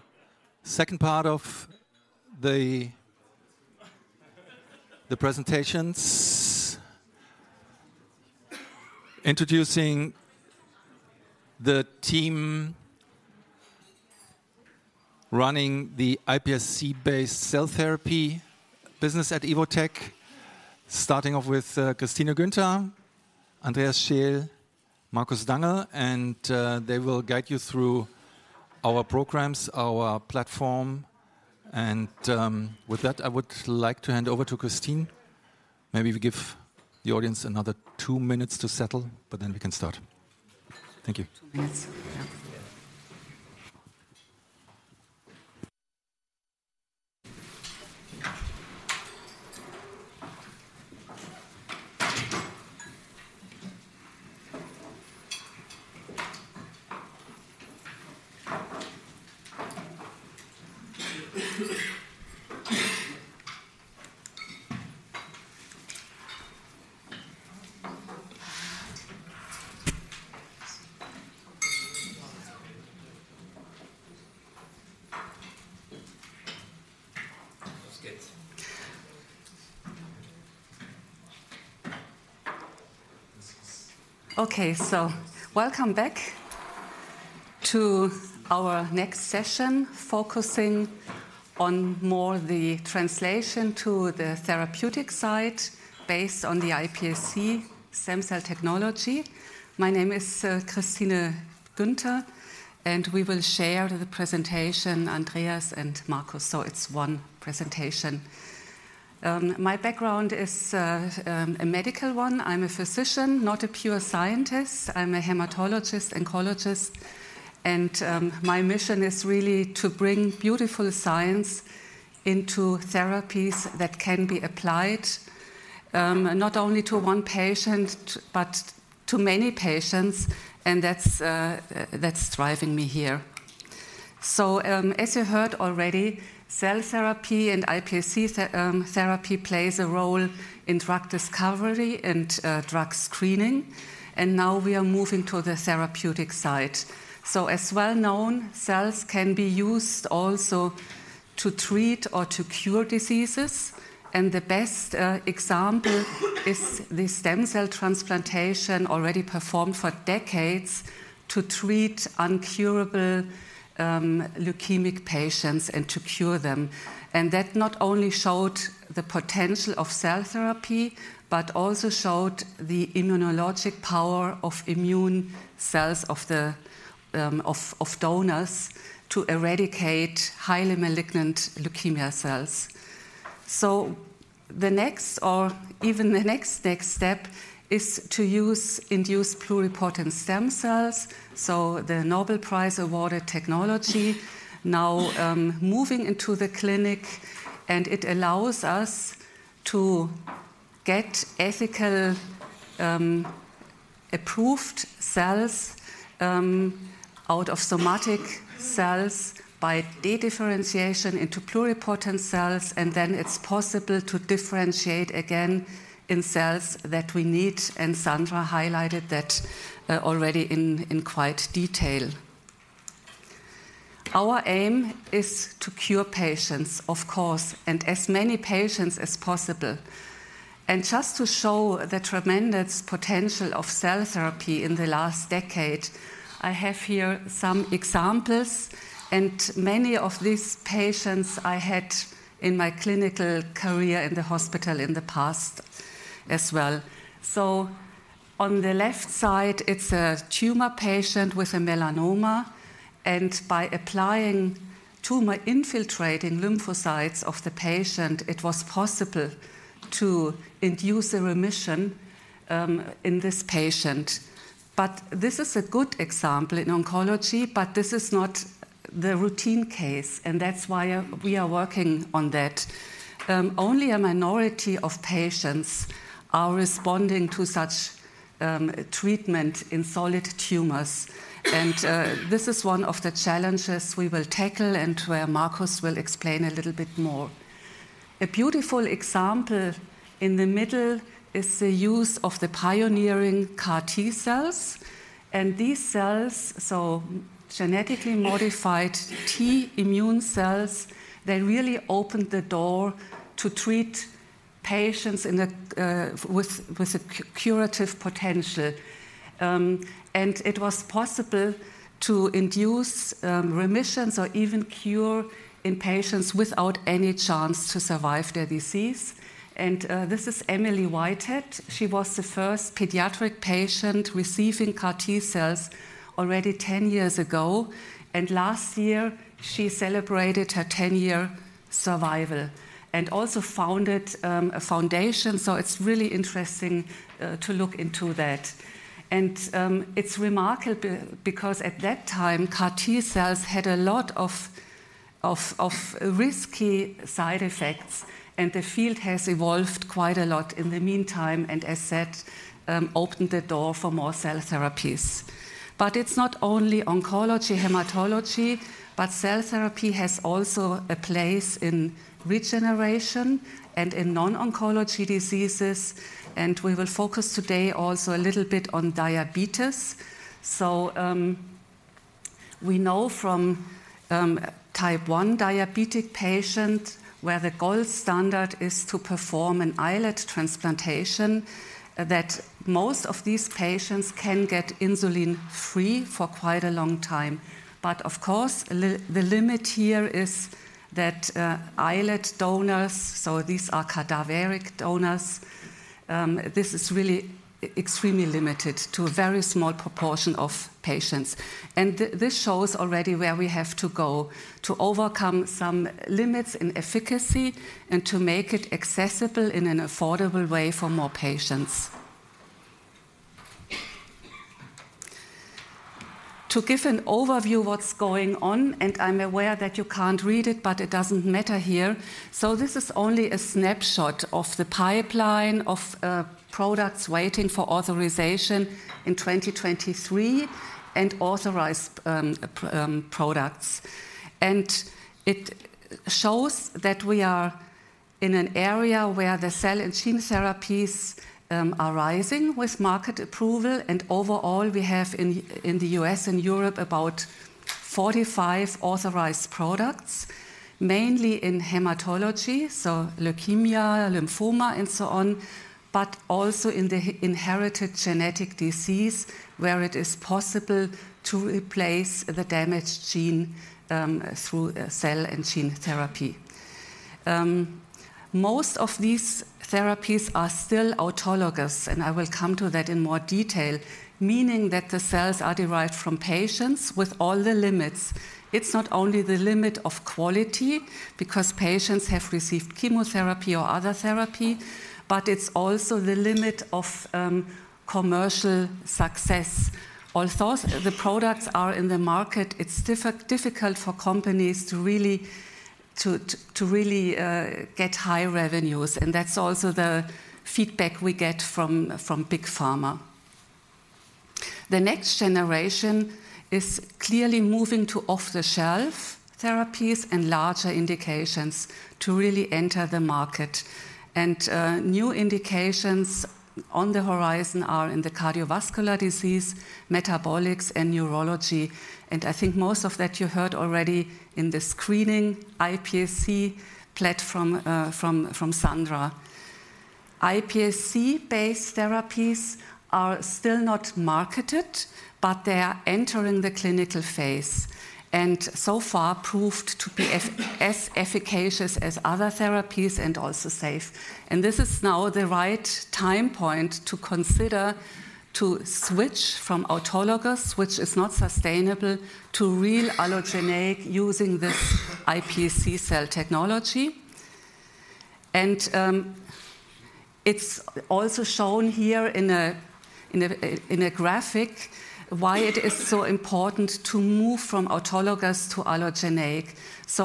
second part of the presentations. Introducing the team running the iPSC-based cell therapy business at Evotec, starting off with Christine Günther, Andreas Scheel, Markus Dangl, and they will guide you through our programs, our platform. With that, I would like to hand over to Christine. Maybe we give the audience another two minutes to settle, but then we can start. Thank you. Two minutes, yeah. Yes. Let's get. Okay, so welcome back to our next session, focusing on more the translation to the therapeutic side based on the iPSC stem cell technology. My name is, Christine Günther, and we will share the presentation, Andreas and Markus, so it's one presentation. My background is, a medical one. I'm a physician, not a pure scientist. I'm a hematologist, oncologist, and, my mission is really to bring beautiful science into therapies that can be applied, not only to one patient, but to many patients, and that's, that's driving me here. So, as you heard already, cell therapy and iPSC therapy plays a role in drug discovery and, drug screening, and now we are moving to the therapeutic side. So as well known, cells can be used also to treat or to cure diseases, and the best example is the stem cell transplantation already performed for decades to treat incurable leukemic patients and to cure them. And that not only showed the potential of cell therapy, but also showed the immunologic power of immune cells of the donors to eradicate highly malignant leukemia cells. So the next, or even the next next step, is to use induced pluripotent stem cells, so the Nobel Prize-awarded technology now moving into the clinic, and it allows us to get ethically approved cells out of somatic cells by dedifferentiation into pluripotent cells, and then it's possible to differentiate again into cells that we need, and Sandra highlighted that already in quite detail. Our aim is to cure patients, of course, and as many patients as possible. And just to show the tremendous potential of cell therapy in the last decade, I have here some examples, and many of these patients I had in my clinical career in the hospital in the past as well. So on the left side, it's a tumor patient with a melanoma, and by applying tumor-infiltrating lymphocytes of the patient, it was possible to induce a remission, in this patient. But this is a good example in oncology, but this is not the routine case, and that's why, we are working on that. Only a minority of patients are responding to such, treatment in solid tumors. And, this is one of the challenges we will tackle and where Markus will explain a little bit more. A beautiful example in the middle is the use of the pioneering CAR T cells. These cells, so genetically modified T immune cells, they really opened the door to treat patients in a with a curative potential. It was possible to induce remissions or even cure in patients without any chance to survive their disease. This is Emily Whitehead. She was the first pediatric patient receiving CAR T-cells already 10 years ago, and last year, she celebrated her 10-year survival, and also founded a foundation. It's really interesting to look into that. It's remarkable because at that time, CAR T-cells had a lot of risky side effects, and the field has evolved quite a lot in the meantime, and as said, opened the door for more cell therapies. But it's not only oncology, hematology, but cell therapy has also a place in regeneration and in non-oncology diseases, and we will focus today also a little bit on diabetes. So, we know from, type 1 diabetic patient, where the gold standard is to perform an islet transplantation, that most of these patients can get insulin-free for quite a long time. But of course, the limit here is that, islet donors, so these are cadaveric donors, this is really extremely limited to a very small proportion of patients. And this shows already where we have to go to overcome some limits in efficacy and to make it accessible in an affordable way for more patients. To give an overview what's going on, and I'm aware that you can't read it, but it doesn't matter here. So this is only a snapshot of the pipeline of products waiting for authorization in 2023, and authorized products. And it shows that we are in an area where the cell and gene therapies are rising with market approval, and overall, we have in the U.S. and Europe, about 45 authorized products, mainly in hematology, so leukemia, lymphoma, and so on, but also in the inherited genetic disease, where it is possible to replace the damaged gene through cell and gene therapy. Most of these therapies are still autologous, and I will come to that in more detail, meaning that the cells are derived from patients with all the limits. It's not only the limit of quality, because patients have received chemotherapy or other therapy, but it's also the limit of commercial success. Although the products are in the market, it's difficult for companies to really get high revenues, and that's also the feedback we get from big pharma. The next generation is clearly moving to off-the-shelf therapies and larger indications to really enter the market. New indications on the horizon are in the cardiovascular disease, metabolics, and neurology. I think most of that you heard already in the screening iPSC platform from Sandra. iPSC-based therapies are still not marketed, but they are entering the clinical phase, and so far proved to be as efficacious as other therapies and also safe. This is now the right time point to consider to switch from autologous, which is not sustainable, to real allogeneic using the iPSC cell technology. It's also shown here in a graphic why it is so important to move from autologous to allogeneic.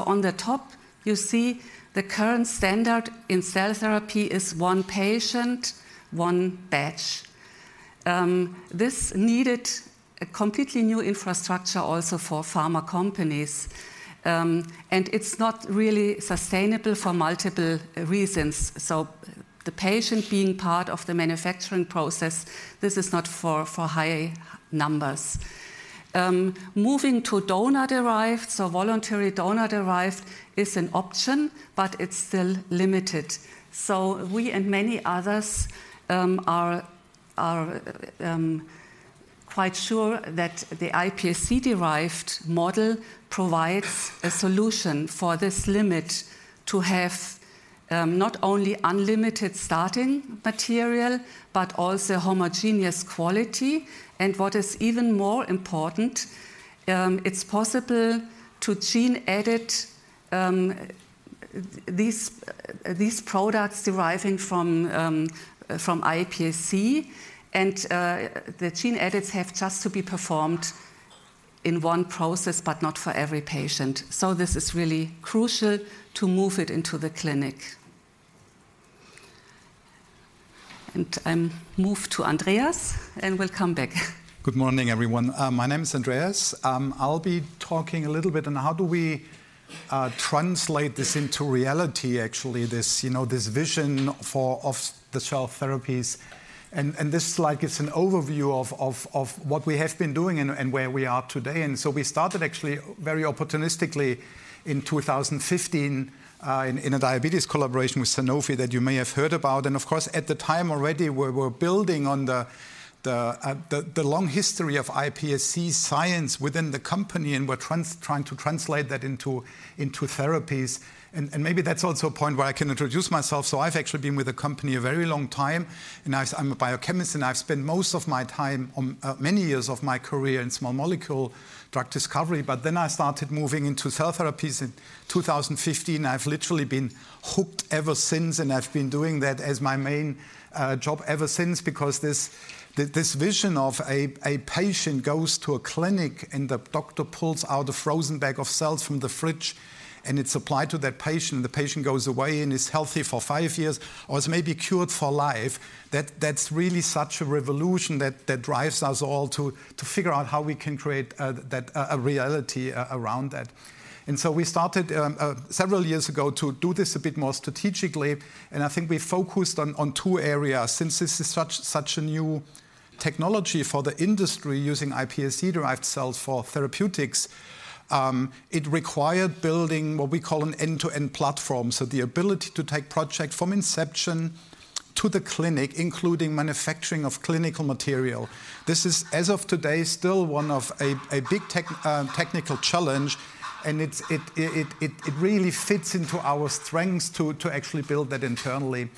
On the top, you see the current standard in cell therapy is one patient, one batch. This needed a completely new infrastructure also for pharma companies, and it's not really sustainable for multiple reasons. The patient being part of the manufacturing process, this is not for high numbers. Moving to donor-derived, so voluntary donor-derived, is an option, but it's still limited. We and many others are quite sure that the iPSC-derived model provides a solution for this limit, to have not only unlimited starting material, but also homogeneous quality. What is even more important, it's possible to gene edit these products deriving from iPSC, and the gene edits have just to be performed in one process, but not for every patient. So this is really crucial to move it into the clinic, and I now move to Andreas, and we'll come back. Good morning, everyone. My name is Andreas. I'll be talking a little bit on how do we translate this into reality, actually, this, you know, this vision for off-the-shelf therapies. And this like, it's an overview of what we have been doing and where we are today. And so we started actually very opportunistically in 2015, in a diabetes collaboration with Sanofi that you may have heard about. And of course, at the time already, we were building on the long history of iPSC science within the company, and we're trying to translate that into therapies. And maybe that's also a point where I can introduce myself. So I've actually been with the company a very long time, and I, I'm a biochemist, and I've spent most of my time on, many years of my career in small molecule drug discovery. But then I started moving into cell therapies in 2015. I've literally been hooked ever since, and I've been doing that as my main, job ever since because this, this vision of a, a patient goes to a clinic, and the doctor pulls out a frozen bag of cells from the fridge, and it's applied to that patient, and the patient goes away and is healthy for five years or is maybe cured for life, that- that's really such a revolution that, that drives us all to, to figure out how we can create, that, a, a reality a- around that. So we started several years ago to do this a bit more strategically, and I think we focused on two areas. Since this is such a new technology for the industry, using iPSC-derived cells for therapeutics, it required building what we call an end-to-end platform, so the ability to take project from inception to the clinic, including manufacturing of clinical material. This is, as of today, still one of a big technical challenge, and it really fits into our strengths to actually build that internally.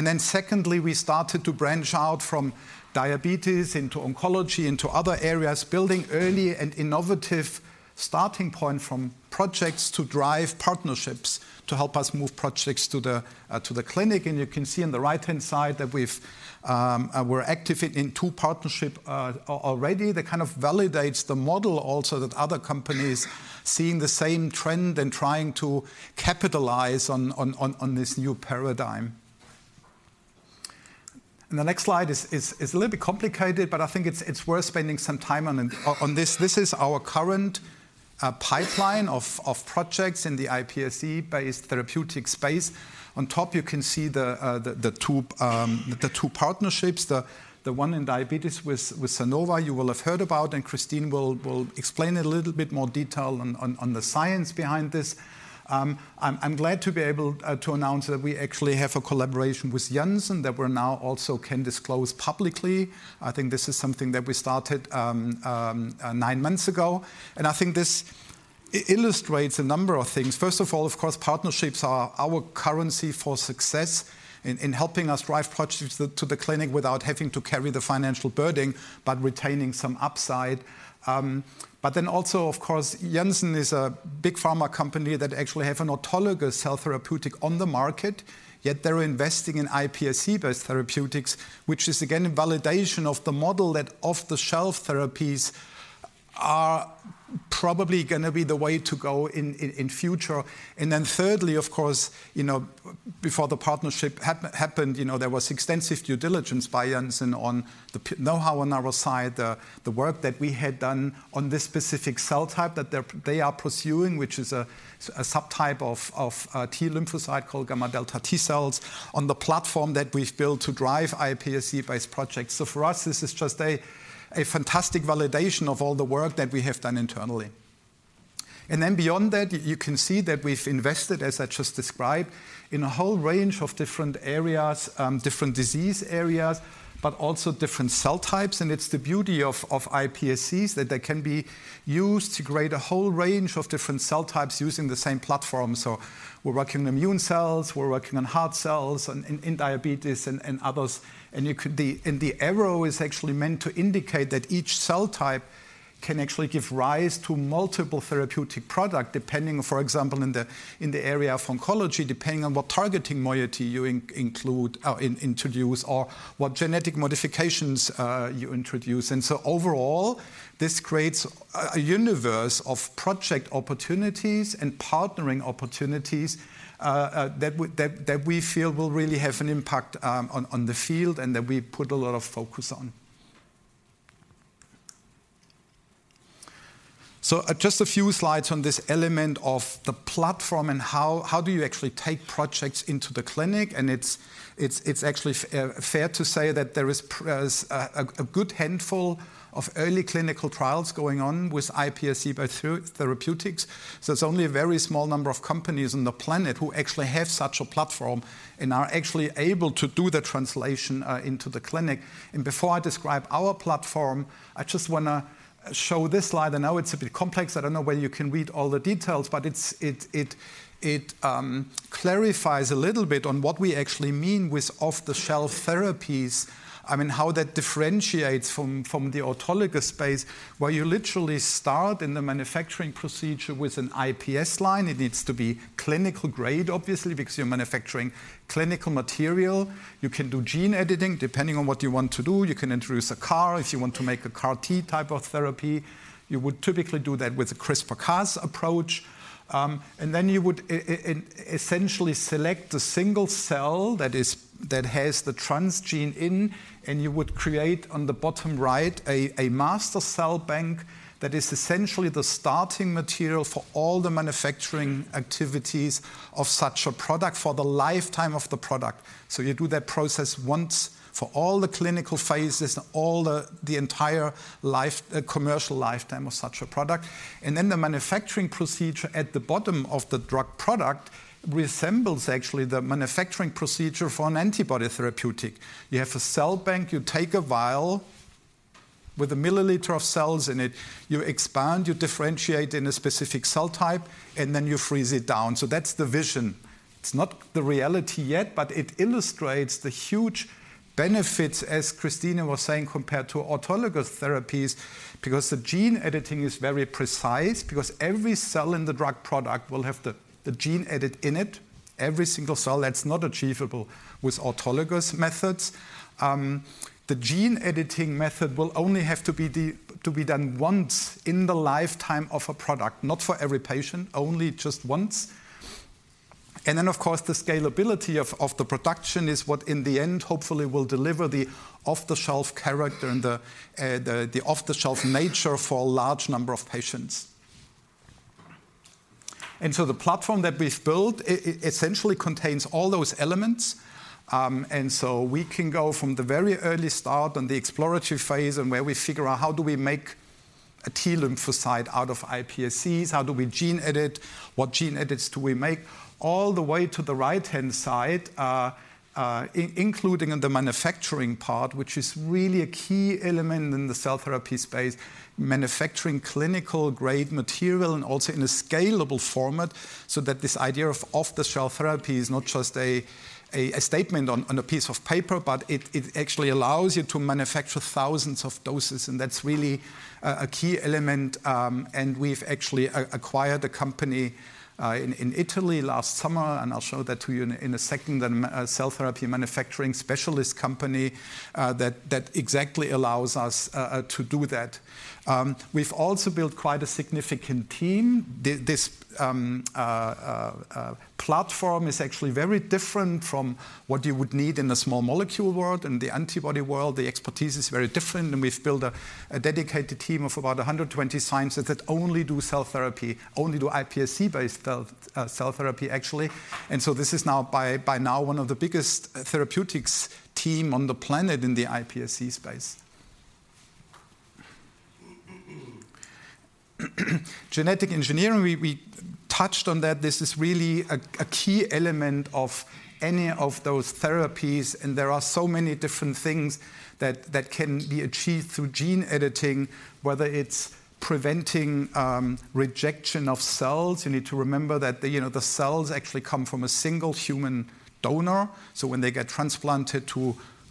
Then secondly, we started to branch out from diabetes into oncology, into other areas, building early and innovative starting point from projects to drive partnerships to help us move projects to the clinic. And you can see on the right-hand side that we've, we're active in two partnerships already. That kind of validates the model also that other companies seeing the same trend and trying to capitalize on this new paradigm. And the next slide is a little bit complicated, but I think it's worth spending some time on it, on this. This is our current pipeline of projects in the iPSC-based therapeutic space. On top, you can see the two partnerships, the one in diabetes with Sanofi, you will have heard about, and Christine will explain it a little bit more detail on the science behind this. I'm glad to be able to announce that we actually have a collaboration with Janssen, that we now also can disclose publicly. I think this is something that we started nine months ago, and I think this illustrates a number of things. First of all, of course, partnerships are our currency for success in helping us drive projects to the clinic without having to carry the financial burden, but retaining some upside. But then also, of course, Janssen is a big pharma company that actually have an autologous cell therapeutic on the market, yet they're investing in iPSC-based therapeutics, which is, again, a validation of the model that off-the-shelf therapies are probably gonna be the way to go in future. And then thirdly, of course, you know, before the partnership happened, you know, there was extensive due diligence by Janssen on the know-how on our side, the work that we had done on this specific cell type that they're, they are pursuing, which is a subtype of T lymphocyte called γδ T cells, on the platform that we've built to drive iPSC-based projects. So for us, this is just a fantastic validation of all the work that we have done internally. And then beyond that, you can see that we've invested, as I just described, in a whole range of different areas, different disease areas, but also different cell types. And it's the beauty of iPSCs, that they can be used to create a whole range of different cell types using the same platform. So we're working on immune cells, we're working on heart cells, and in diabetes, and others. And you could—the arrow is actually meant to indicate that each cell type can actually give rise to multiple therapeutic product, depending, for example, in the area of oncology, depending on what targeting moiety you include, introduce or what genetic modifications you introduce. And so overall, this creates a universe of project opportunities and partnering opportunities, that would, that we feel will really have an impact, on the field and that we put a lot of focus on. So just a few slides on this element of the platform and how do you actually take projects into the clinic, and it's actually fair to say that there is a good handful of early clinical trials going on with iPSC therapeutics. So it's only a very small number of companies on the planet who actually have such a platform and are actually able to do the translation into the clinic. And before I describe our platform, I just wanna show this slide. I know it's a bit complex. I don't know whether you can read all the details, but it clarifies a little bit on what we actually mean with off-the-shelf therapies. I mean, how that differentiates from the autologous space, where you literally start in the manufacturing procedure with an iPS line. It needs to be clinical grade, obviously, because you're manufacturing clinical material. You can do gene editing, depending on what you want to do. You can introduce a CAR. If you want to make a CAR T type of therapy, you would typically do that with a CRISPR-Cas approach. And then you would essentially select a single cell that has the transgene in, and you would create, on the bottom right, a master cell bank that is essentially the starting material for all the manufacturing activities of such a product for the lifetime of the product. So you do that process once for all the clinical phases, all the entire life, commercial lifetime of such a product. And then the manufacturing procedure at the bottom of the drug product resembles actually the manufacturing procedure for an antibody therapeutic. You have a cell bank, you take a vial with a milliliter of cells in it, you expand, you differentiate in a specific cell type, and then you freeze it down. So that's the vision. It's not the reality yet, but it illustrates the huge benefits, as Christine was saying, compared to autologous therapies, because the gene editing is very precise, because every cell in the drug product will have the, the gene edit in it, every single cell. That's not achievable with autologous methods. The gene editing method will only have to be developed to be done once in the lifetime of a product. Not for every patient, only just once. And then, of course, the scalability of, of the production is what, in the end, hopefully will deliver the off-the-shelf character and the, the off-the-shelf nature for a large number of patients. So the platform that we've built, it essentially contains all those elements. And so we can go from the very early start and the exploratory phase, and where we figure out how do we make a T lymphocyte out of iPSCs, how do we gene edit, what gene edits do we make, all the way to the right-hand side, including in the manufacturing part, which is really a key element in the cell therapy space, manufacturing clinical-grade material, and also in a scalable format, so that this idea of off-the-shelf therapy is not just a statement on a piece of paper, but it actually allows you to manufacture thousands of doses, and that's really a key element. And we've actually acquired a company in Italy last summer, and I'll show that to you in a second, a cell therapy manufacturing specialist company that exactly allows us to do that. We've also built quite a significant team. This platform is actually very different from what you would need in a small molecule world. In the antibody world, the expertise is very different, and we've built a dedicated team of about 120 scientists that only do cell therapy, only do iPSC-based cell therapy, actually. And so this is now by now one of the biggest therapeutics team on the planet in the iPSC space. Genetic engineering, we touched on that. This is really a key element of any of those therapies, and there are so many different things that can be achieved through gene editing, whether it's preventing rejection of cells. You need to remember that the, you know, the cells actually come from a single human donor, so when they get transplanted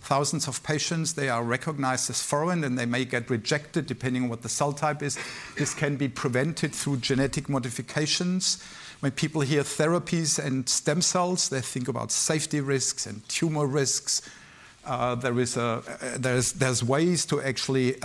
to thousands of patients, they are recognized as foreign, and they may get rejected, depending on what the cell type is. This can be prevented through genetic modifications. When people hear therapies and stem cells, they think about safety risks and tumor risks. There is, there's ways to actually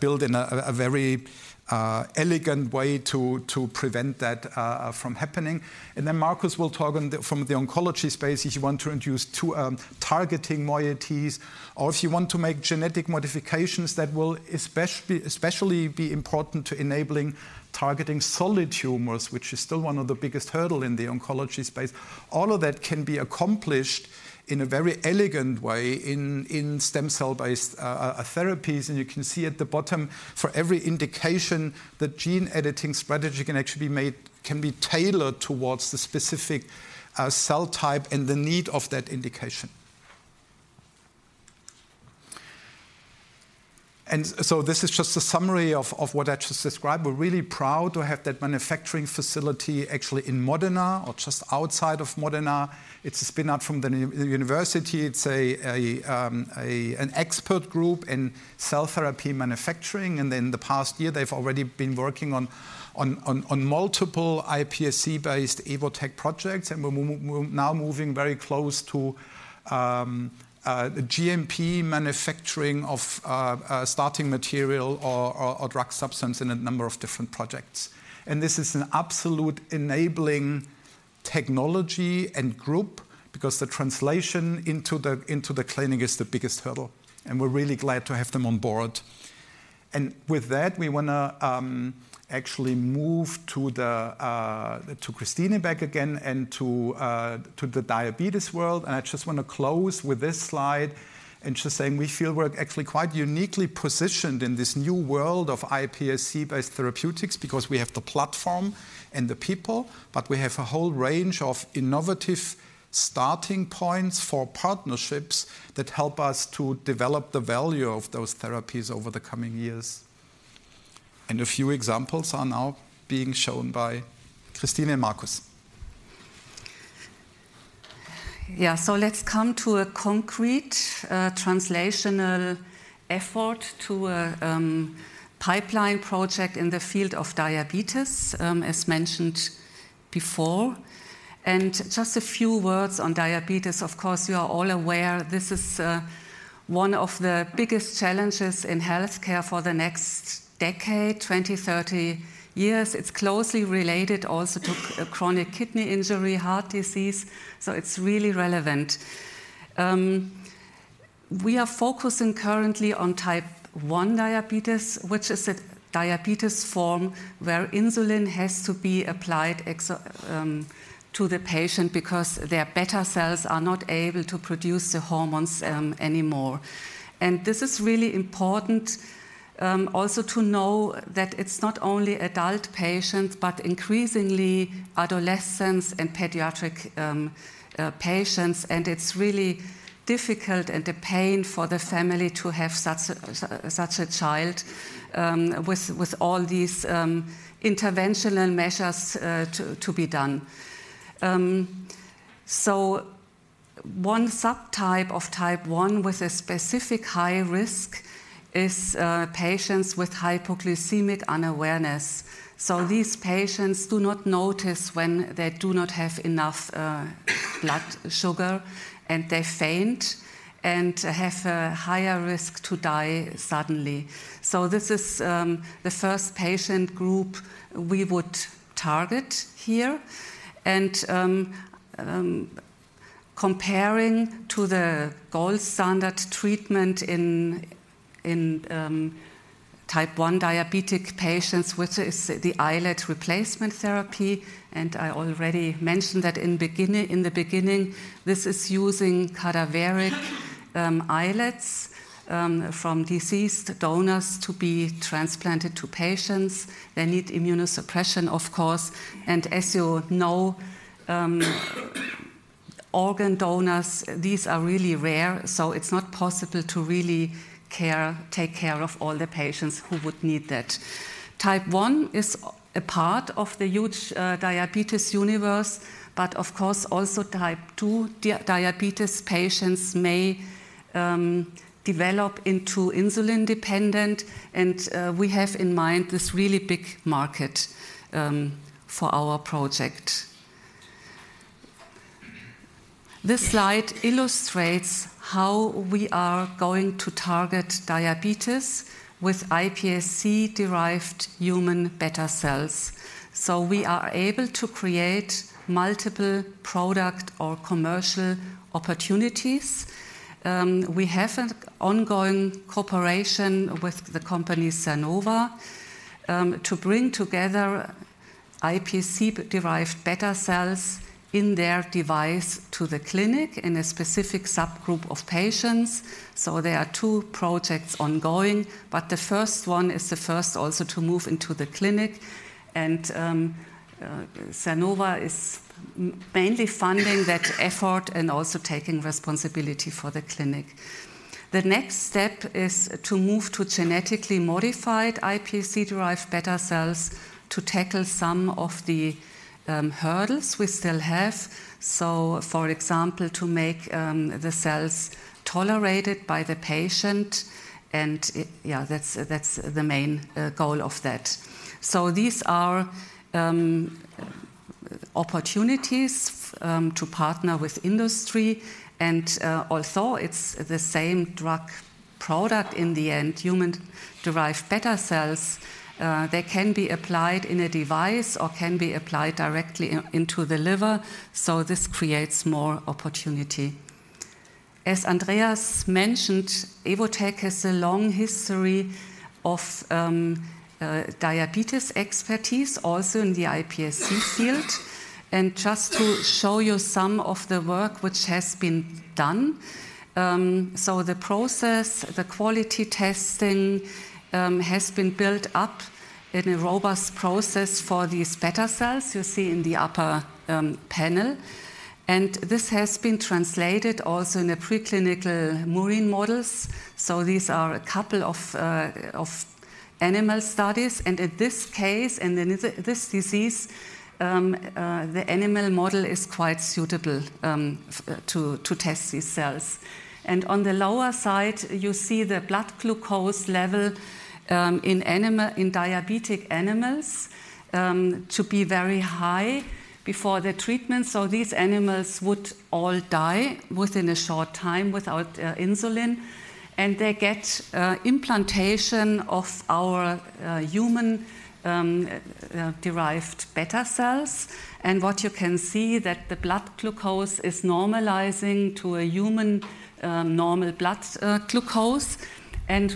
build in a very elegant way to prevent that from happening. And then Markus will talk on the—from the oncology space, if you want to introduce two targeting moieties, or if you want to make genetic modifications, that will especially, especially be important to enabling targeting solid tumors, which is still one of the biggest hurdle in the oncology space. All of that can be accomplished in a very elegant way in stem cell-based therapies. And you can see at the bottom, for every indication, the gene editing strategy can actually be made—can be tailored towards the specific cell type and the need of that indication. And so this is just a summary of what I just described. We're really proud to have that manufacturing facility actually in Modena or just outside of Modena. It's a spin-out from the university. It's an expert group in cell therapy manufacturing, and in the past year they've already been working on multiple iPSC-based Evotec projects. And we're now moving very close to GMP manufacturing of starting material or drug substance in a number of different projects. And this is an absolute enabling technology and group because the translation into the clinic is the biggest hurdle, and we're really glad to have them on board. And with that, we want to actually move to Christine back again and to the diabetes world. I just want to close with this slide, and just saying we feel we're actually quite uniquely positioned in this new world of iPSC-based therapeutics because we have the platform and the people, but we have a whole range of innovative starting points for partnerships that help us to develop the value of those therapies over the coming years. A few examples are now being shown by Christine and Markus. Yeah. So let's come to a concrete, translational effort to a pipeline project in the field of diabetes, as mentioned before. And just a few words on diabetes. Of course, you are all aware this is one of the biggest challenges in healthcare for the next decade, 20, 30 years. It's closely related also to chronic kidney injury, heart disease, so it's really relevant. We are focusing currently on type 1 diabetes, which is a diabetes form where insulin has to be applied to the patient because their beta cells are not able to produce the hormones, anymore. And this is really important, also to know that it's not only adult patients, but increasingly adolescents and pediatric patients. And it's really-... difficult and a pain for the family to have such a child with all these interventional measures to be done. So one subtype of type one with a specific high risk is patients with hypoglycemic unawareness. So these patients do not notice when they do not have enough blood sugar, and they faint, and have a higher risk to die suddenly. So this is the first patient group we would target here. And comparing to the gold standard treatment in type one diabetic patients, which is the islet replacement therapy, and I already mentioned that in the beginning, this is using cadaveric islets from deceased donors to be transplanted to patients. They need immunosuppression, of course, and as you know, organ donors, these are really rare, so it's not possible to really take care of all the patients who would need that. Type 1 is a part of the huge diabetes universe, but of course, also type 2 diabetes patients may develop into insulin-dependent, and we have in mind this really big market for our project. This slide illustrates how we are going to target diabetes with iPSC-derived human beta cells. So we are able to create multiple product or commercial opportunities. We have an ongoing cooperation with the company Sernova to bring together iPSC-derived beta cells in their device to the clinic in a specific subgroup of patients. So there are two projects ongoing, but the first one is the first also to move into the clinic. Sernova is mainly funding that effort, and also taking responsibility for the clinic. The next step is to move to genetically modified iPSC-derived beta cells to tackle some of the hurdles we still have. So for example, to make the cells tolerated by the patient, and yeah, that's the main goal of that. So these are opportunities to partner with industry. And although it's the same drug product, in the end, human-derived beta cells, they can be applied in a device or can be applied directly into the liver, so this creates more opportunity. As Andreas mentioned, Evotec has a long history of diabetes expertise, also in the iPSC field. And just to show you some of the work which has been done. So the process, the quality testing, has been built up in a robust process for these beta cells you see in the upper panel. And this has been translated also in the preclinical murine models. So these are a couple of animal studies. And in this case, and in this disease, the animal model is quite suitable to test these cells. And on the lower side, you see the blood glucose level in diabetic animals to be very high before the treatment. So these animals would all die within a short time without insulin, and they get implantation of our human derived beta cells. And what you can see that the blood glucose is normalizing to a human normal blood glucose.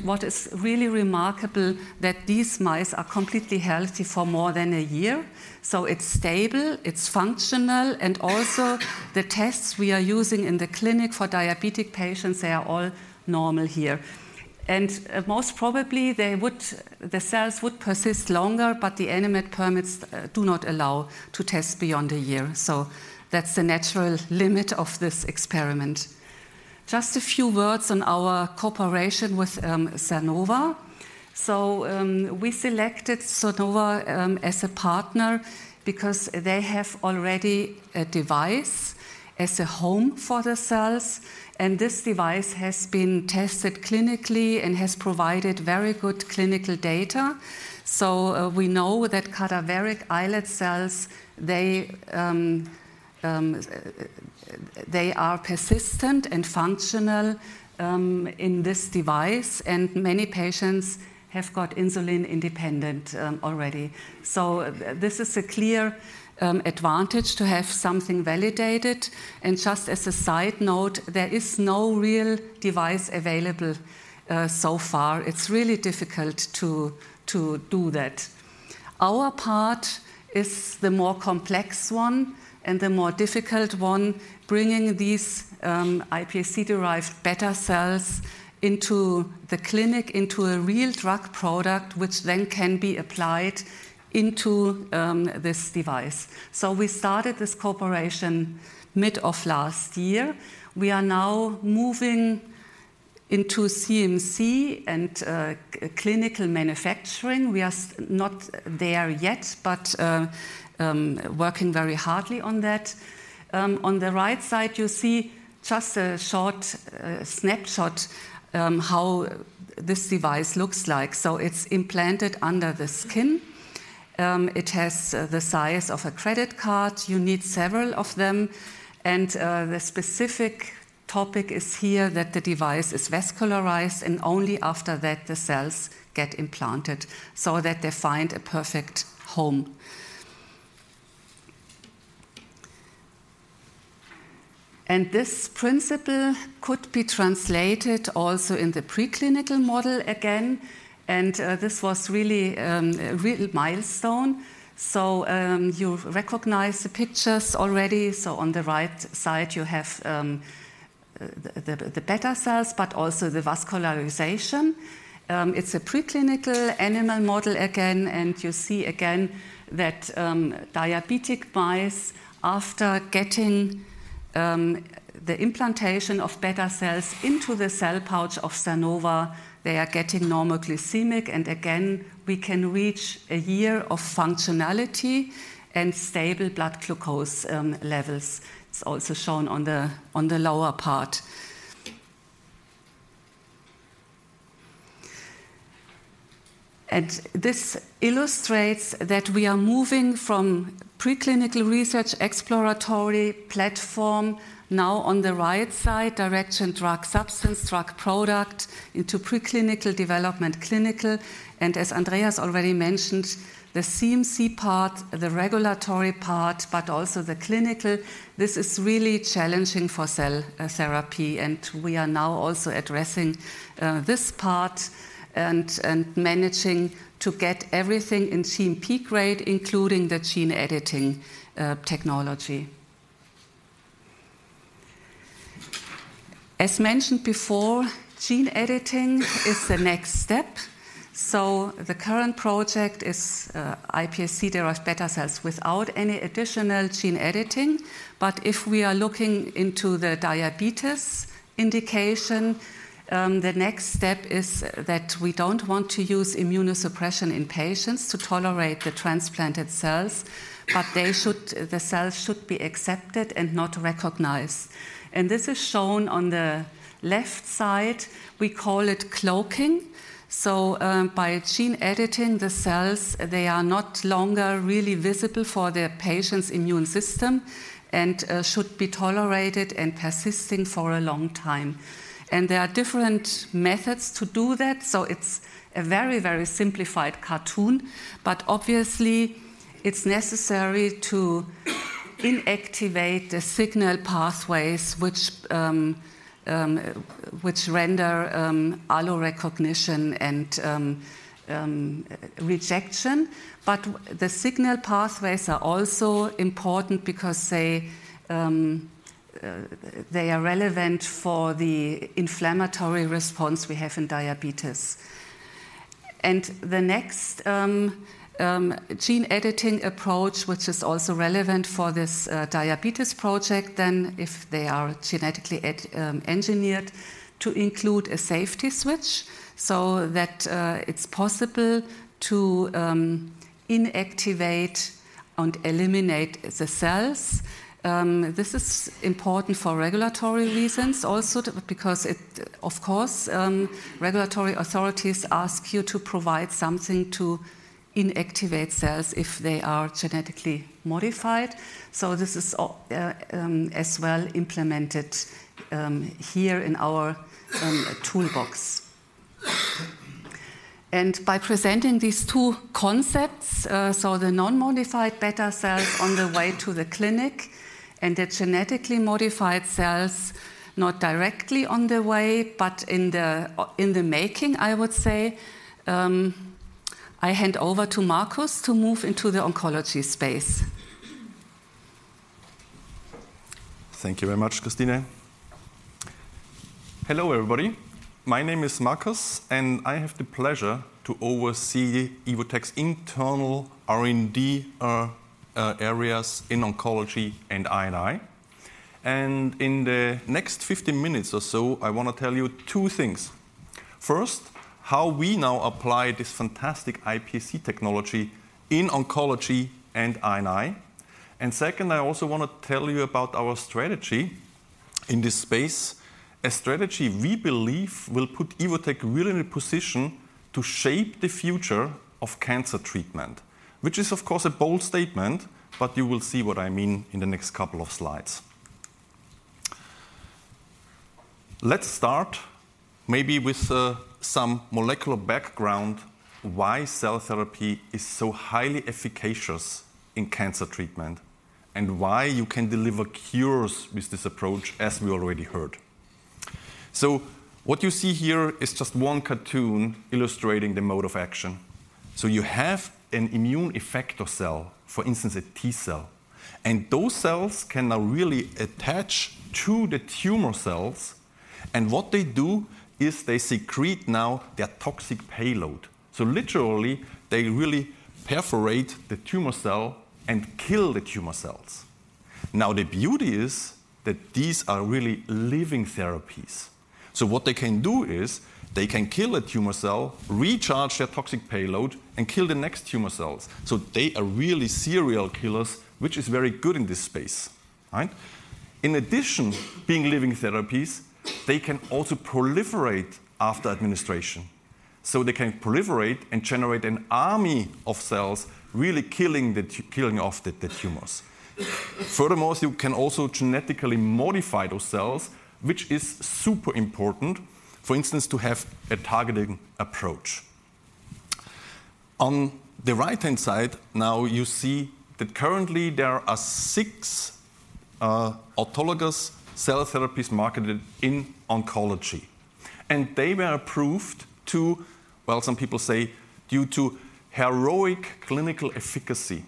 What is really remarkable that these mice are completely healthy for more than a year. So it's stable, it's functional, and also, the tests we are using in the clinic for diabetic patients, they are all normal here. Most probably, the cells would persist longer, but the animal permits do not allow to test beyond a year. So that's the natural limit of this experiment. Just a few words on our cooperation with Sernova. So we selected Sernova as a partner because they have already a device as a home for the cells, and this device has been tested clinically and has provided very good clinical data. So we know that cadaveric islet cells are persistent and functional in this device, and many patients have got insulin independent already. So this is a clear advantage to have something validated. And just as a side note, there is no real device available so far. It's really difficult to do that. Our part is the more complex one and the more difficult one, bringing these iPSC-derived beta cells into the clinic, into a real drug product, which then can be applied into this device. So we started this cooperation mid of last year. We are now moving into CMC and clinical manufacturing. We are not there yet, but working very hardly on that. On the right side, you see just a short snapshot how this device looks like. So it's implanted under the skin. It has the size of a credit card. You need several of them, and the specific topic is here that the device is vascularized, and only after that, the cells get implanted so that they find a perfect home. And this principle could be translated also in the preclinical model again, and this was really a real milestone. So you recognize the pictures already. So on the right side, you have the beta cells, but also the vascularization. It's a preclinical animal model again, and you see again that diabetic mice, after getting the implantation of beta cells into the Cell Pouch of Sernova, they are getting normoglycemic. And again, we can reach a year of functionality and stable blood glucose levels. It's also shown on the lower part. This illustrates that we are moving from preclinical research, exploratory platform, now on the right side, direction drug substance, drug product, into preclinical development, clinical. As Andreas already mentioned, the CMC part, the regulatory part, but also the clinical, this is really challenging for cell therapy, and we are now also addressing this part and managing to get everything in GMP grade, including the gene editing technology. As mentioned before, gene editing is the next step. So the current project is iPSC-derived beta cells without any additional gene editing. But if we are looking into the diabetes indication, the next step is that we don't want to use immunosuppression in patients to tolerate the transplanted cells, but they should, the cells should be accepted and not recognized. This is shown on the left side. We call it cloaking. So, by gene editing the cells, they are no longer really visible for the patient's immune system, and should be tolerated and persisting for a long time. And there are different methods to do that, so it's a very, very simplified cartoon, but obviously, it's necessary to inactivate the signal pathways which which render allorecognition and rejection. But the signal pathways are also important because they they are relevant for the inflammatory response we have in diabetes. And the next gene editing approach, which is also relevant for this diabetes project, then if they are genetically engineered to include a safety switch so that it's possible to inactivate and eliminate the cells. This is important for regulatory reasons also, because it, of course, regulatory authorities ask you to provide something to inactivate cells if they are genetically modified. So this is as well implemented here in our toolbox. And by presenting these two concepts, so the non-modified beta cells on the way to the clinic, and the genetically modified cells, not directly on the way, but in the making, I would say, I hand over to Markus to move into the oncology space. Thank you very much, Christine. Hello, everybody. My name is Markus, and I have the pleasure to oversee Evotec's internal R&D, areas in oncology and I&I. In the next 15 minutes or so, I want to tell you two things. First, how we now apply this fantastic iPSC technology in oncology and I&I. Second, I also want to tell you about our strategy in this space, a strategy we believe will put Evotec really in a position to shape the future of cancer treatment, which is, of course, a bold statement, but you will see what I mean in the next couple of slides. Let's start maybe with, some molecular background, why cell therapy is so highly efficacious in cancer treatment, and why you can deliver cures with this approach, as we already heard. So what you see here is just one cartoon illustrating the mode of action. So you have an immune effector cell, for instance, a T cell, and those cells can now really attach to the tumor cells, and what they do is they secrete now their toxic payload. So literally, they really perforate the tumor cell and kill the tumor cells. Now, the beauty is that these are really living therapies. So what they can do is they can kill a tumor cell, recharge their toxic payload, and kill the next tumor cells. So they are really serial killers, which is very good in this space, right? In addition, being living therapies, they can also proliferate after administration. So they can proliferate and generate an army of cells, really killing off the tumors. Furthermore, you can also genetically modify those cells, which is super important, for instance, to have a targeting approach. On the right-hand side, now you see that currently there are 6 autologous cell therapies marketed in oncology, and they were approved to, well, some people say, due to heroic clinical efficacy.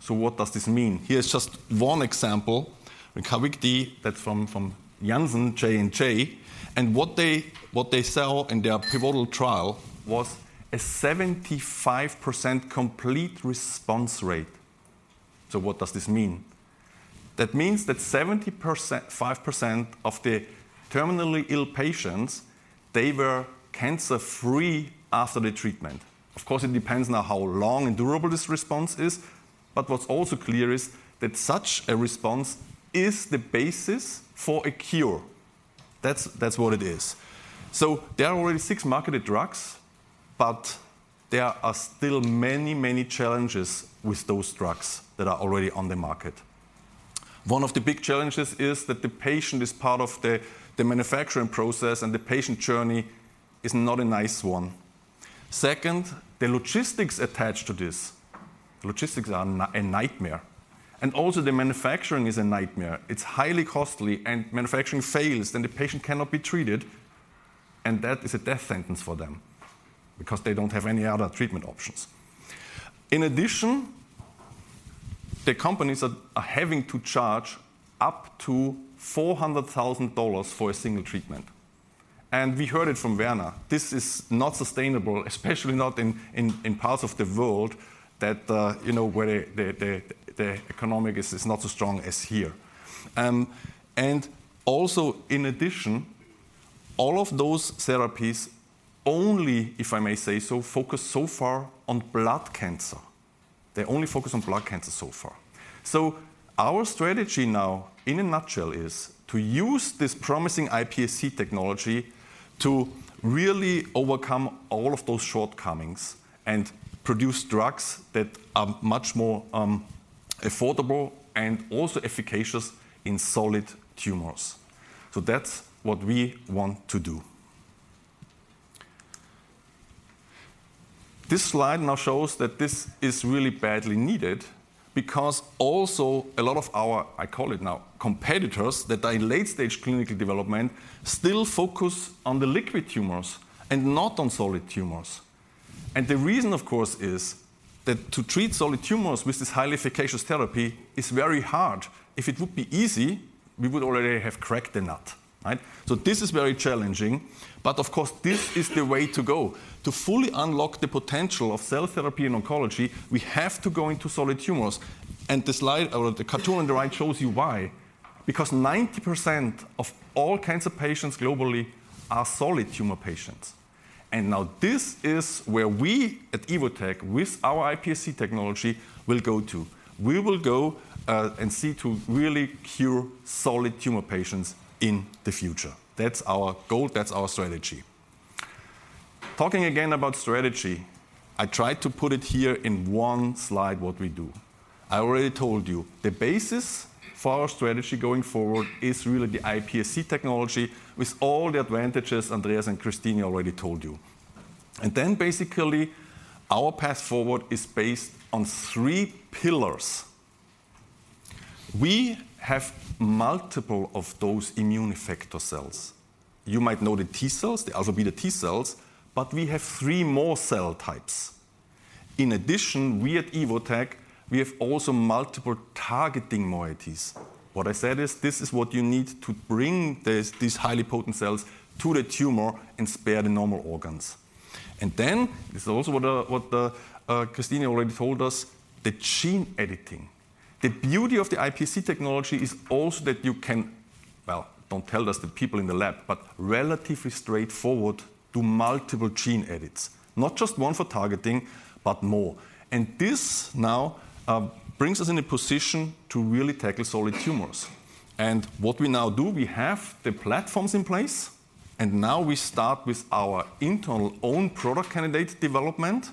So what does this mean? Here's just one example, Carvykti, that's from, from Janssen, J&J, and what they, what they saw in their pivotal trial was a 75% complete response rate. So what does this mean? That means that 75% of the terminally ill patients, they were cancer-free after the treatment. Of course, it depends on how long and durable this response is, but what's also clear is that such a response is the basis for a cure. That's, that's what it is. So there are already six marketed drugs, but there are still many, many challenges with those drugs that are already on the market. One of the big challenges is that the patient is part of the manufacturing process, and the patient journey is not a nice one. Second, the logistics attached to this, logistics are a nightmare, and also the manufacturing is a nightmare. It's highly costly, and manufacturing fails, then the patient cannot be treated, and that is a death sentence for them because they don't have any other treatment options. In addition, the companies are having to charge up to $400,000 for a single treatment, and we heard it from Werner. This is not sustainable, especially not in parts of the world that you know where the economy is not as strong as here. And also, in addition, all of those therapies only, if I may say so, focus so far on blood cancer. They only focus on blood cancer so far. So our strategy now, in a nutshell, is to use this promising iPSC technology to really overcome all of those shortcomings and produce drugs that are much more affordable and also efficacious in solid tumors. So that's what we want to do. This slide now shows that this is really badly needed because also a lot of our, I call it now, competitors, that are in late-stage clinical development, still focus on the liquid tumors and not on solid tumors. And the reason, of course, is that to treat solid tumors with this highly efficacious therapy is very hard. If it would be easy, we would already have cracked the nut, right? So this is very challenging, but of course, this is the way to go. To fully unlock the potential of cell therapy in oncology, we have to go into solid tumors. And the slide, or the cartoon on the right, shows you why. Because 90% of all cancer patients globally are solid tumor patients. And now this is where we, at Evotec, with our iPSC technology, will go to. We will go, and see to really cure solid tumor patients in the future. That's our goal, that's our strategy. Talking again about strategy, I tried to put it here in one slide, what we do. I already told you, the basis for our strategy going forward is really the iPSC technology, with all the advantages Andreas and Christine already told you. And then basically, our path forward is based on three pillars. We have multiple of those immune effector cells. You might know the T cells, the αβ T cells, but we have three more cell types. In addition, we at Evotec, we have also multiple targeting moieties. What I said is this is what you need to bring these highly potent cells to the tumor and spare the normal organs. And then, this is also what the Christine already told us, the gene editing. The beauty of the iPSC technology is also that you can, well, don't tell this to the people in the lab, but relatively straightforward, do multiple gene edits. Not just one for targeting, but more. And this now brings us in a position to really tackle solid tumors. And what we now do, we have the platforms in place, and now we start with our internal own product candidate development.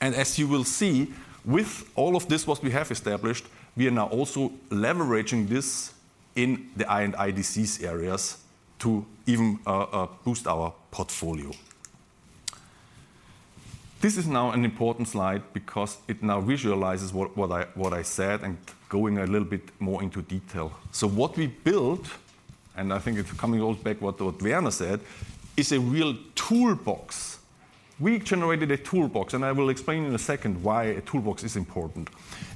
As you will see, with all of this, what we have established, we are now also leveraging this in the R&D, I&I areas to even boost our portfolio. This is now an important slide because it now visualizes what I said, and going a little bit more into detail. What we built, and I think it's coming all back what Werner said, is a real toolbox. We generated a toolbox, and I will explain in a second why a toolbox is important.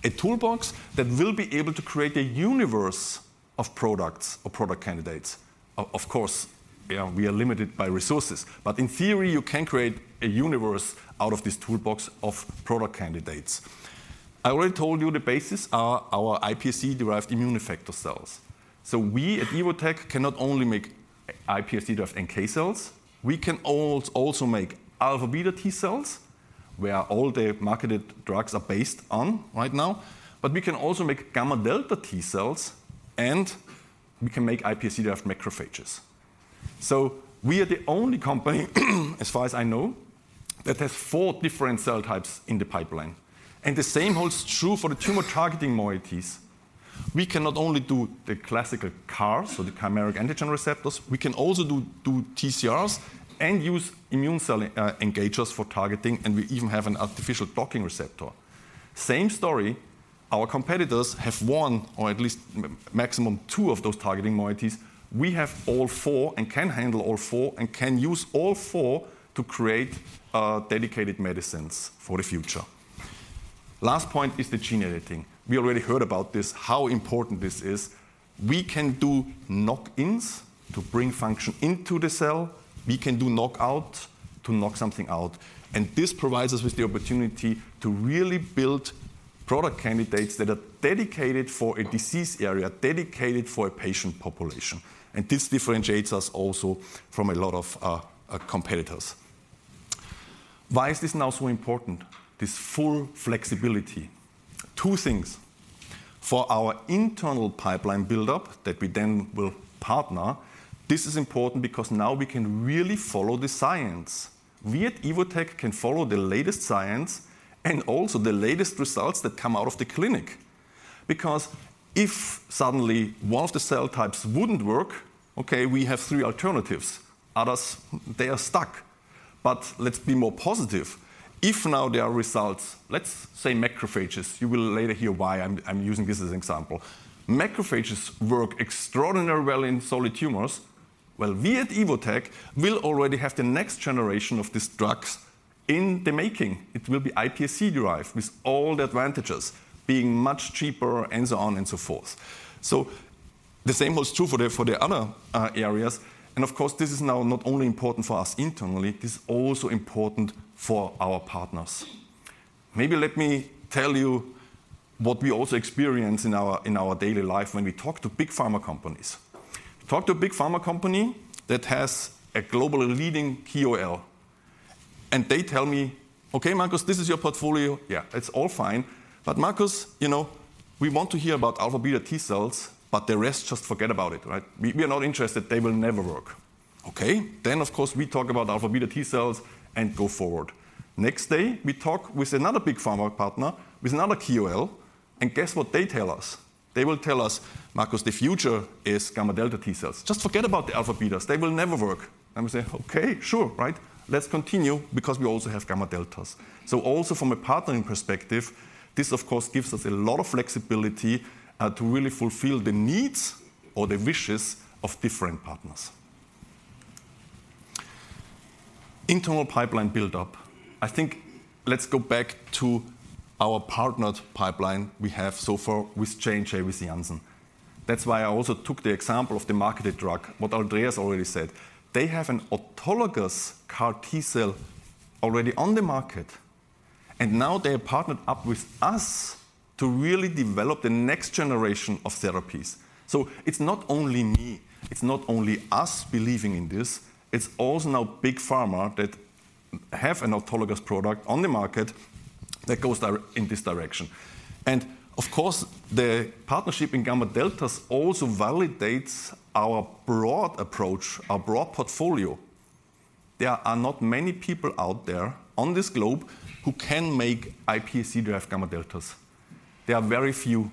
A toolbox that will be able to create a universe of products or product candidates. Of course, you know, we are limited by resources, but in theory, you can create a universe out of this toolbox of product candidates. I already told you the basis are our iPSC-derived immune effector cells. So we at Evotec cannot only make iPSC-derived NK cells, we can also make αβ T cells, where all the marketed drugs are based on right now, but we can also make γδ T cells, and we can make iPSC-derived macrophages. So we are the only company, as far as I know, that has four different cell types in the pipeline, and the same holds true for the tumor-targeting moieties. We cannot only do the classical CARs, so the chimeric antigen receptors, we can also do TCRs and use immune cell engagers for targeting, and we even have an artificial docking receptor. Same story, our competitors have one or at least maximum two of those targeting moieties. We have all four and can handle all four and can use all four to create dedicated medicines for the future. Last point is the gene editing. We already heard about this, how important this is. We can do knock-ins to bring function into the cell. We can do knockout to knock something out, and this provides us with the opportunity to really build product candidates that are dedicated for a disease area, dedicated for a patient population. And this differentiates us also from a lot of competitors. Why is this now so important, this full flexibility? Two things. For our internal pipeline build-up that we then will partner, this is important because now we can really follow the science. We at Evotec can follow the latest science and also the latest results that come out of the clinic. Because if suddenly one of the cell types wouldn't work, okay, we have three alternatives. Others, they are stuck. But let's be more positive. If now there are results, let's say macrophages,... You will later hear why I'm using this as an example. Macrophages work extraordinarily well in solid tumors. Well, we at Evotec will already have the next generation of these drugs in the making. It will be iPSC-derived, with all the advantages, being much cheaper and so on and so forth. So the same holds true for the other areas, and of course, this is now not only important for us internally, it is also important for our partners. Maybe let me tell you what we also experience in our daily life when we talk to big pharma companies. Talk to a big pharma company that has a global leading KOL, and they tell me, "Okay, Markus, this is your portfolio. Yeah, it's all fine, but Markus, you know, we want to hear about αβ T cells, but the rest, just forget about it, right? We, we are not interested. They will never work. Okay. Then, of course, we talk about αβ T cells and go forward. Next day, we talk with another big pharma partner, with another KOL, and guess what they tell us? They will tell us, "Markus, the future is γδ T cells. Just forget about the alpha-betas. They will never work." And we say, "Okay, sure, right. Let's continue," because we also have gamma-deltas. So also from a partnering perspective, this of course gives us a lot of flexibility to really fulfill the needs or the wishes of different partners. Internal pipeline build-up. I think let's go back to our partnered pipeline we have so far with J&J, with Janssen. That's why I also took the example of the marketed drug, what Andreas already said. They have an autologous CAR T cell already on the market, and now they have partnered up with us to really develop the next generation of therapies. So it's not only me, it's not only us believing in this, it's also now big pharma that have an autologous product on the market that goes in this direction. And of course, the partnership in gamma-deltas also validates our broad approach, our broad portfolio. There are not many people out there on this globe who can make iPSC-derived gamma-deltas. There are very few.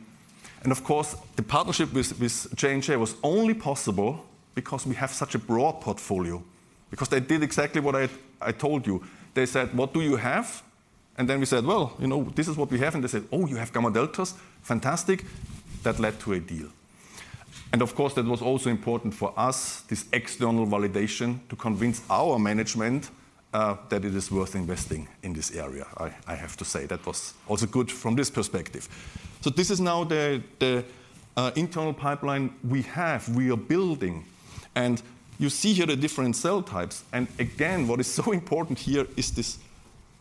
And of course, the partnership with J&J was only possible because we have such a broad portfolio, because they did exactly what I told you. They said: "What do you have?" And then we said: "Well, you know, this is what we have." And they said: "Oh, you have gamma-deltas? Fantastic!" That led to a deal. And of course, that was also important for us, this external validation, to convince our management that it is worth investing in this area. I have to say that was also good from this perspective. So this is now the internal pipeline we have, we are building, and you see here the different cell types. And again, what is so important here is this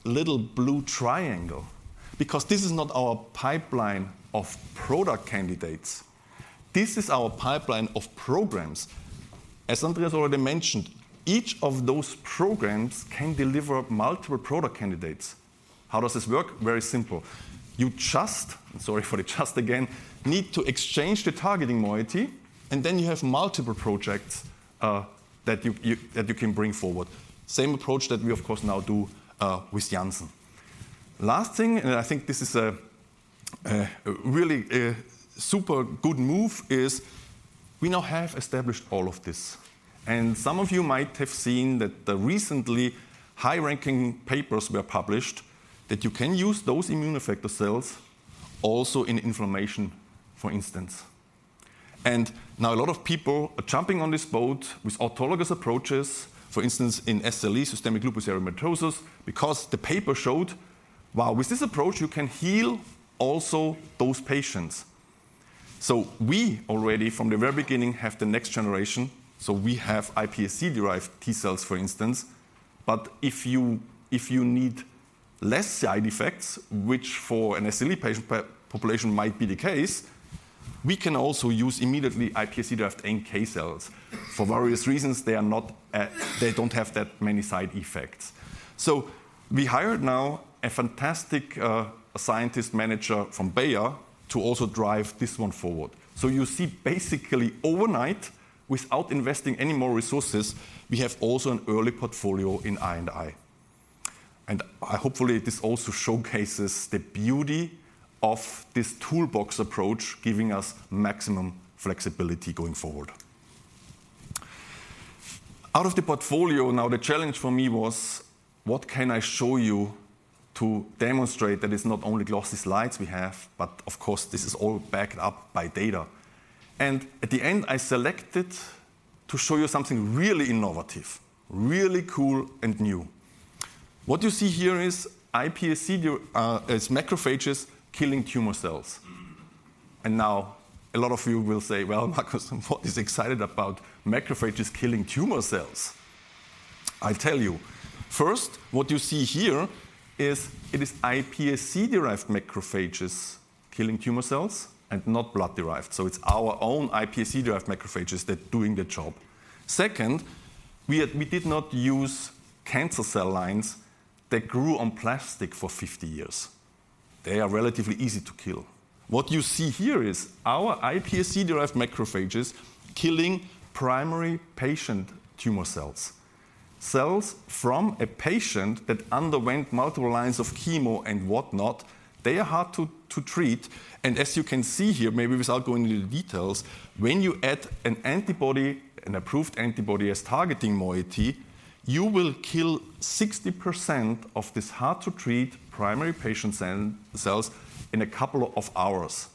little blue triangle, because this is not our pipeline of product candidates, this is our pipeline of programs. As Andreas already mentioned, each of those programs can deliver multiple product candidates. How does this work? Very simple. You just, sorry for the just again, need to exchange the targeting moiety, and then you have multiple projects, that you can bring forward. Same approach that we of course now do with Janssen. Last thing, and I think this is a really a super good move, is we now have established all of this, and some of you might have seen that the recently high-ranking papers were published that you can use those immune effector cells also in inflammation, for instance. And now a lot of people are jumping on this boat with autologous approaches, for instance, in SLE, systemic lupus erythematosus, because the paper showed-... Wow, with this approach, you can heal also those patients. So we already, from the very beginning, have the next generation, so we have iPSC-derived T cells, for instance. But if you, if you need less side effects, which for an SLE patient population might be the case, we can also use immediately iPSC-derived NK cells. For various reasons, they are not, they don't have that many side effects. So we hired now a fantastic scientist manager from Bayer to also drive this one forward. So you see, basically overnight, without investing any more resources, we have also an early portfolio in I&I. And hopefully, this also showcases the beauty of this toolbox approach, giving us maximum flexibility going forward. Out of the portfolio, now, the challenge for me was: What can I show you to demonstrate that it's not only glossy slides we have, but of course, this is all backed up by data? And at the end, I selected to show you something really innovative, really cool and new. What you see here is iPSC is macrophages killing tumor cells. Now, a lot of you will say, "Well, Markus, what is excited about macrophages killing tumor cells?" I'll tell you. First, what you see here is, it is iPSC-derived macrophages killing tumor cells, and not blood-derived. So it's our own iPSC-derived macrophages that doing the job. Second, we did not use cancer cell lines that grew on plastic for 50 years. They are relatively easy to kill. What you see here is our iPSC-derived macrophages killing primary patient tumor cells, cells from a patient that underwent multiple lines of chemo and whatnot. They are hard to treat, and as you can see here, maybe without going into the details, when you add an antibody, an approved antibody as targeting moiety, you will kill 60% of this hard-to-treat primary patient cells in a couple of hours.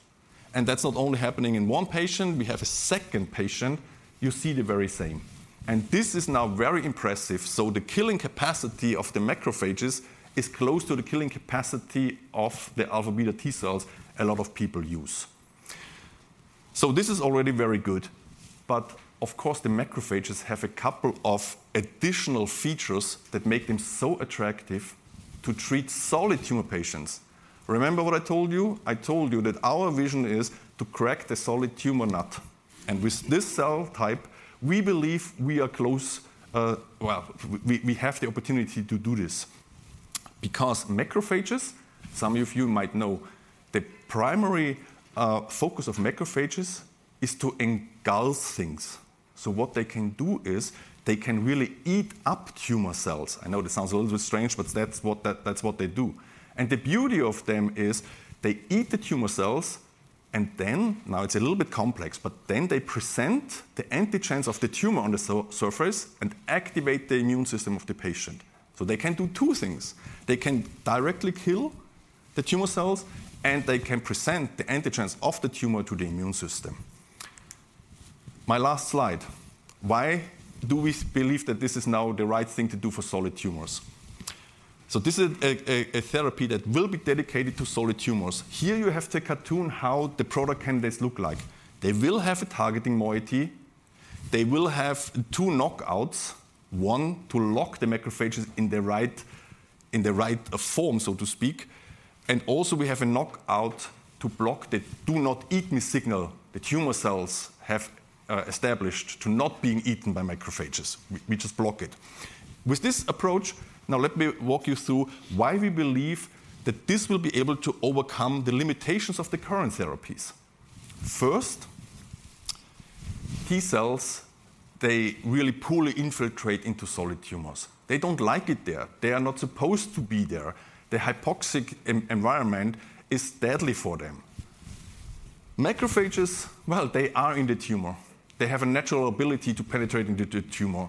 And that's not only happening in one patient, we have a second patient, you see the very same. And this is now very impressive. So the killing capacity of the macrophages is close to the killing capacity of the αβ T cells a lot of people use. So this is already very good, but of course, the macrophages have a couple of additional features that make them so attractive to treat solid tumor patients. Remember what I told you? I told you that our vision is to crack the solid tumor nut, and with this cell type, we believe we are close. Well, we have the opportunity to do this. Because macrophages, some of you might know, the primary focus of macrophages is to engulf things. So what they can do is they can really eat up tumor cells. I know this sounds a little bit strange, but that's what they do. And the beauty of them is they eat the tumor cells, and then, now, it's a little bit complex, but then they present the antigens of the tumor on the surface and activate the immune system of the patient. So they can do two things: They can directly kill the tumor cells, and they can present the antigens of the tumor to the immune system. My last slide. Why do we believe that this is now the right thing to do for solid tumors? So this is a therapy that will be dedicated to solid tumors. Here, you have the cartoon, how the product candidates look like. They will have a targeting moiety. They will have two knockouts, one, to lock the macrophages in the right, in the right, form, so to speak. And also, we have a knockout to block the "do not eat me" signal that tumor cells have established to not being eaten by macrophages. We just block it. With this approach, now, let me walk you through why we believe that this will be able to overcome the limitations of the current therapies. First, T cells, they really poorly infiltrate into solid tumors. They don't like it there. They are not supposed to be there. The hypoxic environment is deadly for them. Macrophages, well, they are in the tumor. They have a natural ability to penetrate into the tumor.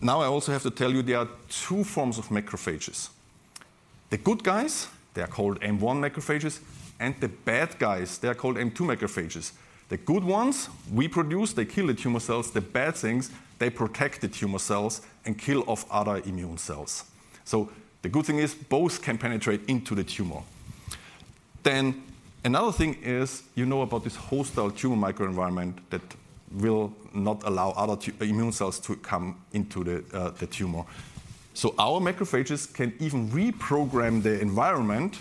Now, I also have to tell you, there are two forms of macrophages. The good guys, they are called M1 macrophages, and the bad guys, they are called M2 macrophages. The good ones, we produce, they kill the tumor cells. The bad things, they protect the tumor cells and kill off other immune cells. So the good thing is, both can penetrate into the tumor. Then, another thing is, you know about this hostile tumor microenvironment that will not allow other immune cells to come into the tumor. So our macrophages can even reprogram the environment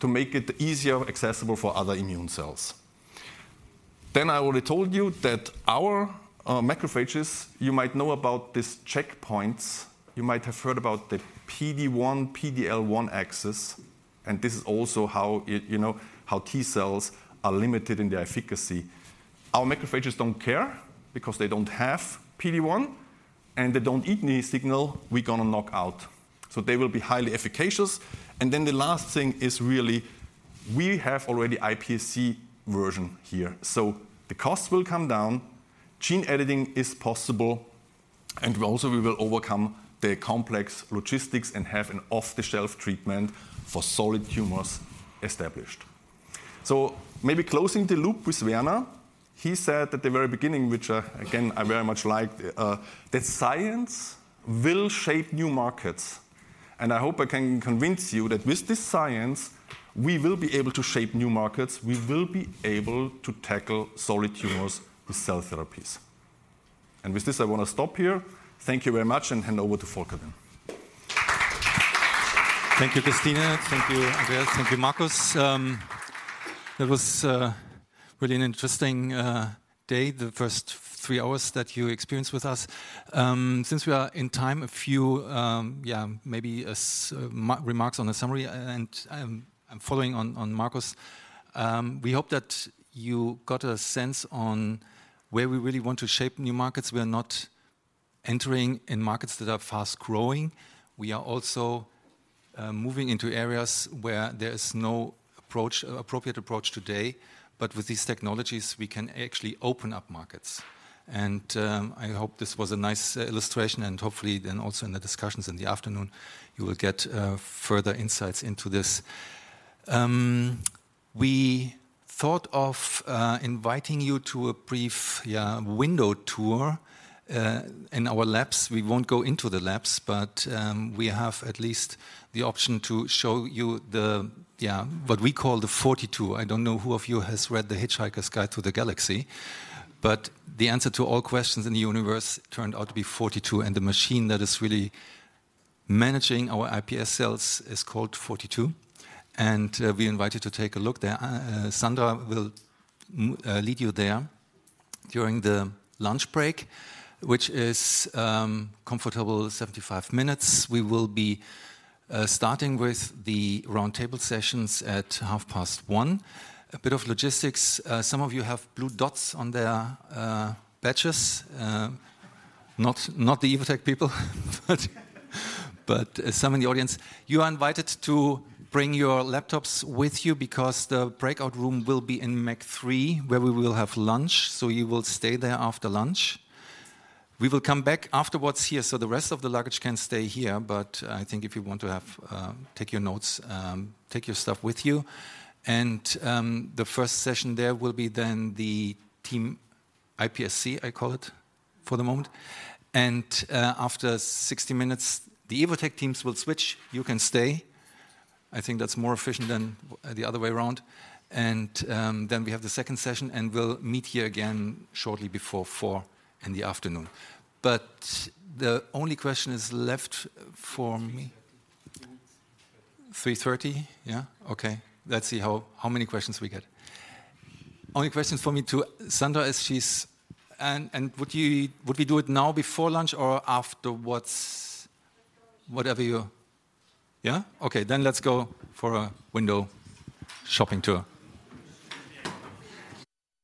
to make it easier, accessible for other immune cells. Then, I already told you that our macrophages, you might know about these checkpoints. You might have heard about the PD-1, PD-L1 axis, and this is also how it, you know, how T cells are limited in their efficacy. Our macrophages don't care because they don't have PD-1, and the 'don't eat me' signal we're gonna knockout, so they will be highly efficacious. And then the last thing is really, we have already iPSC version here, so the cost will come down, gene editing is possible, and also, we will overcome the complex logistics and have an off-the-shelf treatment for solid tumors established. So maybe closing the loop with Werner, he said at the very beginning, which, again, I very much like, that science will shape new markets. And I hope I can convince you that with this science, we will be able to shape new markets. We will be able to tackle solid tumors with cell therapies. With this, I want to stop here. Thank you very much, and hand over to Volker then. Thank you, Christine. Thank you, Andreas. Thank you, Markus. That was really an interesting day, the first three hours that you experienced with us. Since we are in time, a few, yeah, maybe remarks on the summary, and I'm following on Markus. We hope that you got a sense on where we really want to shape new markets. We are not entering in markets that are fast-growing. We are also moving into areas where there is no appropriate approach today, but with these technologies, we can actually open up markets. And I hope this was a nice illustration, and hopefully, then also in the discussions in the afternoon, you will get further insights into this. We thought of inviting you to a brief, yeah, window tour in our labs. We won't go into the labs, but we have at least the option to show you the, yeah, what we call the 42. I don't know who of you has read The Hitchhiker's Guide to the Galaxy, but the answer to all questions in the universe turned out to be 42, and the machine that is really managing our iPS cells is called 42, and we invite you to take a look there. Sandra will lead you there during the lunch break, which is comfortable 75 minutes. We will be starting with the roundtable sessions at 1:30 P.M. A bit of logistics, some of you have blue dots on their badges. Not the Evotec people, but some in the audience. You are invited to bring your laptops with you because the breakout room will be in MEC 3, where we will have lunch, so you will stay there after lunch. We will come back afterwards here, so the rest of the luggage can stay here, but I think if you want to have, take your notes, take your stuff with you. And, the first session there will be then the Team iPSC, I call it for the moment. And, after 60 minutes, the Evotec teams will switch. You can stay. I think that's more efficient than, the other way around. And, then we have the second session, and we'll meet here again shortly before 4:00 P.M. But the only question is left for me. Three thirty. Three thirty? Yeah. Okay. Let's see how many questions we get. Only question for me to Sandra is she's... And would you, would we do it now before lunch or afterwards? Whatever you... Yeah? Okay, then let's go for a window shopping tour.